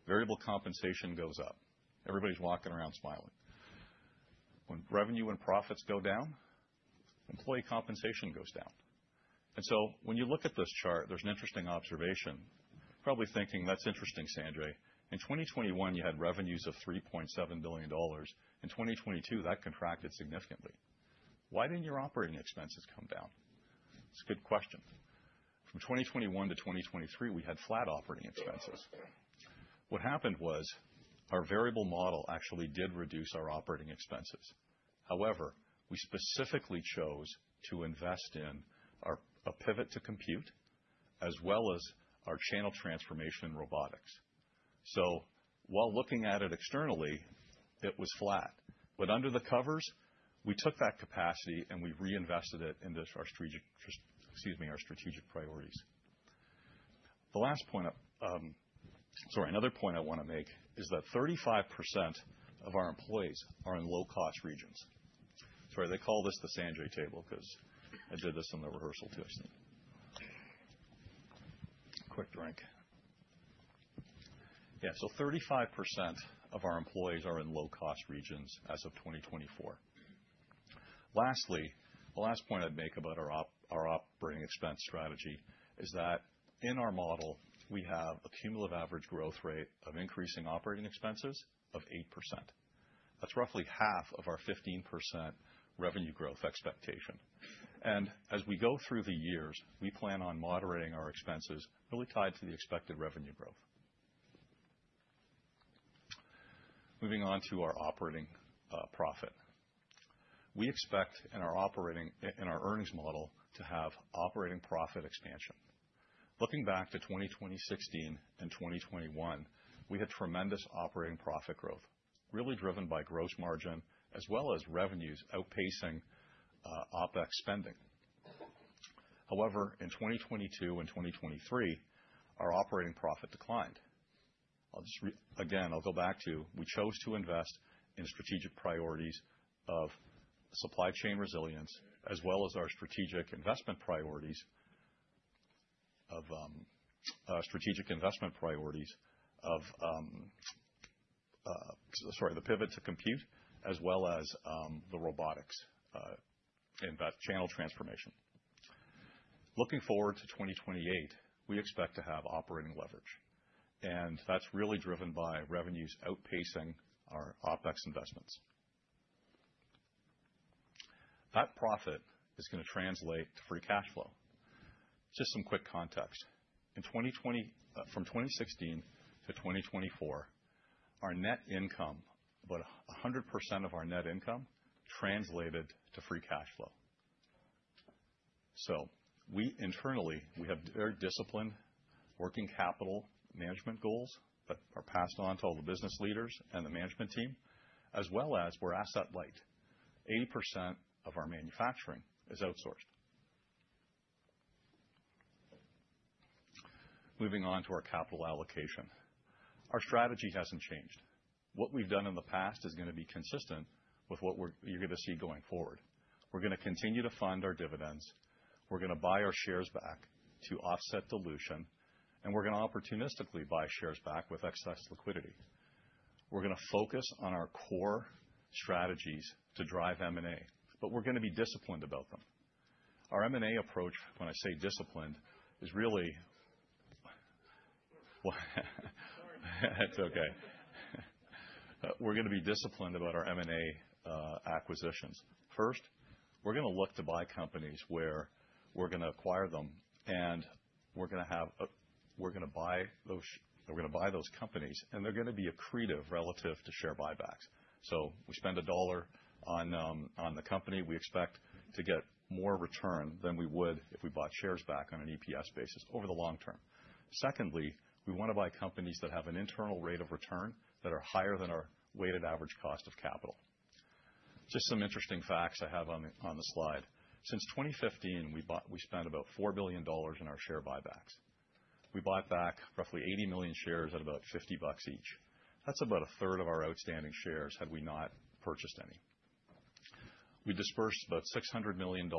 variable compensation goes up. Everybody's walking around smiling. When revenue and profits go down, employee compensation goes down. When you look at this chart, there's an interesting observation. You're probably thinking, "That's interesting, Sanjay. In 2021, you had revenues of $3.7 billion. In 2022, that contracted significantly. Why didn't your operating expenses come down?" That's a good question. From 2021 to 2023, we had flat operating expenses. What happened was our variable model actually did reduce our operating expenses. However, we specifically chose to invest in a pivot to compute as well as our channel transformation robotics. While looking at it externally, it was flat. Under the covers, we took that capacity and we reinvested it into our strategic priorities. Another point I want to make is that 35% of our employees are in low-cost regions. Sorry, they call this the Sanjay table because I did this in the rehearsal too. Quick drink. Yeah. 35% of our employees are in low-cost regions as of 2024. Lastly, the last point I'd make about our operating expense strategy is that in our model, we have a cumulative average growth rate of increasing operating expenses of 8%. That's roughly half of our 15% revenue growth expectation. As we go through the years, we plan on moderating our expenses really tied to the expected revenue growth. Moving on to our operating profit. We expect in our earnings model to have operating profit expansion. Looking back to 2020, 2016, and 2021, we had tremendous operating profit growth, really driven by gross margin as well as revenues outpacing OpEx spending. However, in 2022 and 2023, our operating profit declined. Again, I'll go back to we chose to invest in strategic priorities of supply chain resilience as well as our strategic investment priorities of, sorry, the pivot to compute as well as the robotics in that channel transformation. Looking forward to 2028, we expect to have operating leverage. That is really driven by revenues outpacing our OpEx investments. That profit is going to translate to free cash flow. Just some quick context. From 2016 to 2024, our net income, about 100% of our net income, translated to free cash flow. Internally, we have very disciplined working capital management goals that are passed on to all the business leaders and the management team, as well as we are asset light. 80% of our manufacturing is outsourced. Moving on to our capital allocation. Our strategy hasn't changed. What we've done in the past is going to be consistent with what you're going to see going forward. We're going to continue to fund our dividends. We're going to buy our shares back to offset dilution. We're going to opportunistically buy shares back with excess liquidity. We're going to focus on our core strategies to drive M&A, but we're going to be disciplined about them. Our M&A approach, when I say disciplined, is really—sorry. It's okay. We're going to be disciplined about our M&A acquisitions. First, we're going to look to buy companies where we're going to acquire them, and we're going to have—we're going to buy those companies, and they're going to be accretive relative to share buybacks. So we spend a dollar on the company. We expect to get more return than we would if we bought shares back on an EPS basis over the long term. Secondly, we want to buy companies that have an internal rate of return that are higher than our weighted average cost of capital. Just some interesting facts I have on the slide. Since 2015, we spent about $4 billion in our share buybacks. We bought back roughly 80 million shares at about $50 each. That's about a third of our outstanding shares had we not purchased any. We dispersed about $600 million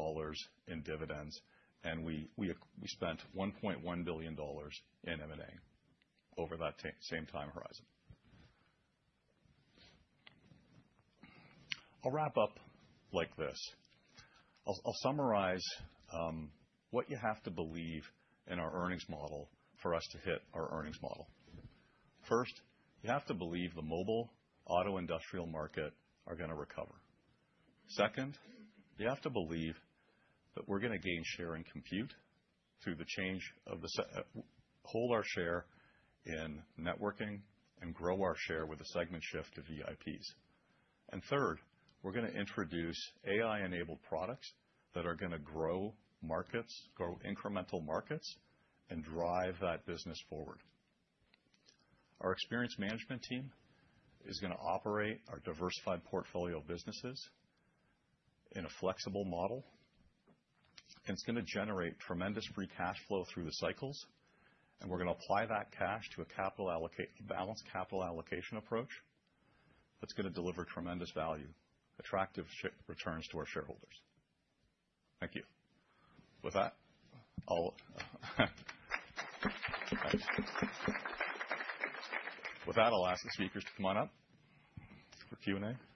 in dividends, and we spent $1.1 billion in M&A over that same time horizon. I'll wrap up like this. I'll summarize what you have to believe in our earnings model for us to hit our earnings model. First, you have to believe the mobile, auto industrial market are going to recover. Second, you have to believe that we're going to gain share in compute through the change of the—hold our share in networking and grow our share with a segment shift to VIPs. Third, we're going to introduce AI-enabled products that are going to grow markets, grow incremental markets, and drive that business forward. Our experience management team is going to operate our diversified portfolio of businesses in a flexible model. It's going to generate tremendous free cash flow through the cycles. We're going to apply that cash to a balanced capital allocation approach that's going to deliver tremendous value, attractive returns to our shareholders. Thank you. With that, I'll—thanks. With that, I'll ask the speakers to come on up for Q&A. All right. We'll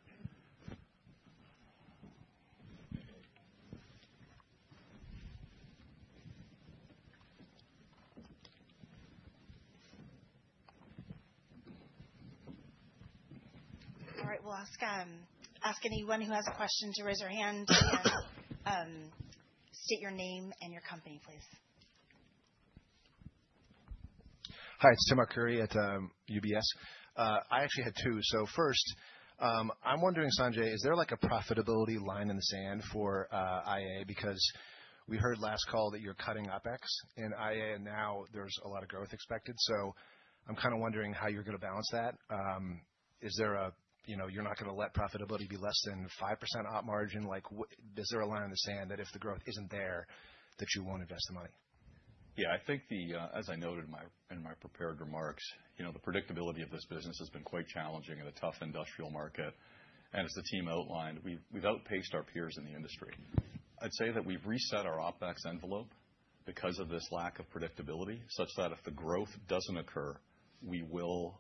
ask anyone who has a question to raise their hand and state your name and your company, please. Hi. It's Tim Arcuri at UBS. I actually had two. First, I'm wondering, Sanjay, is there a profitability line in the sand for IAA? Because we heard last call that you're cutting OpEx in IAA, and now there's a lot of growth expected. I'm kind of wondering how you're going to balance that. Is there a—you're not going to let profitability be less than 5% op margin? Is there a line in the sand that if the growth isn't there, that you won't invest the money? Yeah. I think, as I noted in my prepared remarks, the predictability of this business has been quite challenging in a tough industrial market. As the team outlined, we've outpaced our peers in the industry. I'd say that we've reset our OpEx envelope because of this lack of predictability, such that if the growth doesn't occur, we won't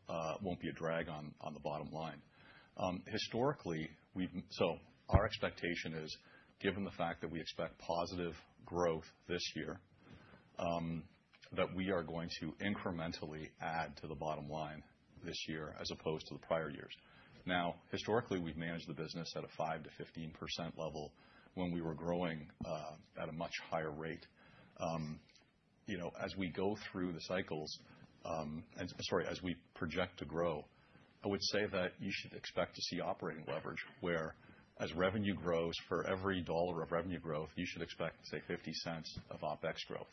be a drag on the bottom line. Historically, our expectation is, given the fact that we expect positive growth this year, that we are going to incrementally add to the bottom line this year as opposed to the prior years. Now, historically, we've managed the business at a 5-15% level when we were growing at a much higher rate. As we go through the cycles, and sorry, as we project to grow, I would say that you should expect to see operating leverage where, as revenue grows, for every dollar of revenue growth, you should expect, say, $0.50 of OpEx growth,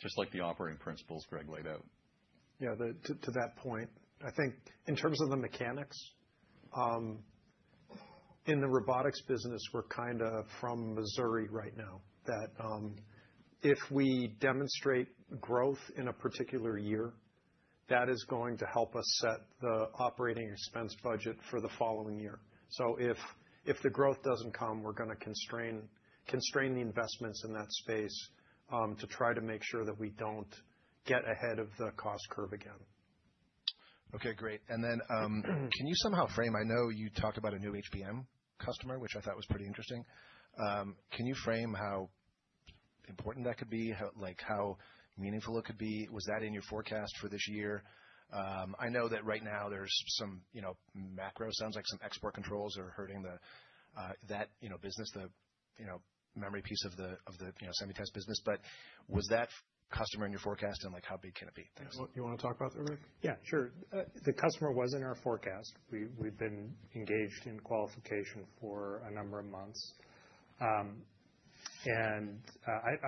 just like the operating principles Greg laid out. Yeah. To that point, I think in terms of the mechanics, in the robotics business, we're kind of from Missouri right now, that if we demonstrate growth in a particular year, that is going to help us set the operating expense budget for the following year. If the growth doesn't come, we're going to constrain the investments in that space to try to make sure that we don't get ahead of the cost curve again. Okay. Great. Can you somehow frame—I know you talked about a new HBM customer, which I thought was pretty interesting. Can you frame how important that could be, how meaningful it could be? Was that in your forecast for this year? I know that right now there's some macro, sounds like some export controls are hurting that business, the memory piece of the semi-test business. Was that customer in your forecast, and how big can it be? Thanks. You want to talk about that, Greg? Yeah. Sure. The customer was in our forecast. We've been engaged in qualification for a number of months.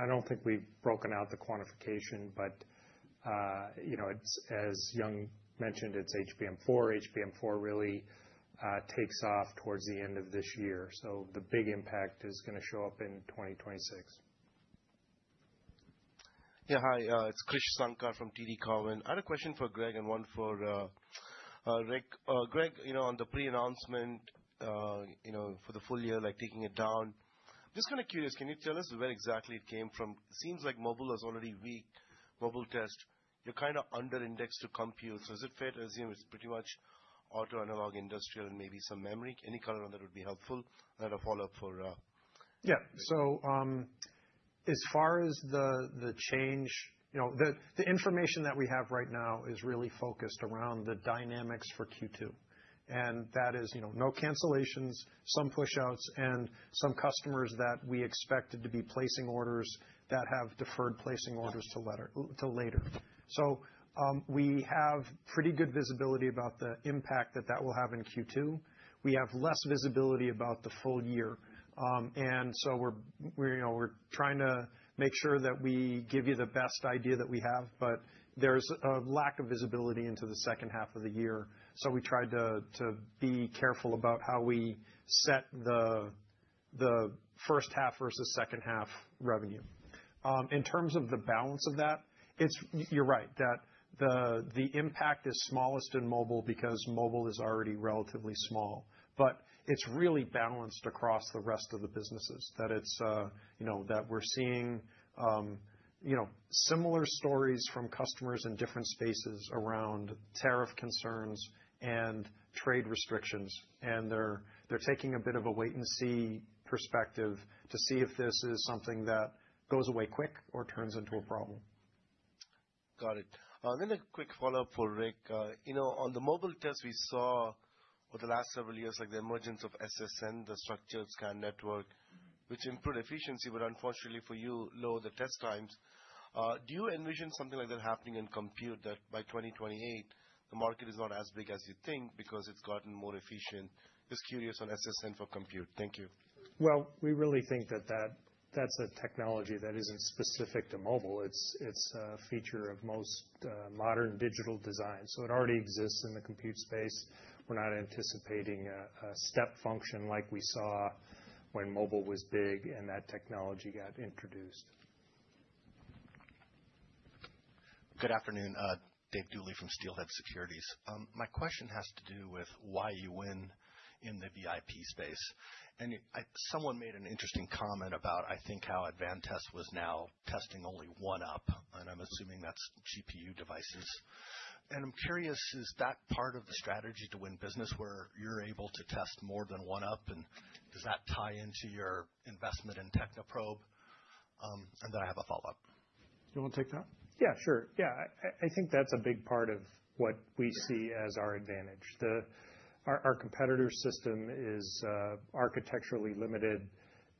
I don't think we've broken out the quantification, but as Young mentioned, it's HBM4. HBM4 really takes off towards the end of this year. The big impact is going to show up in 2026. Yeah. Hi. It's Krish Sankar from TD Cowen. I had a question for Greg and one for Rick. Greg, on the pre-announcement for the full year, taking it down, I'm just kind of curious. Can you tell us where exactly it came from? Seems like mobile was already weak. Mobile test, you're kind of under-indexed to compute. Is it fair to assume it's pretty much auto analog industrial and maybe some memory? Any color on that would be helpful. I had a follow-up for. Yeah. As far as the change, the information that we have right now is really focused around the dynamics for Q2. That is no cancellations, some push-outs, and some customers that we expected to be placing orders that have deferred placing orders to later. We have pretty good visibility about the impact that that will have in Q2. We have less visibility about the full year. We are trying to make sure that we give you the best idea that we have, but there is a lack of visibility into the second half of the year. We tried to be careful about how we set the first half versus second half revenue. In terms of the balance of that, you are right that the impact is smallest in mobile because mobile is already relatively small. It is really balanced across the rest of the businesses, that we're seeing similar stories from customers in different spaces around tariff concerns and trade restrictions. They are taking a bit of a wait-and-see perspective to see if this is something that goes away quick or turns into a problem. Got it. A quick follow-up for Rick. On the mobile test, we saw over the last several years the emergence of SSN, the structured scan network, which improved efficiency, but unfortunately for you, lowered the test times. Do you envision something like that happening in compute, that by 2028, the market is not as big as you think because it's gotten more efficient? Just curious on SSN for compute. Thank you. We really think that that's a technology that isn't specific to mobile. It's a feature of most modern digital design. So it already exists in the compute space. We're not anticipating a step function like we saw when mobile was big and that technology got introduced. Good afternoon. Joe Dooley from Stifel Securities. My question has to do with why you win in the VIP space. Someone made an interesting comment about, I think, how Advantest was now testing only one up. I'm assuming that's GPU devices. I'm curious, is that part of the strategy to win business where you're able to test more than one up? Does that tie into your investment in Technoprobe? I have a follow-up. You want to take that? Yeah. Sure. Yeah. I think that's a big part of what we see as our advantage. Our competitor system is architecturally limited.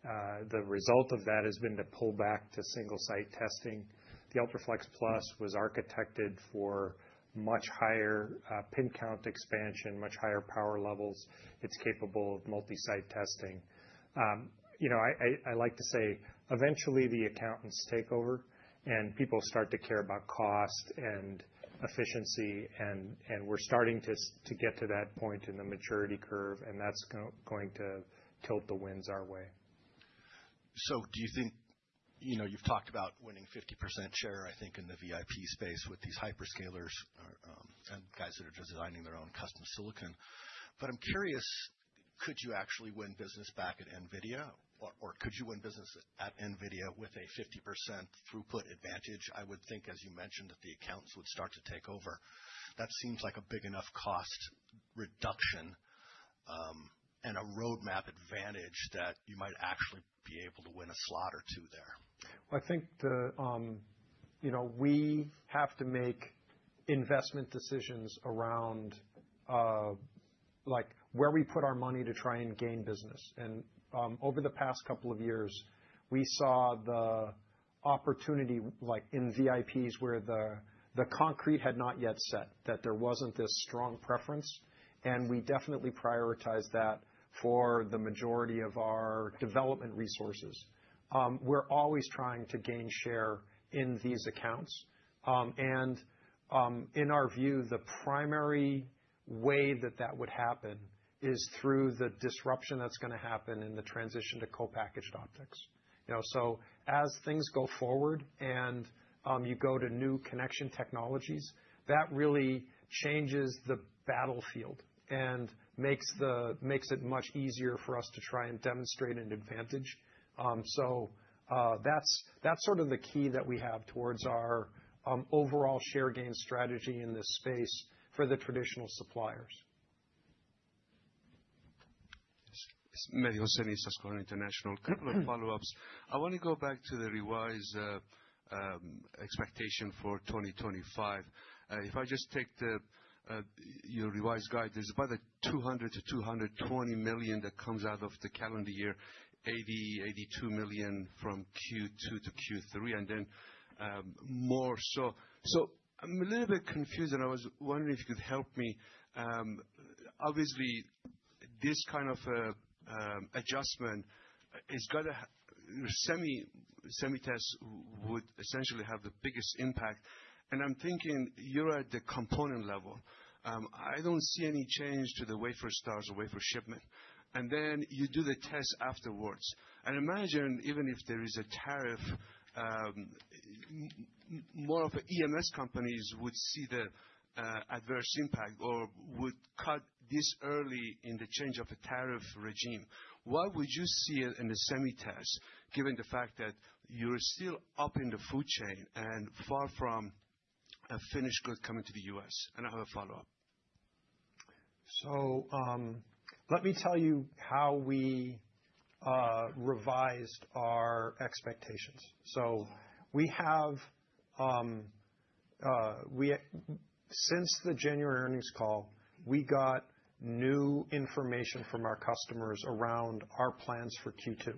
The result of that has been to pull back to single-site testing. The UltraFLEXplus was architected for much higher pin count expansion, much higher power levels. It's capable of multi-site testing. I like to say, eventually, the accountants take over, and people start to care about cost and efficiency. We're starting to get to that point in the maturity curve, and that's going to tilt the winds our way. Do you think you've talked about winning 50% share, I think, in the VIP space with these hyperscalers and guys that are just designing their own custom silicon. I'm curious, could you actually win business back at NVIDIA? Or could you win business at NVIDIA with a 50% throughput advantage? I would think, as you mentioned, that the accounts would start to take over. That seems like a big enough cost reduction and a roadmap advantage that you might actually be able to win a slot or two there. I think we have to make investment decisions around where we put our money to try and gain business. Over the past couple of years, we saw the opportunity in VIPs where the concrete had not yet set, that there was not this strong preference. We definitely prioritized that for the majority of our development resources. We're always trying to gain share in these accounts. In our view, the primary way that that would happen is through the disruption that is going to happen in the transition to co-packaged optics. As things go forward and you go to new connection technologies, that really changes the battlefield and makes it much easier for us to try and demonstrate an advantage. That is sort of the key that we have towards our overall share gain strategy in this space for the traditional suppliers. A couple of follow-ups. I want to go back to the revised expectation for 2025. If I just take your revised guide, there's about $200 million-$220 million that comes out of the calendar year, $80 million-$82 million from Q2 to Q3, and then more. I am a little bit confused. I was wondering if you could help me. Obviously, this kind of adjustment is going to—semi-tests would essentially have the biggest impact. I am thinking you're at the component level. I do not see any change to the wafer stars or wafer shipment. You do the test afterwards. I imagine, even if there is a tariff, more of EMS companies would see the adverse impact or would cut this early in the change of a tariff regime. Why would you see it in the semi-test, given the fact that you're still up in the food chain and far from a finished good coming to the U.S.? I have a follow-up. Let me tell you how we revised our expectations. Since the January earnings call, we got new information from our customers around our plans for Q2.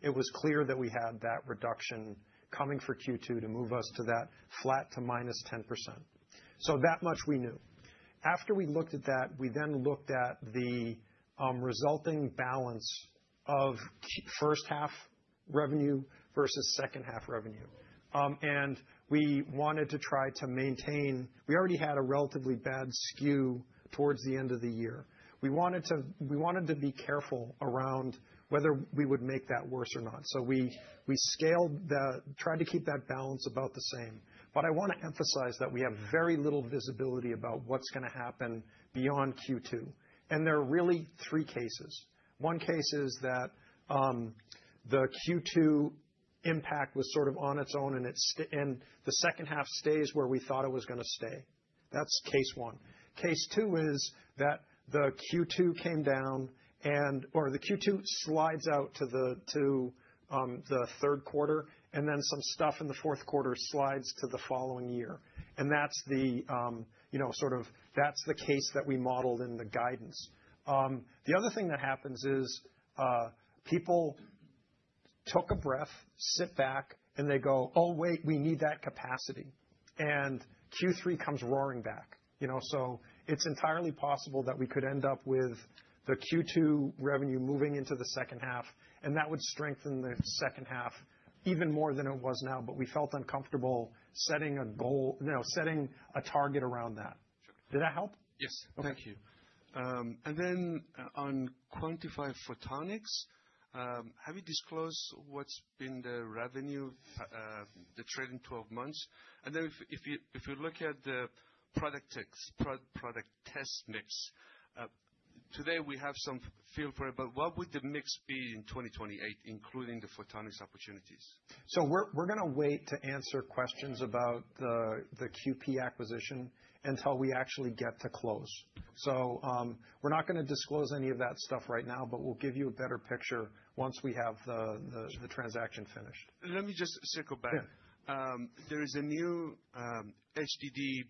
It was clear that we had that reduction coming for Q2 to move us to that flat to minus 10%. That much we knew. After we looked at that, we then looked at the resulting balance of first-half revenue versus second-half revenue. We wanted to try to maintain—we already had a relatively bad skew towards the end of the year. We wanted to be careful around whether we would make that worse or not. We tried to keep that balance about the same. I want to emphasize that we have very little visibility about what's going to happen beyond Q2. There are really three cases. One case is that the Q2 impact was sort of on its own, and the second half stays where we thought it was going to stay. That is case one. Case two is that the Q2 came down, or the Q2 slides out to the third quarter, and then some stuff in the fourth quarter slides to the following year. That is the sort of—that is the case that we modeled in the guidance. The other thing that happens is people took a breath, sit back, and they go, "Oh, wait, we need that capacity." Q3 comes roaring back. It is entirely possible that we could end up with the Q2 revenue moving into the second half. That would strengthen the second half even more than it was now. We felt uncomfortable setting a target around that. Did that help? Yes. Thank you. On Quantifi Photonics, have you disclosed what has been the revenue, the trailing 12 months? If you look at the product test mix, today we have some feel for it. What would the mix be in 2028, including the photonics opportunities? We're going to wait to answer questions about the QP acquisition until we actually get to close. We're not going to disclose any of that stuff right now, but we'll give you a better picture once we have the transaction finished. Let me just circle back. There is a new HDD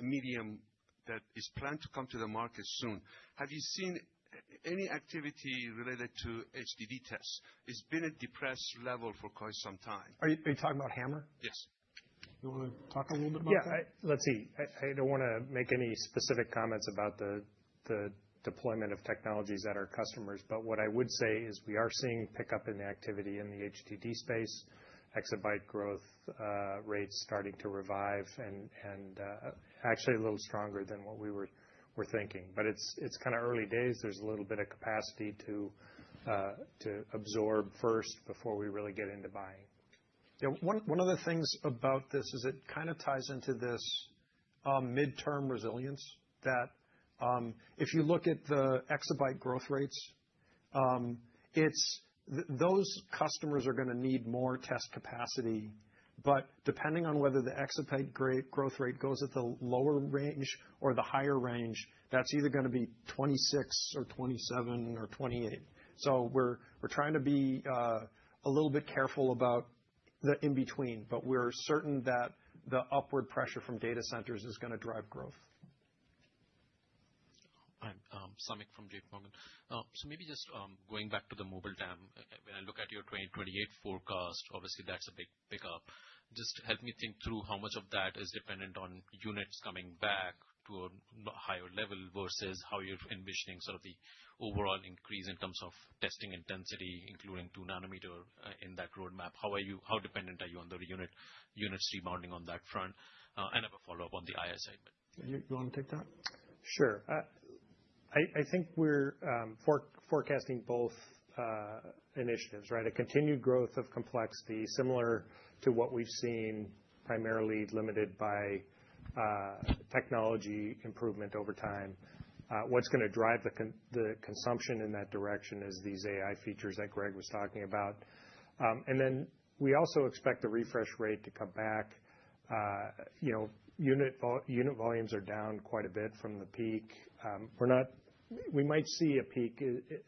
medium that is planned to come to the market soon. Have you seen any activity related to HDD tests? It's been at a depressed level for quite some time. Are you talking about Hammer? Yes. You want to talk a little bit about that? Yeah. Let's see. I don't want to make any specific comments about the deployment of technologies at our customers. What I would say is we are seeing pickup in activity in the HDD space, exabyte growth rates starting to revive, and actually a little stronger than what we were thinking. It's kind of early days. There's a little bit of capacity to absorb first before we really get into buying. Yeah. One of the things about this is it kind of ties into this midterm resilience that if you look at the exabyte growth rates, those customers are going to need more test capacity. Depending on whether the exabyte growth rate goes at the lower range or the higher range, that's either going to be 2026 or 2027 or 2028. We are trying to be a little bit careful about the in-between. We are certain that the upward pressure from data centers is going to drive growth. Hi. Samik from JPMorgan. Maybe just going back to the mobile DRAM. When I look at your 2028 forecast, obviously, that's a big pickup. Just help me think through how much of that is dependent on units coming back to a higher level versus how you're envisioning sort of the overall increase in terms of testing intensity, including two nanometer in that roadmap. How dependent are you on the units rebounding on that front? I have a follow-up on the IS side. You want to take that? Sure. I think we're forecasting both initiatives, right? A continued growth of complexity similar to what we've seen, primarily limited by technology improvement over time. What's going to drive the consumption in that direction is these AI features that Greg was talking about. We also expect the refresh rate to come back. Unit volumes are down quite a bit from the peak. We might see a peak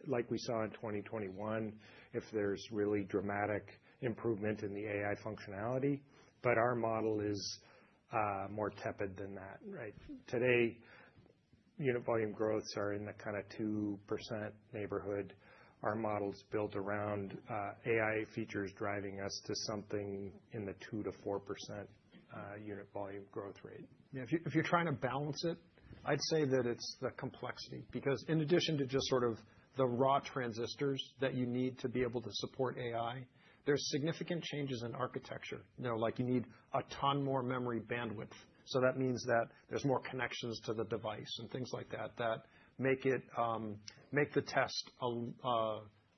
like we saw in 2021 if there's really dramatic improvement in the AI functionality. Our model is more tepid than that, right? Today, unit volume growths are in the kind of 2% neighborhood. Our model's built around AI features driving us to something in the 2-4% unit volume growth rate. Yeah. If you're trying to balance it, I'd say that it's the complexity. Because in addition to just sort of the raw transistors that you need to be able to support AI, there's significant changes in architecture. You need a ton more memory bandwidth. That means that there's more connections to the device and things like that that make the test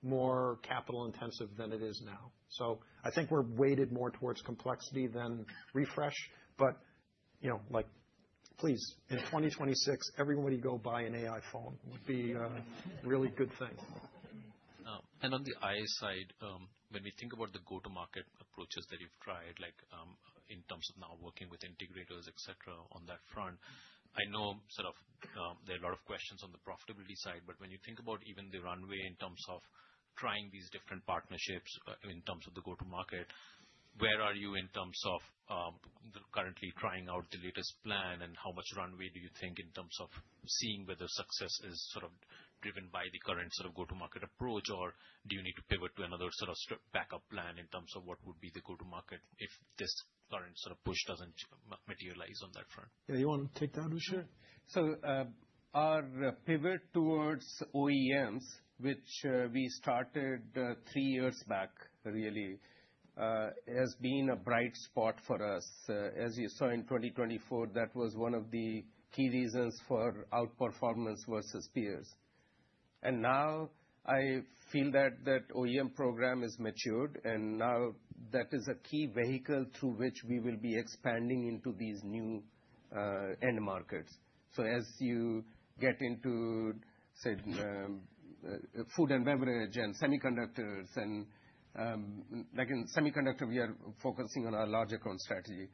more capital-intensive than it is now. I think we're weighted more towards complexity than refresh. Please, in 2026, everybody go buy an AI phone would be a really good thing. On the IS side, when we think about the go-to-market approaches that you've tried, like in terms of now working with integrators, etc., on that front, I know sort of there are a lot of questions on the profitability side. When you think about even the runway in terms of trying these different partnerships in terms of the go-to-market, where are you in terms of currently trying out the latest plan? How much runway do you think in terms of seeing whether success is sort of driven by the current sort of go-to-market approach? Do you need to pivot to another sort of backup plan in terms of what would be the go-to-market if this current sort of push doesn't materialize on that front? Yeah. You want to take that, Ujjwal? Our pivot towards OEMs, which we started three years back, really, has been a bright spot for us. As you saw in 2024, that was one of the key reasons for outperformance versus peers. I feel that OEM program is matured. That is a key vehicle through which we will be expanding into these new end markets. As you get into, say, food and beverage and semiconductors, and in semiconductor, we are focusing on our large-account strategy.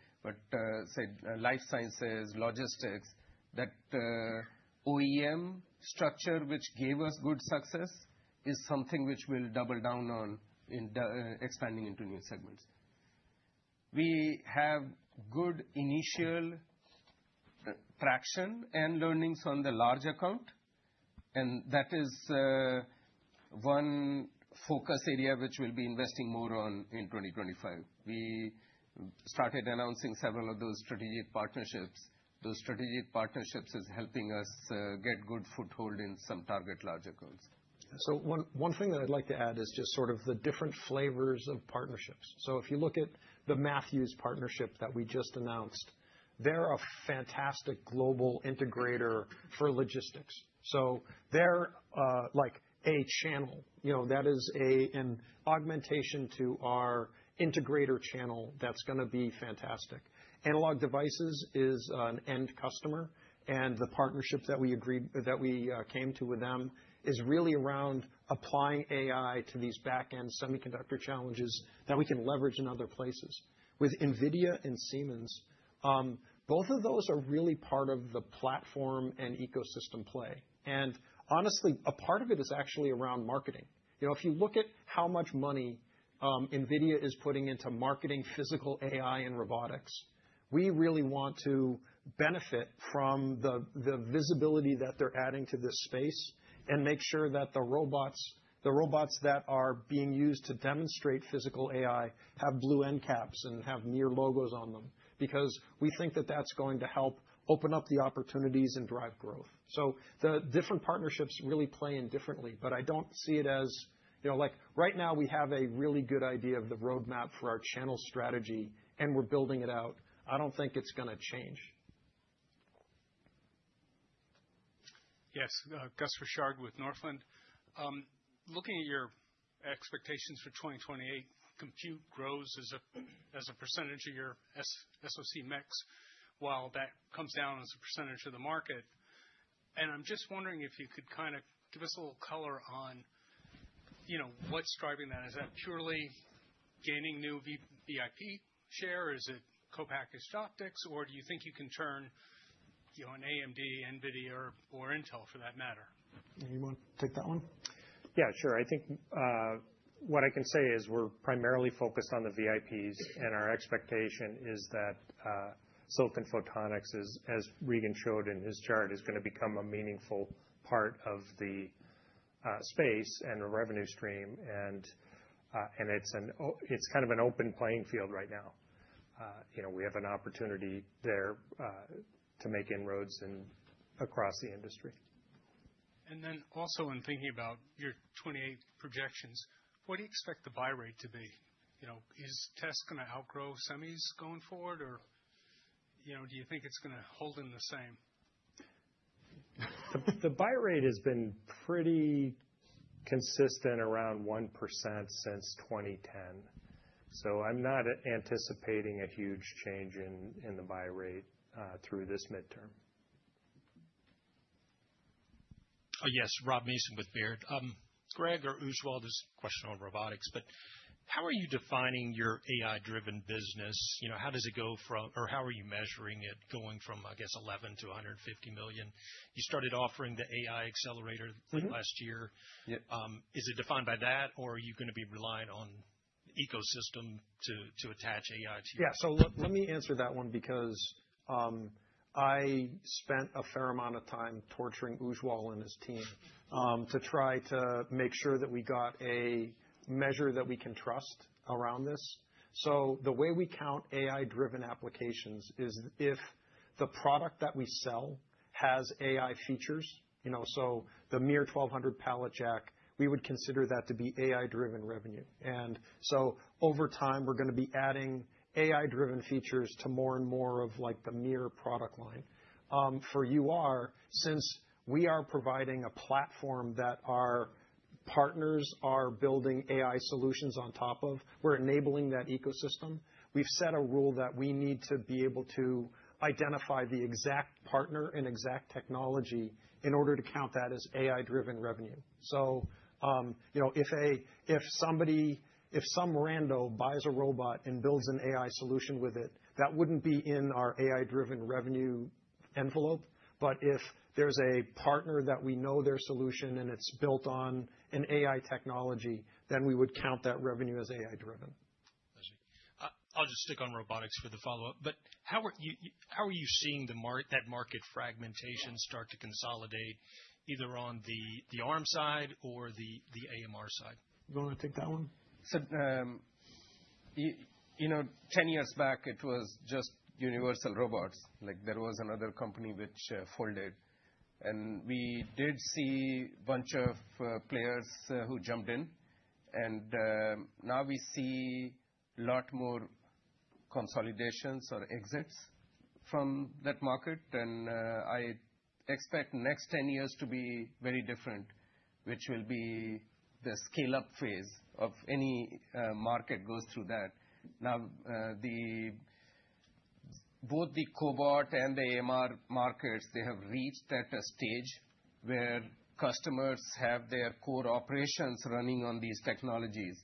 Say, life sciences, logistics, that OEM structure, which gave us good success, is something which we'll double down on in expanding into new segments. We have good initial traction and learnings on the large account. That is one focus area which we'll be investing more on in 2025. We started announcing several of those strategic partnerships. Those strategic partnerships are helping us get good foothold in some target large accounts. One thing that I'd like to add is just sort of the different flavors of partnerships. If you look at the Matthews partnership that we just announced, they're a fantastic global integrator for logistics. They're like a channel. That is an augmentation to our integrator channel that's going to be fantastic. Analog Devices is an end customer. The partnership that we came to with them is really around applying AI to these back-end semiconductor challenges that we can leverage in other places. With NVIDIA and Siemens, both of those are really part of the platform and ecosystem play. Honestly, a part of it is actually around marketing. If you look at how much money NVIDIA is putting into marketing physical AI and robotics, we really want to benefit from the visibility that they're adding to this space and make sure that the robots that are being used to demonstrate physical AI have blue end caps and have MiR logos on them. Because we think that that's going to help open up the opportunities and drive growth. The different partnerships really play in differently. I don't see it as like right now we have a really good idea of the roadmap for our channel strategy, and we're building it out. I don't think it's going to change. Yes. Gus Richard with Northland. Looking at your expectations for 2028, compute grows as a percentage of your SOC mix, while that comes down as a percentage of the market. I'm just wondering if you could kind of give us a little color on what's driving that. Is that purely gaining new VIP share, or is it co-packaged optics, or do you think you can turn an AMD, NVIDIA, or Intel for that matter? You want to take that one? Yeah, sure. I think what I can say is we're primarily focused on the VIPs. Our expectation is that silicon photonics, as Regan showed in his chart, is going to become a meaningful part of the space and the revenue stream. It's kind of an open playing field right now. We have an opportunity there to make inroads across the industry. In thinking about your 2028 projections, what do you expect the buy rate to be? Is test going to outgrow semis going forward, or do you think it's going to hold in the same? The buy rate has been pretty consistent around 1% since 2010. I am not anticipating a huge change in the buy rate through this midterm. Yes. Rob Mason with Baird. Greg or Ujjwal with this question on robotics. How are you defining your AI-driven business? How does it go from, or how are you measuring it going from, I guess, $11 million to $150 million? You started offering the AI accelerator last year. Is it defined by that, or are you going to be relying on the ecosystem to attach AI to your? Yeah. Let me answer that one because I spent a fair amount of time torturing Ujjwal and his team to try to make sure that we got a measure that we can trust around this. The way we count AI-driven applications is if the product that we sell has AI features. The MiR1200 Pallet Jack, we would consider that to be AI-driven revenue. Over time, we're going to be adding AI-driven features to more and more of the MiR product line. For UR, since we are providing a platform that our partners are building AI solutions on top of, we're enabling that ecosystem. We've set a rule that we need to be able to identify the exact partner and exact technology in order to count that as AI-driven revenue. If some rando buys a robot and builds an AI solution with it, that would not be in our AI-driven revenue envelope. If there is a partner that we know their solution and it is built on an AI technology, then we would count that revenue as AI-driven. I'll just stick on robotics for the follow-up. How are you seeing that market fragmentation start to consolidate either on the arm side or the AMR side? You want to take that one? Ten years back, it was just Universal Robots. There was another company which folded. We did see a bunch of players who jumped in. Now we see a lot more consolidations or exits from that market. I expect the next ten years to be very different, which will be the scale-up phase of any market that goes through that. Both the cobot and the AMR markets have reached that stage where customers have their core operations running on these technologies.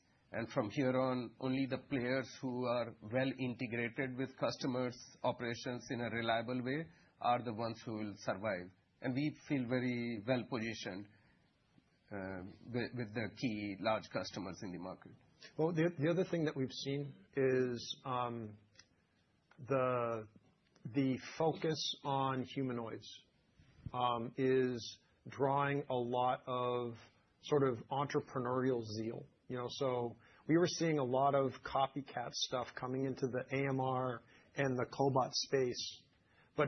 From here on, only the players who are well-integrated with customers' operations in a reliable way are the ones who will survive. We feel very well-positioned with the key large customers in the market. The other thing that we've seen is the focus on humanoids is drawing a lot of sort of entrepreneurial zeal. We were seeing a lot of copycat stuff coming into the AMR and the cobot space.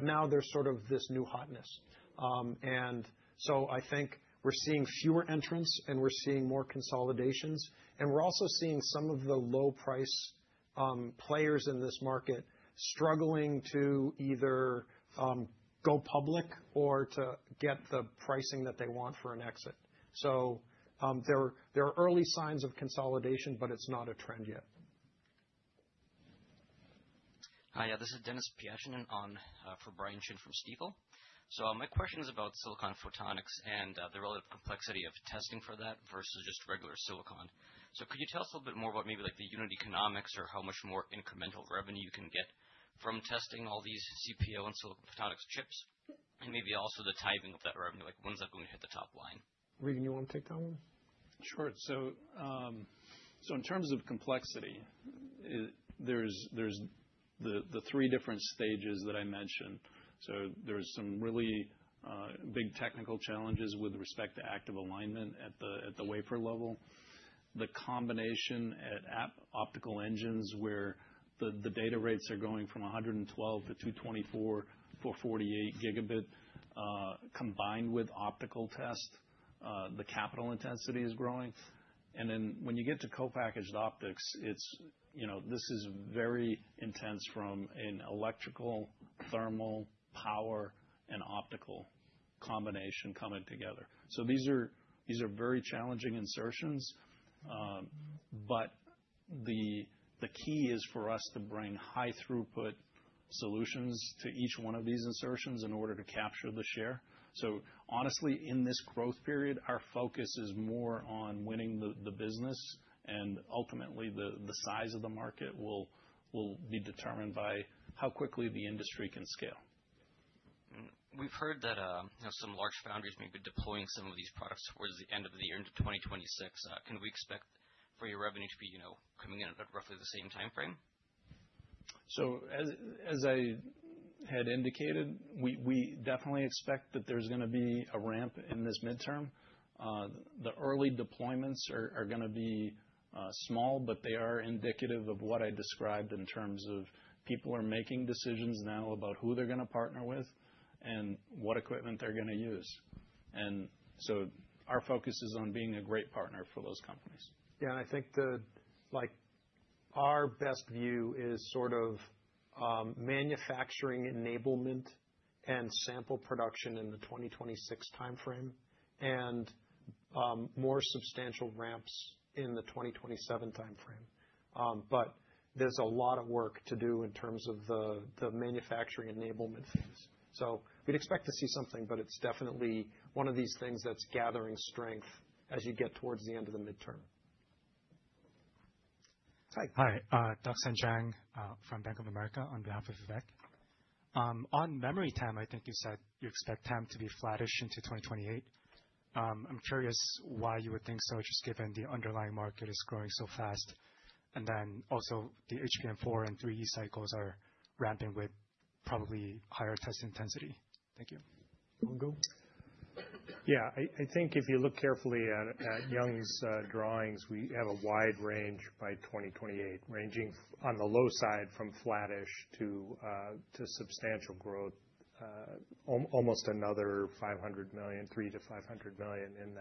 Now there's sort of this new hotness. I think we're seeing fewer entrants, and we're seeing more consolidations. We're also seeing some of the low-price players in this market struggling to either go public or to get the pricing that they want for an exit. There are early signs of consolidation, but it's not a trend yet. Hi. Yeah, this is Dennis Piachin and on for Brian Chun from Stifel. My question is about silicon photonics and the relative complexity of testing for that versus just regular silicon. Could you tell us a little bit more about maybe the unit economics or how much more incremental revenue you can get from testing all these CPO and silicon photonics chips? Maybe also the timing of that revenue, like when's that going to hit the top line? Regan, you want to take that one? Sure. In terms of complexity, there's the three different stages that I mentioned. There's some really big technical challenges with respect to active alignment at the wafer level. The combination at optical engines where the data rates are going from 112 to 224 for 48 Gb, combined with optical test, the capital intensity is growing. When you get to copackaged optics, this is very intense from an electrical, thermal, power, and optical combination coming together. These are very challenging insertions. The key is for us to bring high-throughput solutions to each one of these insertions in order to capture the share. Honestly, in this growth period, our focus is more on winning the business. Ultimately, the size of the market will be determined by how quickly the industry can scale. We've heard that some large foundries may be deploying some of these products towards the end of the year into 2026. Can we expect for your revenue to be coming in at roughly the same timeframe? As I had indicated, we definitely expect that there's going to be a ramp in this midterm. The early deployments are going to be small, but they are indicative of what I described in terms of people are making decisions now about who they're going to partner with and what equipment they're going to use. Our focus is on being a great partner for those companies. Yeah. I think our best view is sort of manufacturing enablement and sample production in the 2026 timeframe and more substantial ramps in the 2027 timeframe. There is a lot of work to do in terms of the manufacturing enablement phase. We'd expect to see something, but it's definitely one of these things that's gathering strength as you get towards the end of the midterm. Hi. Hi. Doug Sanchang from Bank of America on behalf of Vivek. On memory time, I think you said you expect time to be flattish into 2028. I'm curious why you would think so, just given the underlying market is growing so fast. Also, the HBM4 and three cycles are ramping with probably higher test intensity. Thank you. Yeah. I think if you look carefully at Young's drawings, we have a wide range by 2028, ranging on the low side from flattish to substantial growth, almost another $500 million, $300 million-$500 million in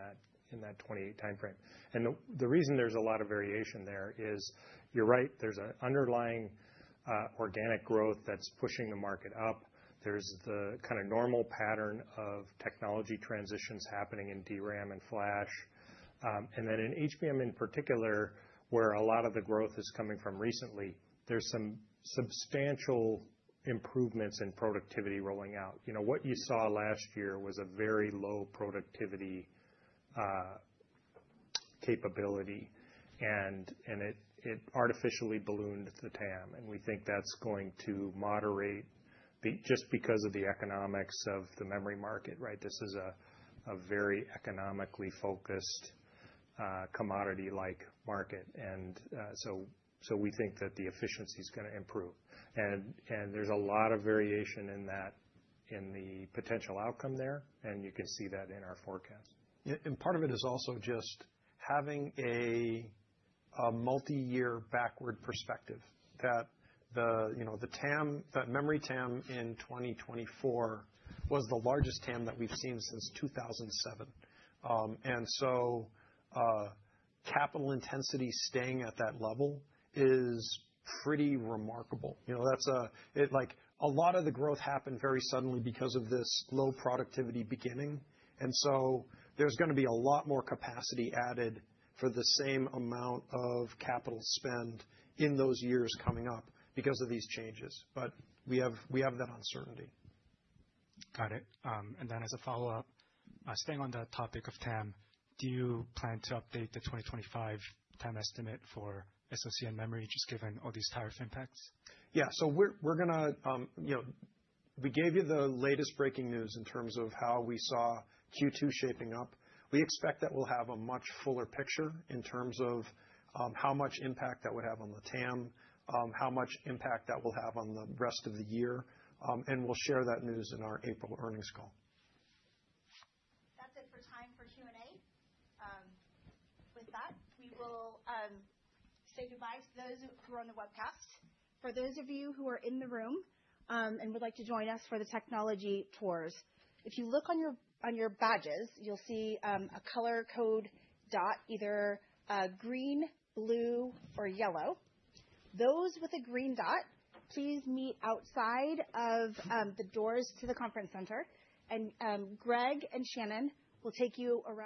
that 2028 timeframe. The reason there's a lot of variation there is you're right. There's an underlying organic growth that's pushing the market up. There's the kind of normal pattern of technology transitions happening in DRAM and flash. In HBM in particular, where a lot of the growth is coming from recently, there's some substantial improvements in productivity rolling out. What you saw last year was a very low productivity capability, and it artificially ballooned the TAM. We think that's going to moderate just because of the economics of the memory market, right? This is a very economically focused commodity-like market. We think that the efficiency is going to improve. There is a lot of variation in that in the potential outcome there. You can see that in our forecast. Part of it is also just having a multi-year backward perspective that the memory TAM in 2024 was the largest TAM that we've seen since 2007. Capital intensity staying at that level is pretty remarkable. A lot of the growth happened very suddenly because of this low productivity beginning. There is going to be a lot more capacity added for the same amount of capital spend in those years coming up because of these changes. We have that uncertainty. Got it. As a follow-up, staying on the topic of TAM, do you plan to update the 2025 TAM estimate for SOC and memory, just given all these tariff impacts? Yeah. We're going to we gave you the latest breaking news in terms of how we saw Q2 shaping up. We expect that we'll have a much fuller picture in terms of how much impact that would have on the TAM, how much impact that will have on the rest of the year. We'll share that news in our April earnings call. That's it for time for Q&A. With that, we will say goodbye to those who are on the webcast. For those of you who are in the room and would like to join us for the technology tours, if you look on your badges, you'll see a color code dot, either green, blue, or yellow. Those with a green dot, please meet outside of the doors to the conference center. Greg and Shannon will take you around.